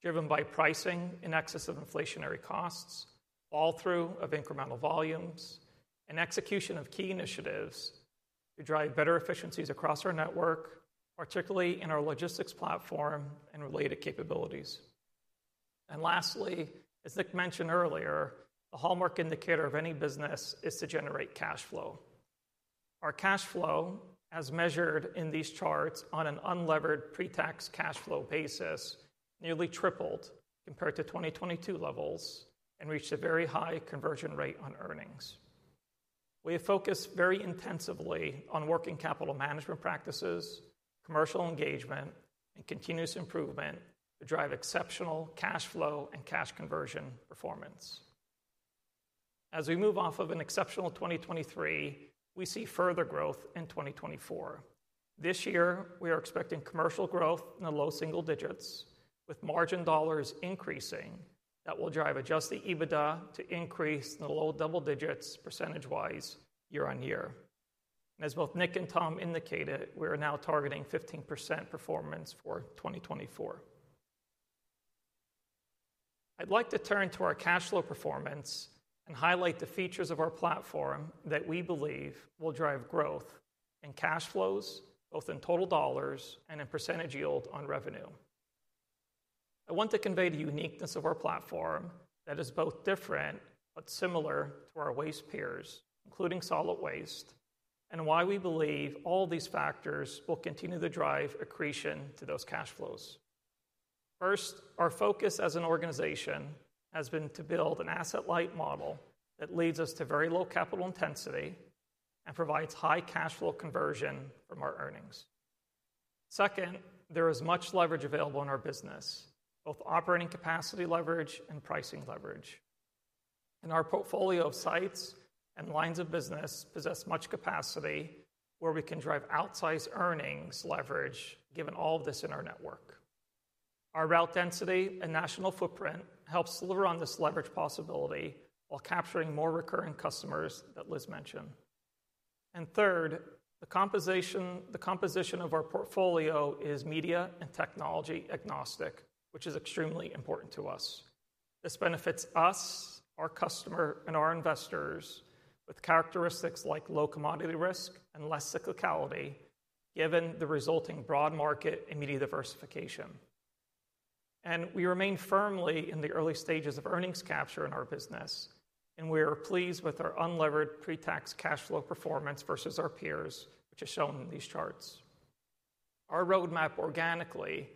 driven by pricing in excess of inflationary costs, all through incremental volumes and execution of key initiatives to drive better efficiencies across our network, particularly in our logistics platform and related capabilities. Lastly, as Nick mentioned earlier, the hallmark indicator of any business is to generate cash flow. Our cash flow, as measured in these charts on an unlevered pre-tax cash flow basis, nearly tripled compared to 2022 levels and reached a very high conversion rate on earnings. We have focused very intensively on working capital management practices, commercial engagement, and continuous improvement to drive exceptional cash flow and cash conversion performance. As we move off of an exceptional 2023, we see further growth in 2024. This year, we are expecting commercial growth in the low single digits, with margin dollars increasing that will drive adjusted EBITDA to increase in the low double digits percentage-wise year-on-year. As both Nick and Tom indicated, we are now targeting 15% performance for 2024. I'd like to turn to our cash flow performance and highlight the features of our platform that we believe will drive growth in cash flows, both in total dollars and in percentage yield on revenue. I want to convey the uniqueness of our platform that is both different but similar to our waste peers, including solid waste, and why we believe all these factors will continue to drive accretion to those cash flows. First, our focus as an organization has been to build an asset-light model that leads us to very low capital intensity and provides high cash flow conversion from our earnings. Second, there is much leverage available in our business, both operating capacity leverage and pricing leverage. Our portfolio of sites and lines of business possess much capacity where we can drive outsized earnings leverage given all of this in our network. Our route density and national footprint helps deliver on this leverage possibility while capturing more recurring customers that Liz mentioned. Third, the composition of our portfolio is media and technology-agnostic, which is extremely important to us. This benefits us, our customer, and our investors with characteristics like low commodity risk and less cyclicality given the resulting broad market and media diversification. We remain firmly in the early stages of earnings capture in our business, and we are pleased with our unlevered pre-tax cash flow performance versus our peers, which is shown in these charts. Our roadmap organically, and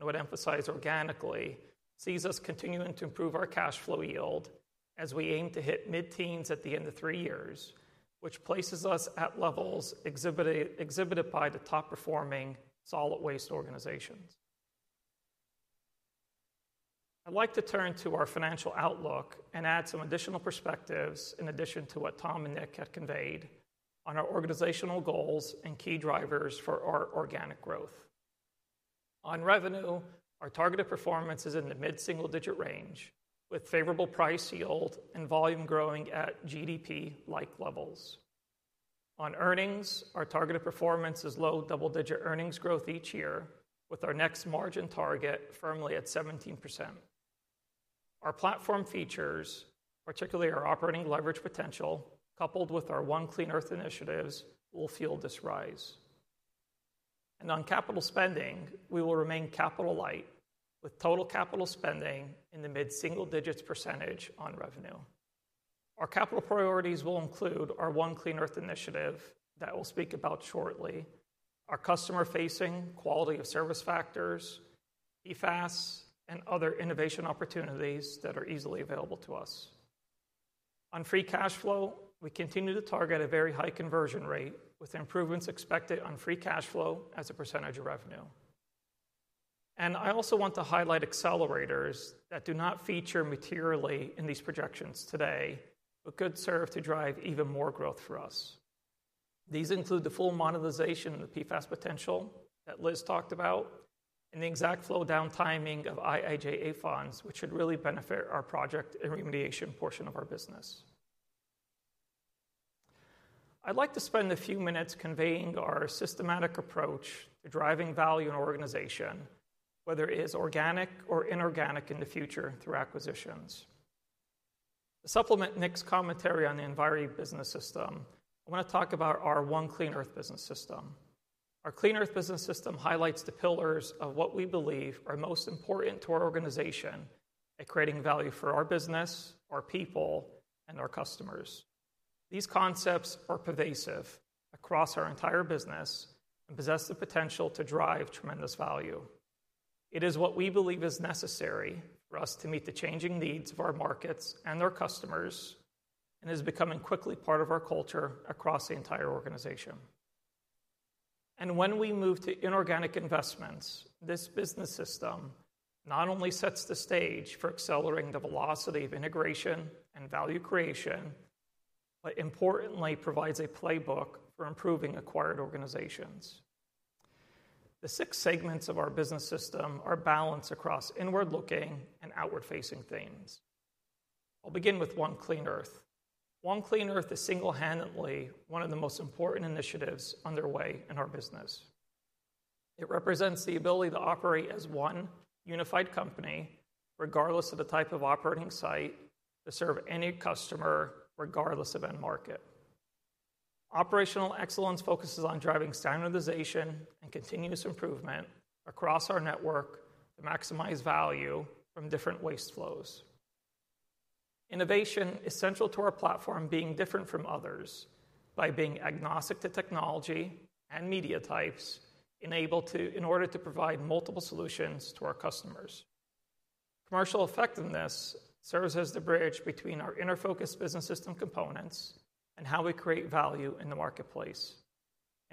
I would emphasize organically, sees us continuing to improve our cash flow yield as we aim to hit mid-teens at the end of three years, which places us at levels exhibited by the top-performing solid waste organizations. I'd like to turn to our financial outlook and add some additional perspectives in addition to what Tom and Nick had conveyed on our organizational goals and key drivers for our organic growth. On revenue, our targeted performance is in the mid-single-digit range with favorable price yield and volume growing at GDP-like levels. On earnings, our targeted performance is low double-digit earnings growth each year with our next margin target firmly at 17%. Our platform features, particularly our operating leverage potential coupled with our One Clean Earth initiatives, will fuel this rise. On capital spending, we will remain capital-light with total capital spending in the mid-single digits percent of revenue. Our capital priorities will include our One Clean Earth initiative that we'll speak about shortly, our customer-facing quality of service factors, PFAS, and other innovation opportunities that are easily available to us. On free cash flow, we continue to target a very high conversion rate with improvements expected on free cash flow as a percent of revenue. I also want to highlight accelerators that do not feature materially in these projections today but could serve to drive even more growth for us. These include the full monetization of the PFAS potential that Liz talked about and the exact flow-down timing of IIJA funds, which should really benefit our project and remediation portion of our business. I'd like to spend a few minutes conveying our systematic approach to driving value in our organization, whether it is organic or inorganic in the future through acquisitions. To supplement Nick's commentary on the Enviri business system, I want to talk about our One Clean Earth business system. Our Clean Earth business system highlights the pillars of what we believe are most important to our organization at creating value for our business, our people, and our customers. These concepts are pervasive across our entire business and possess the potential to drive tremendous value. It is what we believe is necessary for us to meet the changing needs of our markets and our customers and is becoming quickly part of our culture across the entire organization. When we move to inorganic investments, this business system not only sets the stage for accelerating the velocity of integration and value creation, but importantly provides a playbook for improving acquired organizations. The six segments of our business system are balanced across inward-looking and outward-facing themes. I'll begin with One Clean Earth. One Clean Earth is single-handedly one of the most important initiatives underway in our business. It represents the ability to operate as one unified company, regardless of the type of operating site, to serve any customer, regardless of end market. Operational excellence focuses on driving standardization and continuous improvement across our network to maximize value from different waste flows. Innovation is central to our platform, being different from others by being agnostic to technology and media types in order to provide multiple solutions to our customers. Commercial effectiveness serves as the bridge between our inner-focused business system components and how we create value in the marketplace.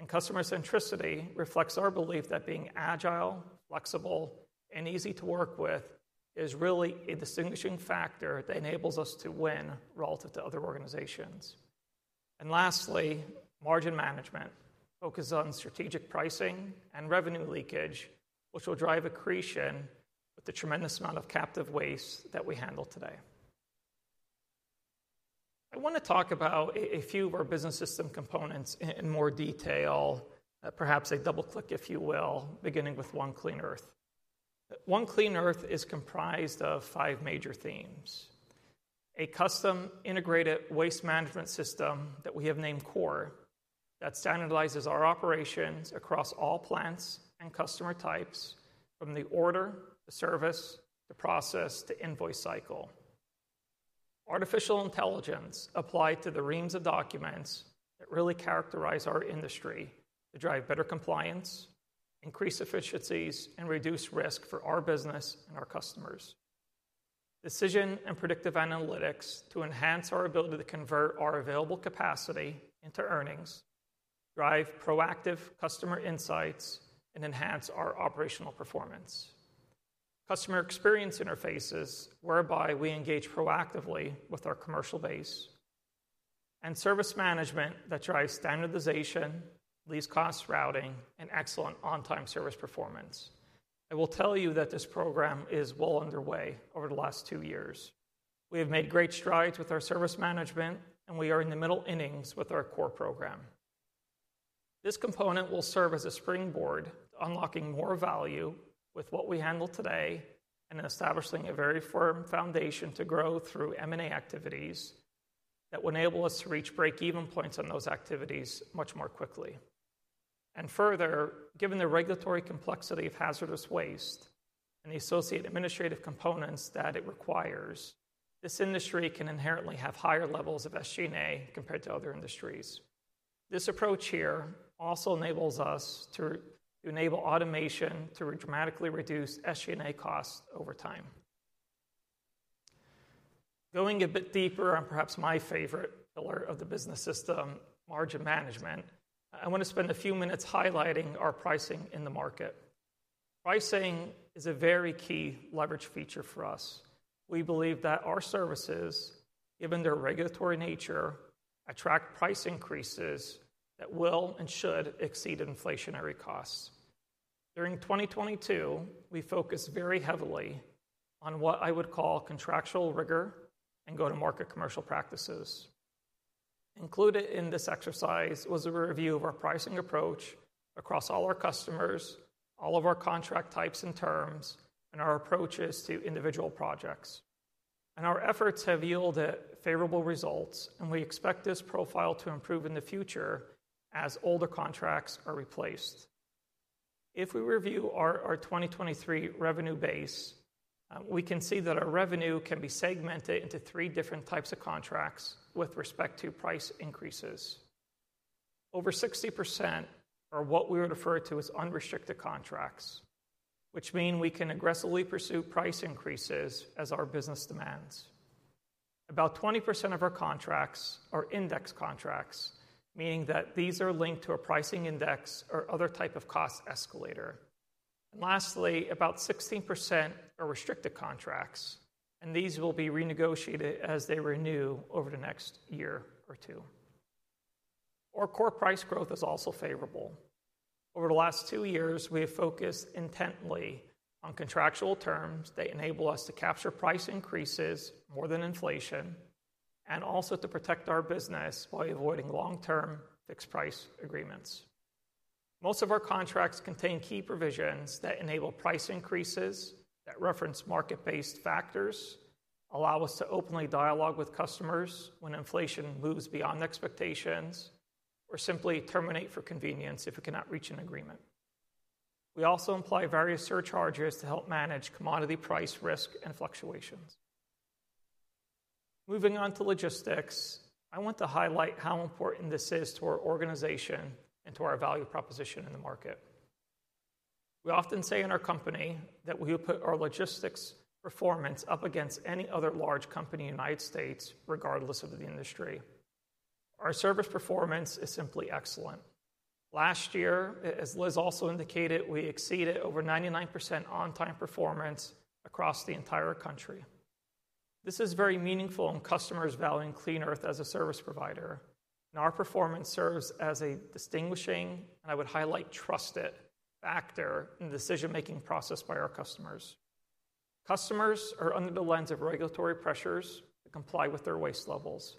Customer centricity reflects our belief that being agile, flexible, and easy to work with is really a distinguishing factor that enables us to win relative to other organizations. Lastly, margin management focuses on strategic pricing and revenue leakage, which will drive accretion with the tremendous amount of captive waste that we handle today. I want to talk about a few of our business system components in more detail, perhaps a double click, if you will, beginning with One Clean Earth. One Clean Earth is comprised of five major themes: a custom integrated waste management system that we have named CORE that standardizes our operations across all plants and customer types from the order, the service, the process, to invoice cycle. Artificial intelligence applied to the reams of documents that really characterize our industry to drive better compliance, increase efficiencies, and reduce risk for our business and our customers. Decision and predictive analytics to enhance our ability to convert our available capacity into earnings, drive proactive customer insights, and enhance our operational performance. Customer experience interfaces whereby we engage proactively with our commercial base. Service management that drives standardization, least cost routing, and excellent on-time service performance. I will tell you that this program is well underway over the last two years. We have made great strides with our service management, and we are in the middle innings with our core program. This component will serve as a springboard to unlocking more value with what we handle today and establishing a very firm foundation to grow through M&A activities that will enable us to reach break-even points on those activities much more quickly. Further, given the regulatory complexity of hazardous waste and the associated administrative components that it requires, this industry can inherently have higher levels of SG&A compared to other industries. This approach here also enables us to enable automation to dramatically reduce SG&A costs over time. Going a bit deeper on perhaps my favorite pillar of the business system, margin management, I want to spend a few minutes highlighting our pricing in the market. Pricing is a very key leverage feature for us. We believe that our services, given their regulatory nature, attract price increases that will and should exceed inflationary costs. During 2022, we focused very heavily on what I would call contractual rigor and go-to-market commercial practices. Included in this exercise was a review of our pricing approach across all our customers, all of our contract types and terms, and our approaches to individual projects. Our efforts have yielded favorable results, and we expect this profile to improve in the future as older contracts are replaced. If we review our 2023 revenue base, we can see that our revenue can be segmented into three different types of contracts with respect to price increases. Over 60% are what we would refer to as unrestricted contracts, which means we can aggressively pursue price increases as our business demands. About 20% of our contracts are index contracts, meaning that these are linked to a pricing index or other type of cost escalator. Lastly, about 16% are restricted contracts, and these will be renegotiated as they renew over the next year or 2. Our core price growth is also favorable. Over the last two years, we have focused intently on contractual terms that enable us to capture price increases more than inflation and also to protect our business by avoiding long-term fixed price agreements. Most of our contracts contain key provisions that enable price increases that reference market-based factors, allow us to openly dialogue with customers when inflation moves beyond expectations, or simply terminate for convenience if we cannot reach an agreement. We also employ various surcharges to help manage commodity price risk and fluctuations. Moving on to logistics, I want to highlight how important this is to our organization and to our value proposition in the market. We often say in our company that we put our logistics performance up against any other large company in the United States, regardless of the industry. Our service performance is simply excellent. Last year, as Liz also indicated, we exceeded over 99% on-time performance across the entire country. This is very meaningful in customers valuing Clean Earth as a service provider, and our performance serves as a distinguishing, and I would highlight trusted factor in the decision-making process by our customers. Customers are under the lens of regulatory pressures to comply with their waste levels.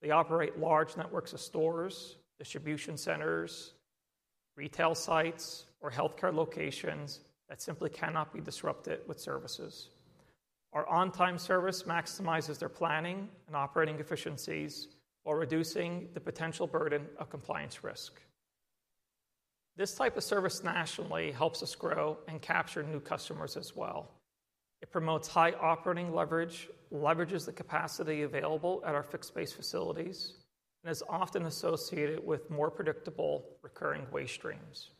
They operate large networks of stores, distribution centers, retail sites, or healthcare locations that simply cannot be disrupted with services. Our on-time service maximizes their planning and operating efficiencies while reducing the potential burden of compliance risk. This type of service nationally helps us grow and capture new customers as well. It promotes high operating leverage, leverages the capacity available at our fixed-based facilities, and is often associated with more predictable recurring waste streams.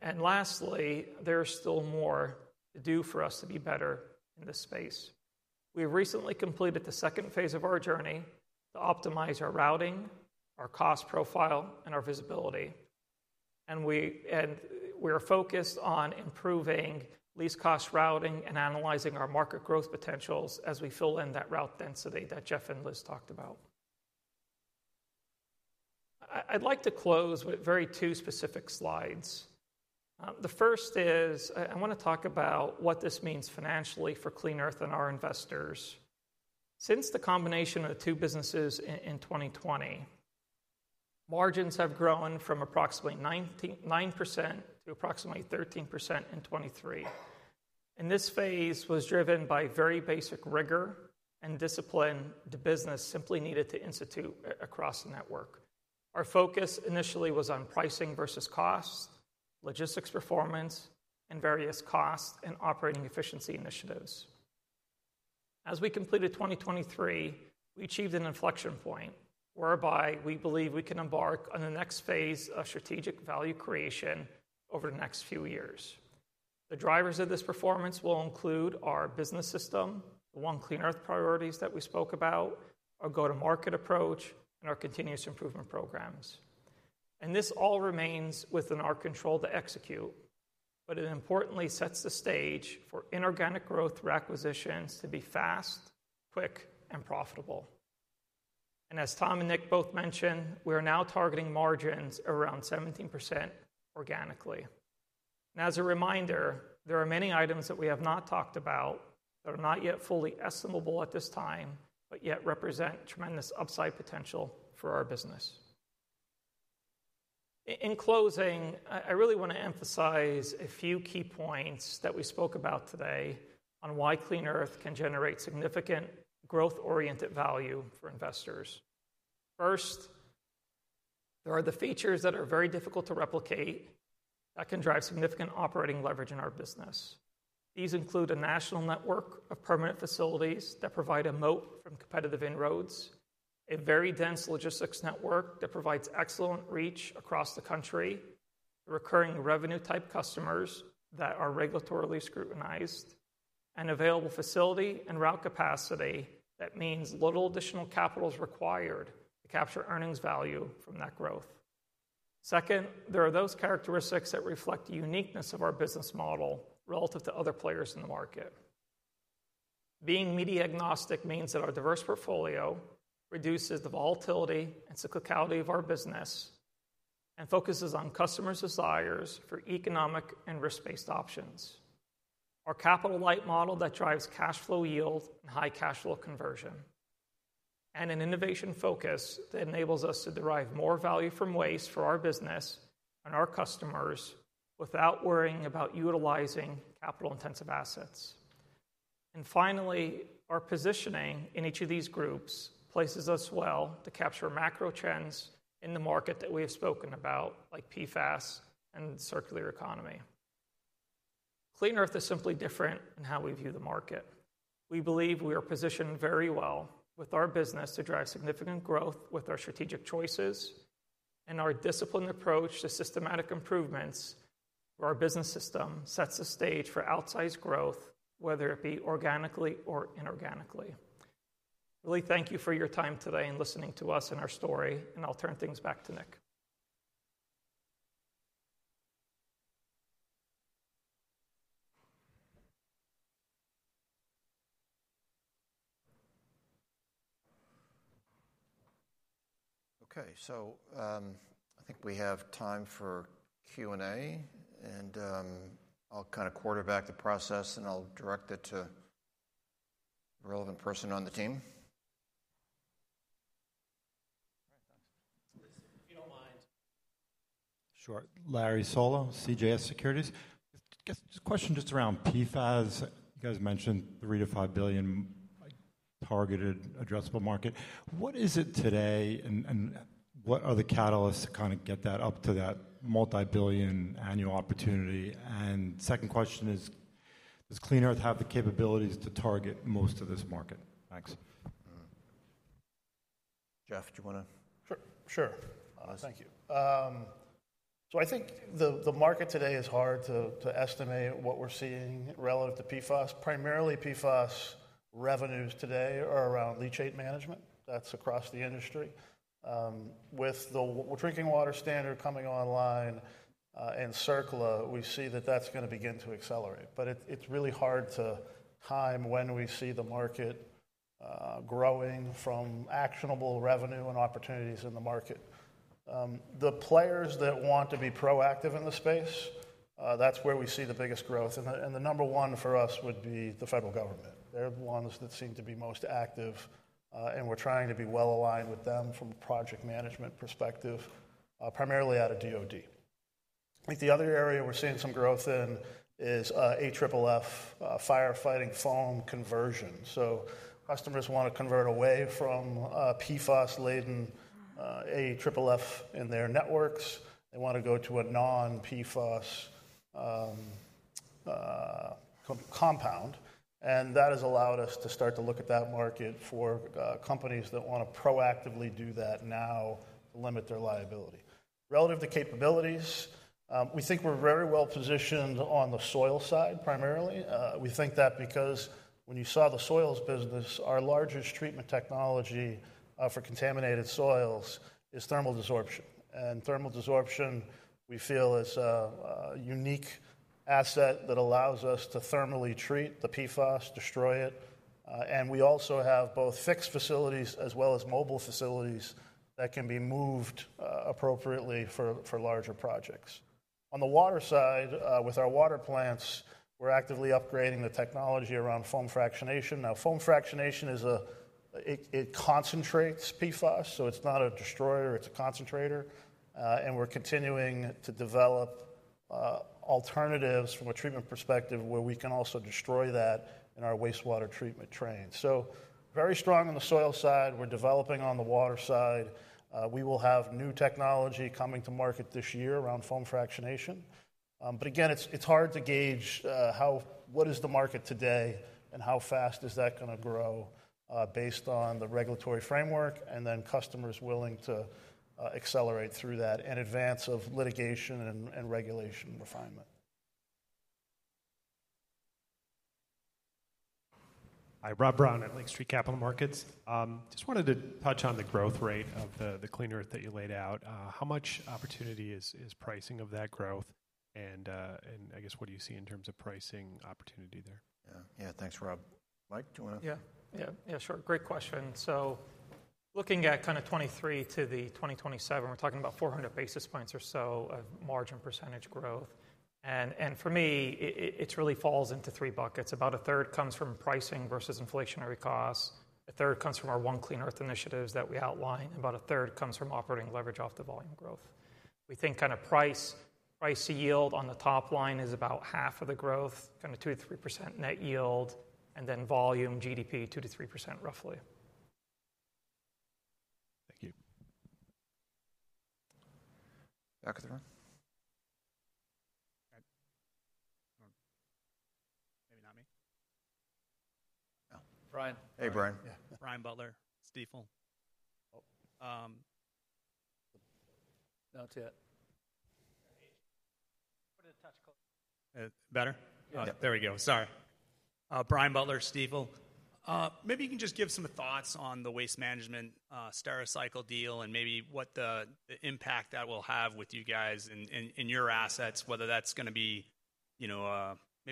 And lastly, there is still more to do for us to be better in this space. We have recently completed the second phase of our journey to optimize our routing, our cost profile, and our visibility. We are focused on improving least cost routing and analyzing our market growth potentials as we fill in that route density that Jeff and Liz talked about. I'd like to close with very two specific slides. The first is I want to talk about what this means financially for Clean Earth and our investors. Since the combination of the two businesses in 2020, margins have grown from approximately 9% to approximately 13% in 2023. This phase was driven by very basic rigor and discipline the business simply needed to institute across the network. Our focus initially was on pricing versus cost, logistics performance, and various cost and operating efficiency initiatives. As we completed 2023, we achieved an inflection point whereby we believe we can embark on the next phase of strategic value creation over the next few years. The drivers of this performance will include our business system, the One Clean Earth priorities that we spoke about, our go-to-market approach, and our continuous improvement programs. This all remains within our control to execute, but it importantly sets the stage for inorganic growth acquisitions to be fast, quick, and profitable. As Tom and Nick both mentioned, we are now targeting margins around 17% organically. As a reminder, there are many items that we have not talked about that are not yet fully estimable at this time, but yet represent tremendous upside potential for our business. In closing, I really want to emphasize a few key points that we spoke about today on why Clean Earth can generate significant growth-oriented value for investors. First, there are the features that are very difficult to replicate that can drive significant operating leverage in our business. These include a national network of permanent facilities that provide a moat from competitive inroads, a very dense logistics network that provides excellent reach across the country, recurring revenue-type customers that are regulatorily scrutinized, and available facility and route capacity that means little additional capital is required to capture earnings value from that growth. Second, there are those characteristics that reflect the uniqueness of our business model relative to other players in the market. Being media agnostic means that our diverse portfolio reduces the volatility and cyclicality of our business and focuses on customer desires for economic and risk-based options. Our capital light model that drives cash flow yield and high cash flow conversion, and an innovation focus that enables us to derive more value from waste for our business and our customers without worrying about utilizing capital-intensive assets. And finally, our positioning in each of these groups places us well to capture macro trends in the market that we have spoken about, like PFAS and circular economy. Clean Earth is simply different in how we view the market. We believe we are positioned very well with our business to drive significant growth with our strategic choices and our disciplined approach to systematic improvements where our business system sets the stage for outsized growth, whether it be organically or inorganically. Really, thank you for your time today in listening to us and our story, and I'll turn things back to Nick. Okay, so I think we have time for Q&A, and I'll kind of quarterback the process, and I'll direct it to a relevant person on the team. All right, thanks. If you don't mind. Sure. Larry Solow, CJS Securities. I guess the question just around PFAS, you guys mentioned $3 billion-$5 billion targeted addressable market. What is it today, and what are the catalysts to kind of get that up to that multi-billion annual opportunity? And second question is, does Clean Earth have the capabilities to target most of this market? Thanks. Jeff, do you want to? Sure. Sure. Thank you. So I think the market today is hard to estimate what we're seeing relative to PFAS. Primarily, PFAS revenues today are around leachate management. That's across the industry. With the drinking water standard coming online and CERCLA, we see that that's going to begin to accelerate. But it's really hard to time when we see the market growing from actionable revenue and opportunities in the market. The players that want to be proactive in the space, that's where we see the biggest growth. The number one for us would be the federal government. They're the ones that seem to be most active, and we're trying to be well aligned with them from a project management perspective, primarily out of DOD. I think the other area we're seeing some growth in is AFFF firefighting foam conversion. So customers want to convert away from PFAS-laden AFFF in their networks. They want to go to a non-PFAS compound. And that has allowed us to start to look at that market for companies that want to proactively do that now to limit their liability. Relative to capabilities, we think we're very well positioned on the soil side primarily. We think that because when you saw the soils business, our largest treatment technology for contaminated soils is thermal desorption. And thermal desorption, we feel, is a unique asset that allows us to thermally treat the PFAS, destroy it. And we also have both fixed facilities as well as mobile facilities that can be moved appropriately for larger projects. On the water side, with our water plants, we're actively upgrading the technology around foam fractionation. Now, foam fractionation is a concentrates PFAS, so it's not a destroyer, it's a concentrator. We're continuing to develop alternatives from a treatment perspective where we can also destroy that in our wastewater treatment train. Very strong on the soil side. We're developing on the water side. We will have new technology coming to market this year around foam fractionation. Again, it's hard to gauge what is the market today and how fast is that going to grow based on the regulatory framework and then customers willing to accelerate through that in advance of litigation and regulation refinement. Hi, Rob Brown at Lake Street Capital Markets. Just wanted to touch on the growth rate of the Clean Earth that you laid out. How much opportunity is pricing of that growth? And I guess what do you see in terms of pricing opportunity there? Yeah, thanks, Rob. Mike, do you want to? Yeah, yeah, yeah, sure. Great question. So looking at kind of 2023 to 2027, we're talking about 400 basis points or so of margin percentage growth. For me, it really falls into 3 buckets. About a third comes from pricing versus inflationary costs. A third comes from our One Clean Earth initiatives that we outline. About a third comes from operating leverage off the volume growth. We think kind of price-to-yield on the top line is about half of the growth, kind of 2%-3% net yield, and then volume GDP 2%-3% roughly. Thank you. Back of the room. Maybe not me. Brian. Hey, Brian. Yeah. Brian Butler, Steve. Not yet. Put it a touch closer. Better? Yeah. There we go. Sorry. Brian Butler, Stifel. Maybe you can just give some thoughts on the Waste Management Stericycle deal and maybe what the impact that will have with you guys in your assets, whether that's going to be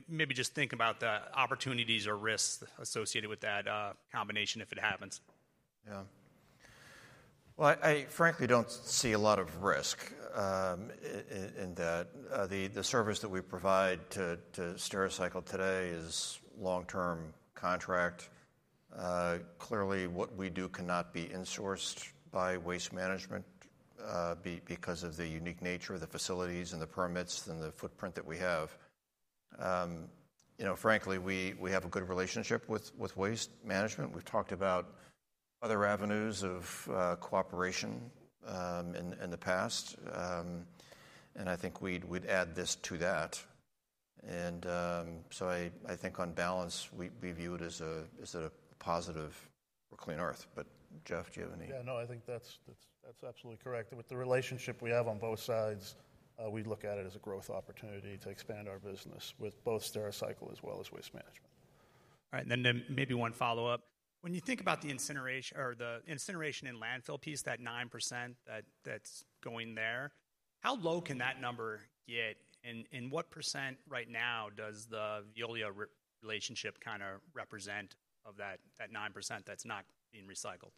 maybe just think about the opportunities or risks associated with that combination if it happens? Yeah. Well, I frankly don't see a lot of risk in that. The service that we provide to Stericycle today is long-term contract. Clearly, what we do cannot be insourced by Waste Management because of the unique nature of the facilities and the permits and the footprint that we have. Frankly, we have a good relationship with Waste Management. We've talked about other avenues of cooperation in the past, and I think we'd add this to that. And so I think on balance, we view it as a positive for Clean Earth. But Jeff, do you have any? Yeah, no, I think that's absolutely correct. With the relationship we have on both sides, we look at it as a growth opportunity to expand our business with both Stericycle as well as Waste Management. All right. Then maybe one follow-up. When you think about the incineration or the incineration and landfill piece, that 9% that's going there, how low can that number get? And what percent right now does the Veolia relationship kind of represent of that 9% that's not being recycled?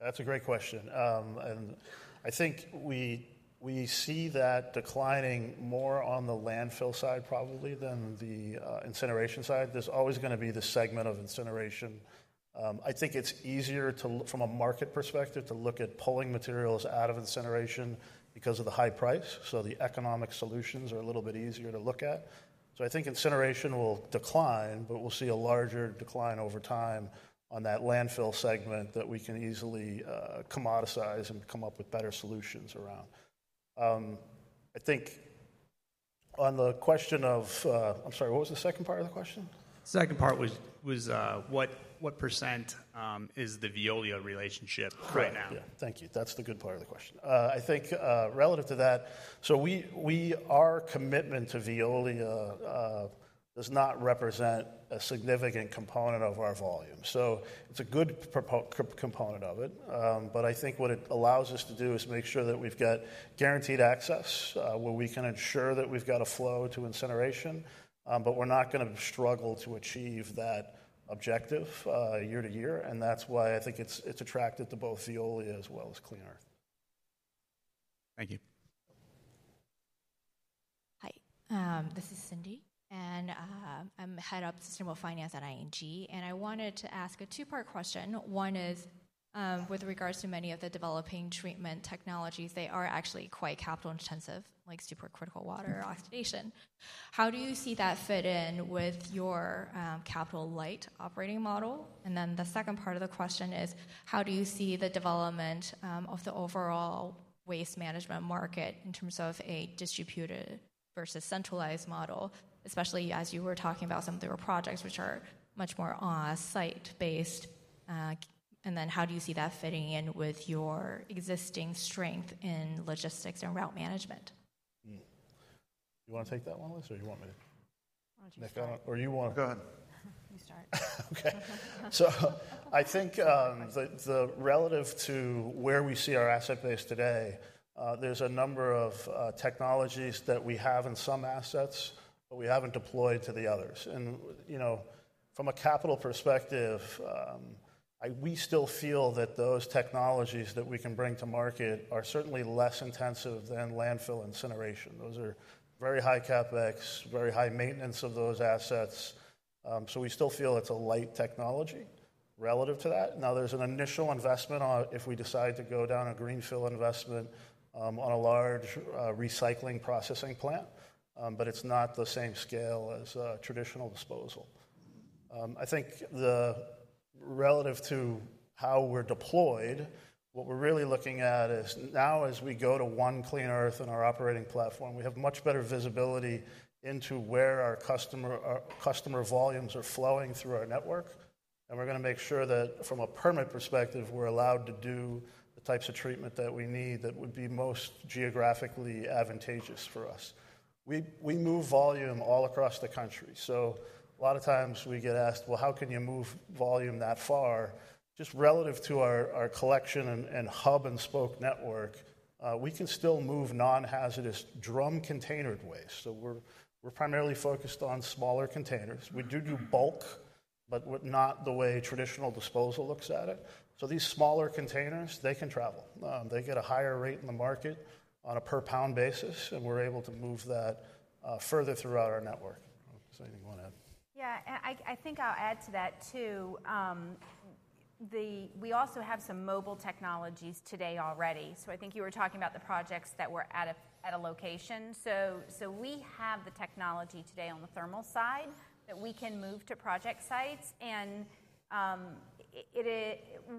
That's a great question. I think we see that declining more on the landfill side probably than the incineration side. There's always going to be the segment of incineration. I think it's easier from a market perspective to look at pulling materials out of incineration because of the high price. So the economic solutions are a little bit easier to look at. So I think incineration will decline, but we'll see a larger decline over time on that landfill segment that we can easily commoditize and come up with better solutions around. I think on the question of, I'm sorry, what was the second part of the question? The second part was what percent is the Veolia relationship right now? Correct. Yeah, thank you. That's the good part of the question. I think relative to that, so our commitment to Veolia does not represent a significant component of our volume. So it's a good component of it. But I think what it allows us to do is make sure that we've got guaranteed access where we can ensure that we've got a flow to incineration, but we're not going to struggle to achieve that objective year to year. And that's why I think it's attractive to both Veolia as well as Clean Earth. Thank you. Hi, this is Cindy, and I'm head of sustainable finance at ING. And I wanted to ask a two-part question. One is with regards to many of the developing treatment technologies, they are actually quite capital-intensive, like supercritical water oxidation. How do you see that fit in with your capital-light operating model? And then the second part of the question is, how do you see the development of the overall waste management market in terms of a distributed versus centralized model, especially as you were talking about some of the projects which are much more on-site based? And then how do you see that fitting in with your existing strength in logistics and route management? You want to take that one, Liz, or you want me to? I want you to take that one. Or you want to? Go ahead. You start. Okay. So I think relative to where we see our asset base today, there's a number of technologies that we have in some assets, but we haven't deployed to the others. And from a capital perspective, we still feel that those technologies that we can bring to market are certainly less intensive than landfill incineration. Those are very high CapEx, very high maintenance of those assets. So we still feel it's a light technology relative to that. Now, there's an initial investment if we decide to go down a greenfield investment on a large recycling processing plant, but it's not the same scale as traditional disposal. I think relative to how we're deployed, what we're really looking at is now as we go to One Clean Earth in our operating platform, we have much better visibility into where our customer volumes are flowing through our network. We're going to make sure that from a permit perspective, we're allowed to do the types of treatment that we need that would be most geographically advantageous for us. We move volume all across the country. So a lot of times we get asked, well, how can you move volume that far? Just relative to our collection and hub and spoke network, we can still move non-hazardous drum-containered waste. So we're primarily focused on smaller containers. We do do bulk, but not the way traditional disposal looks at it. So these smaller containers, they can travel. They get a higher rate in the market on a per-pound basis, and we're able to move that further throughout our network. Is there anything you want to add? Yeah, I think I'll add to that too. We also have some mobile technologies today already. So I think you were talking about the projects that were at a location. So we have the technology today on the thermal side that we can move to project sites. And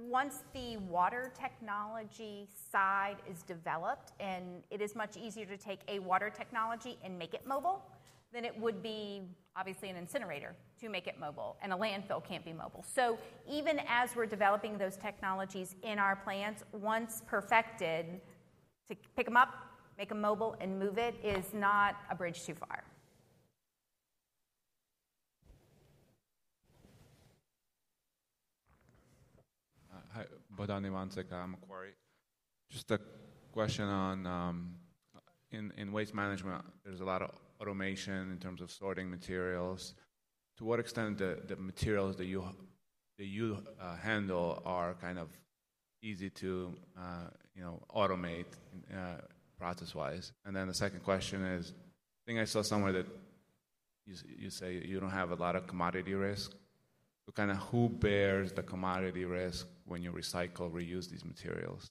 once the water technology side is developed, and it is much easier to take a water technology and make it mobile than it would be, obviously, an incinerator to make it mobile. And a landfill can't be mobile. So even as we're developing those technologies in our plants, once perfected to pick them up, make them mobile, and move it is not a bridge too far. Hi, Badan Iwanseka. I'm a quarry. Just a question on in waste management, there's a lot of automation in terms of sorting materials. To what extent the materials that you handle are kind of easy to automate process-wise? The second question is, I think I saw somewhere that you say you don't have a lot of commodity risk. So kind of who bears the commodity risk when you recycle, reuse these materials?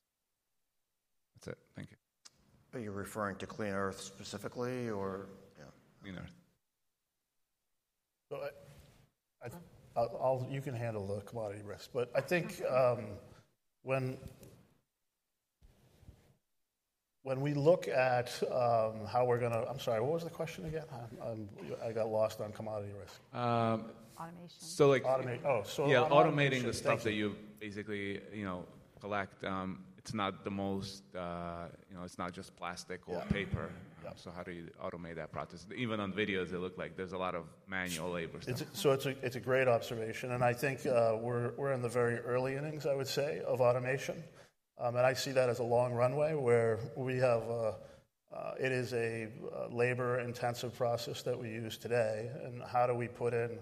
That's it. Thank you. Are you referring to Clean Earth specifically or? Yeah. Clean Earth. So you can handle the commodity risk. But I think when we look at how we're going to, I'm sorry, what was the question again? I got lost on commodity risk. Automation. So yeah, automating the stuff that you basically collect, it's not the most, it's not just plastic or paper. So how do you automate that process? Even on videos, it looks like there's a lot of manual labor stuff. It's a great observation. I think we're in the very early innings, I would say, of automation. I see that as a long runway where we have—it is a labor-intensive process that we use today. How do we put in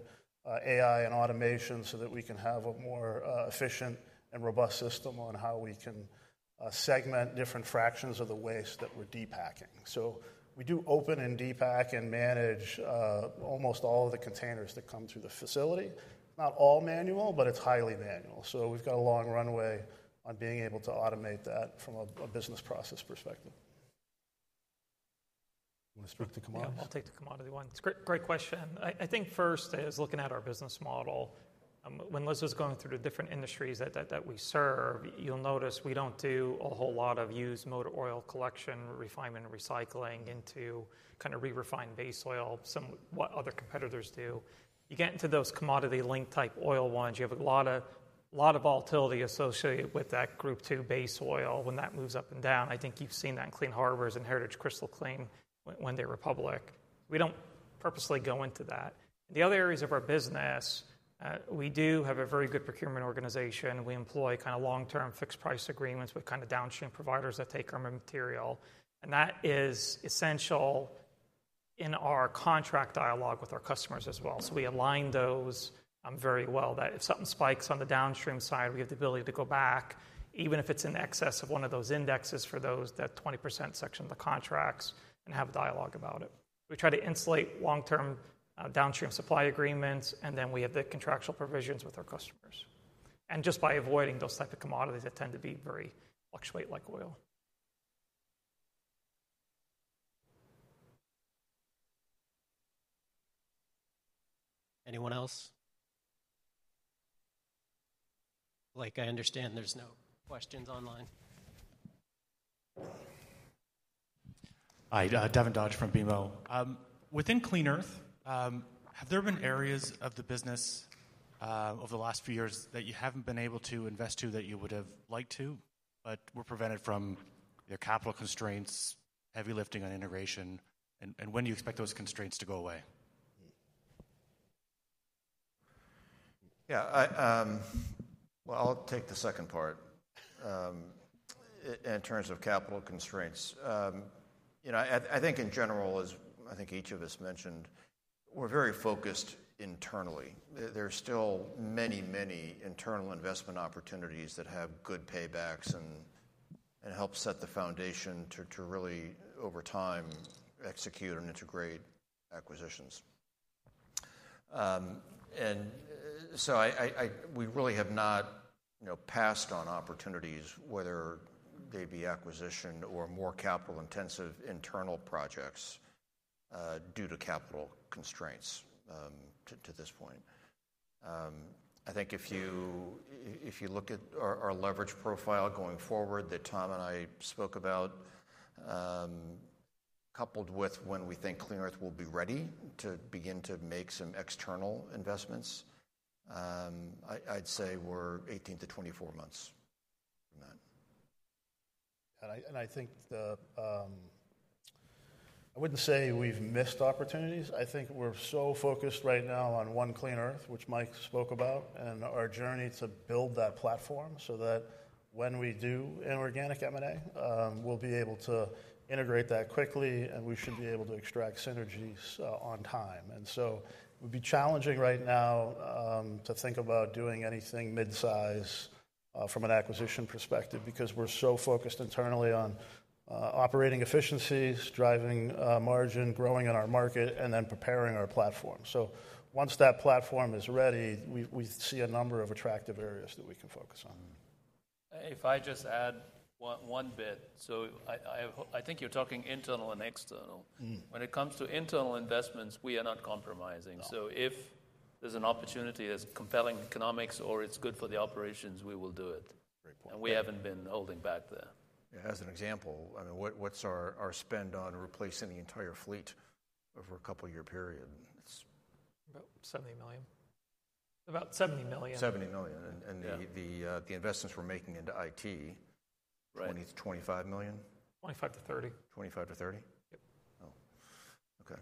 AI and automation so that we can have a more efficient and robust system on how we can segment different fractions of the waste that we're depacking? We do open and depack and manage almost all of the containers that come through the facility. Not all manual, but it's highly manual. We've got a long runway on being able to automate that from a business process perspective. You want to speak to commodity? I'll take the commodity one. It's a great question. I think first is looking at our business model. When Liz was going through the different industries that we serve, you'll notice we don't do a whole lot of used motor oil collection, refinement, and recycling into kind of re-refined base oil, what other competitors do. You get into those commodity-linked type oil ones. You have a lot of volatility associated with that group two base oil when that moves up and down. I think you've seen that in Clean Harbors and Heritage-Crystal Clean when they were public. We don't purposely go into that. The other areas of our business, we do have a very good procurement organization. We employ kind of long-term fixed price agreements with kind of downstream providers that take our material. And that is essential in our contract dialogue with our customers as well. So we align those very well that if something spikes on the downstream side, we have the ability to go back, even if it's in excess of one of those indexes for that 20% section of the contracts and have a dialogue about it. We try to insulate long-term downstream supply agreements, and then we have the contractual provisions with our customers. And just by avoiding those types of commodities that tend to be very fluctuating like oil. Anyone else? Like I understand there's no questions online. Hi, Devin Dodge from BMO. Within Clean Earth, have there been areas of the business over the last few years that you haven't been able to invest to that you would have liked to but were prevented from their capital constraints, heavy lifting on integration? And when do you expect those constraints to go away? Yeah. Well, I'll take the second part in terms of capital constraints. I think in general, as I think each of us mentioned, we're very focused internally. There are still many, many internal investment opportunities that have good paybacks and help set the foundation to really, over time, execute and integrate acquisitions. And so we really have not passed on opportunities, whether they be acquisition or more capital-intensive internal projects due to capital constraints to this point. I think if you look at our leverage profile going forward that Tom and I spoke about, coupled with when we think Clean Earth will be ready to begin to make some external investments, I'd say we're 18-24 months from that. I think I wouldn't say we've missed opportunities. I think we're so focused right now on One Clean Earth, which Mike spoke about, and our journey to build that platform so that when we do inorganic M&A, we'll be able to integrate that quickly, and we should be able to extract synergies on time. So it would be challenging right now to think about doing anything mid-size from an acquisition perspective because we're so focused internally on operating efficiencies, driving margin, growing on our market, and then preparing our platform. So once that platform is ready, we see a number of attractive areas that we can focus on. If I just add one bit. So I think you're talking internal and external. When it comes to internal investments, we are not compromising. So if there's an opportunity that's compelling economics or it's good for the operations, we will do it. And we haven't been holding back there. As an example, I mean, what's our spend on replacing the entire fleet over a couple-year period? About $70 million. About $70 million. $70 million. And the investments we're making into IT, $20 million-$25 million? 25-30. 25-30? Yep. Oh, okay.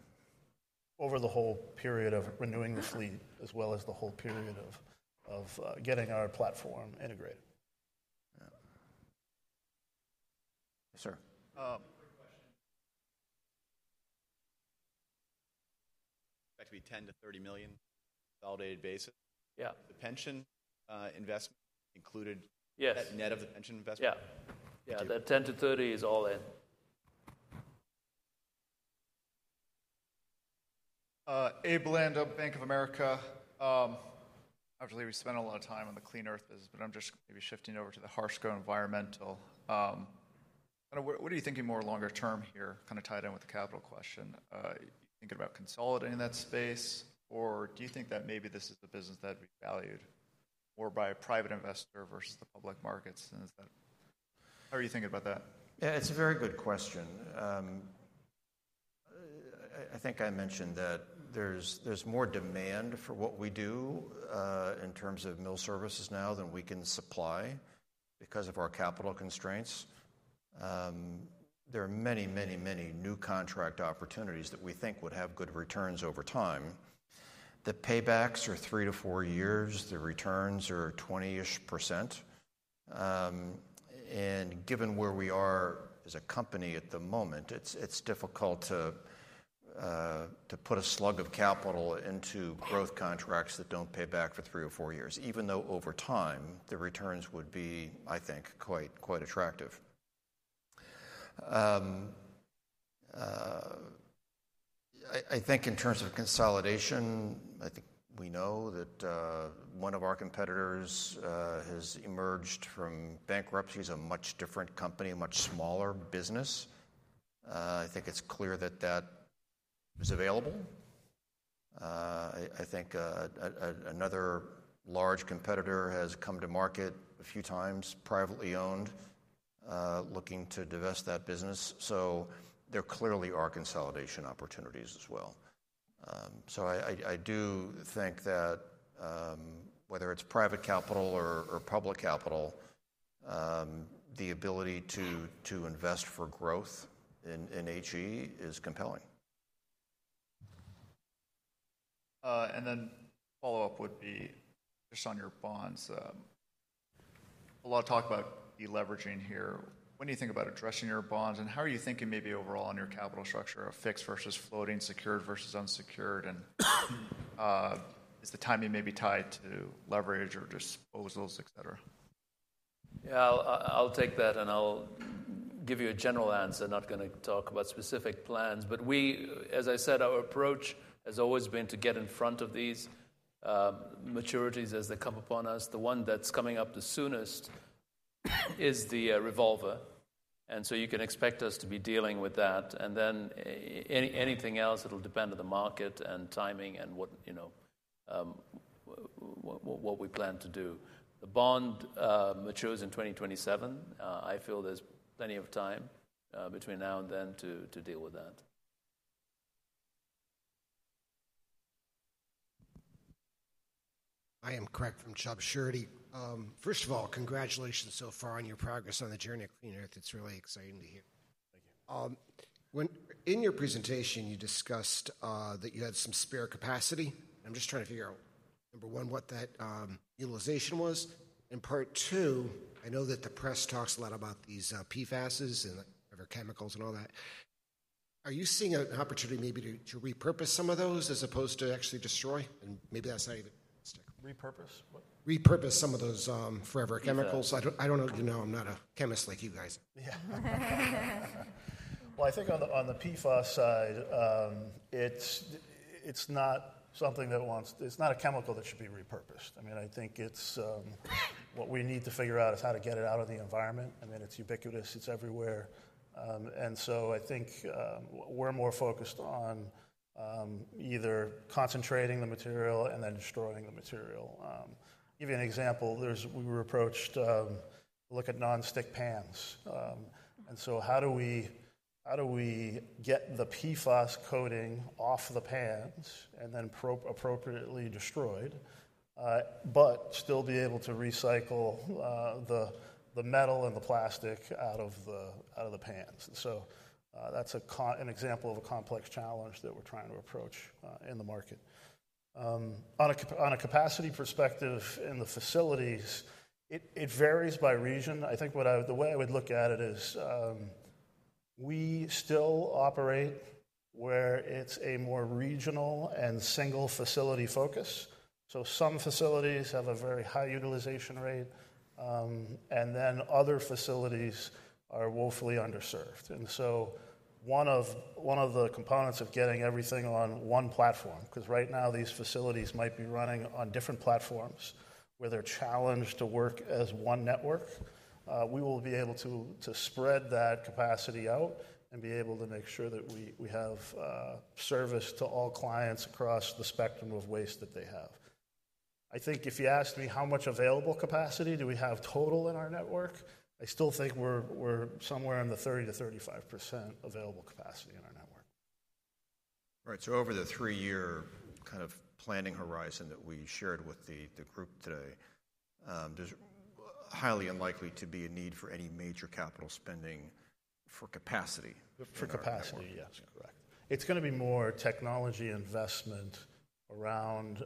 Over the whole period of renewing the fleet as well as the whole period of getting our platform integrated. Yes, sir. That could be $10 million-$30 million validated basis. Yeah. The pension investment included that net of the pension investment? Yeah. Yeah, that 10-30 is all in. Abe Land of Bank of America. Obviously, we spent a lot of time on the Clean Earth business, but I'm just maybe shifting over to the Harsco Environmental. What are you thinking more longer term here, kind of tied in with the capital question? You think about consolidating that space, or do you think that maybe this is a business that'd be valued more by a private investor versus the public markets? How are you thinking about that? Yeah, it's a very good question. I think I mentioned that there's more demand for what we do in terms of mill services now than we can supply because of our capital constraints. There are many, many, many new contract opportunities that we think would have good returns over time. The paybacks are three to four years. The returns are 20-ish%. And given where we are as a company at the moment, it's difficult to put a slug of capital into growth contracts that don't pay back for three or four years, even though over time, the returns would be, I think, quite attractive. I think in terms of consolidation, I think we know that one of our competitors has emerged from bankruptcy. He's a much different company, a much smaller business. I think it's clear that that is available. I think another large competitor has come to market a few times, privately owned, looking to divest that business. There clearly are consolidation opportunities as well. I do think that whether it's private capital or public capital, the ability to invest for growth in HE is compelling. Then follow-up would be just on your bonds. A lot of talk about the leveraging here. When do you think about addressing your bonds? And how are you thinking maybe overall on your capital structure, a fixed versus floating, secured versus unsecured? And is the timing maybe tied to leverage or disposals, etc.? Yeah, I'll take that, and I'll give you a general answer. I'm not going to talk about specific plans. But as I said, our approach has always been to get in front of these maturities as they come upon us. The one that's coming up the soonest is the revolver. And so you can expect us to be dealing with that. And then anything else, it'll depend on the market and timing and what we plan to do. The bond matures in 2027. I feel there's plenty of time between now and then to deal with that. I am Craig from Chubb Surety. First of all, congratulations so far on your progress on the journey at Clean Earth. It's really exciting to hear. Thank you. In your presentation, you discussed that you had some spare capacity. I'm just trying to figure out, number one, what that utilization was. And part two, I know that the press talks a lot about these PFAS and forever chemicals and all that. Are you seeing an opportunity maybe to repurpose some of those as opposed to actually destroy? And maybe that's not even realistic. Repurpose what? Repurpose some of those forever chemicals. I don't know if you know. I'm not a chemist like you guys. Yeah. Well, I think on the PFAS side, it's not a chemical that should be repurposed. I mean, I think what we need to figure out is how to get it out of the environment. I mean, it's ubiquitous. It's everywhere. And so I think we're more focused on either concentrating the material and then destroying the material. Give you an example. We were approached to look at non-stick pans. And so how do we get the PFAS coating off the pans and then appropriately destroyed but still be able to recycle the metal and the plastic out of the pans? So that's an example of a complex challenge that we're trying to approach in the market. On a capacity perspective in the facilities, it varies by region. I think the way I would look at it is we still operate where it's a more regional and single facility focus. So some facilities have a very high utilization rate, and then other facilities are woefully underserved. And so one of the components of getting everything on one platform, because right now these facilities might be running on different platforms where they're challenged to work as one network, we will be able to spread that capacity out and be able to make sure that we have service to all clients across the spectrum of waste that they have. I think if you asked me how much available capacity do we have total in our network, I still think we're somewhere in the 30%-35% available capacity in our network. All right. So over the three-year kind of planning horizon that we shared with the group today, there's highly unlikely to be a need for any major capital spending for capacity. For capacity, yes. Correct. It's going to be more technology investment around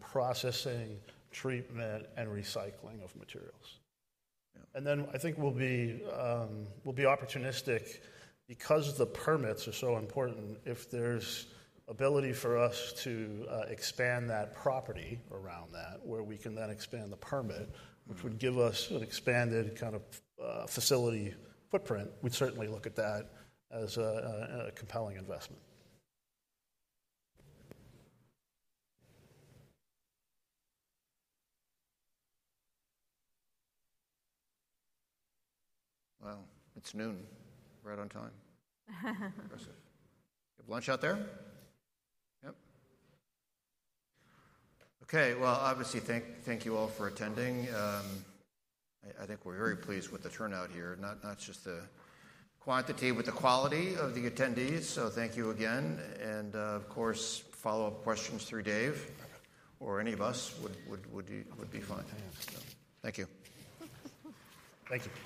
processing, treatment, and recycling of materials. Then I think we'll be opportunistic because the permits are so important. If there's ability for us to expand that property around that, where we can then expand the permit, which would give us an expanded kind of facility footprint, we'd certainly look at that as a compelling investment. Well, it's 12:00 P.M. We're right on time. Impressive. You have lunch out there? Yep. Okay. Well, obviously, thank you all for attending. I think we're very pleased with the turnout here, not just the quantity, but the quality of the attendees. So thank you again. And of course, follow-up questions through Dave or any of us would be fine. Thank you. Thank you.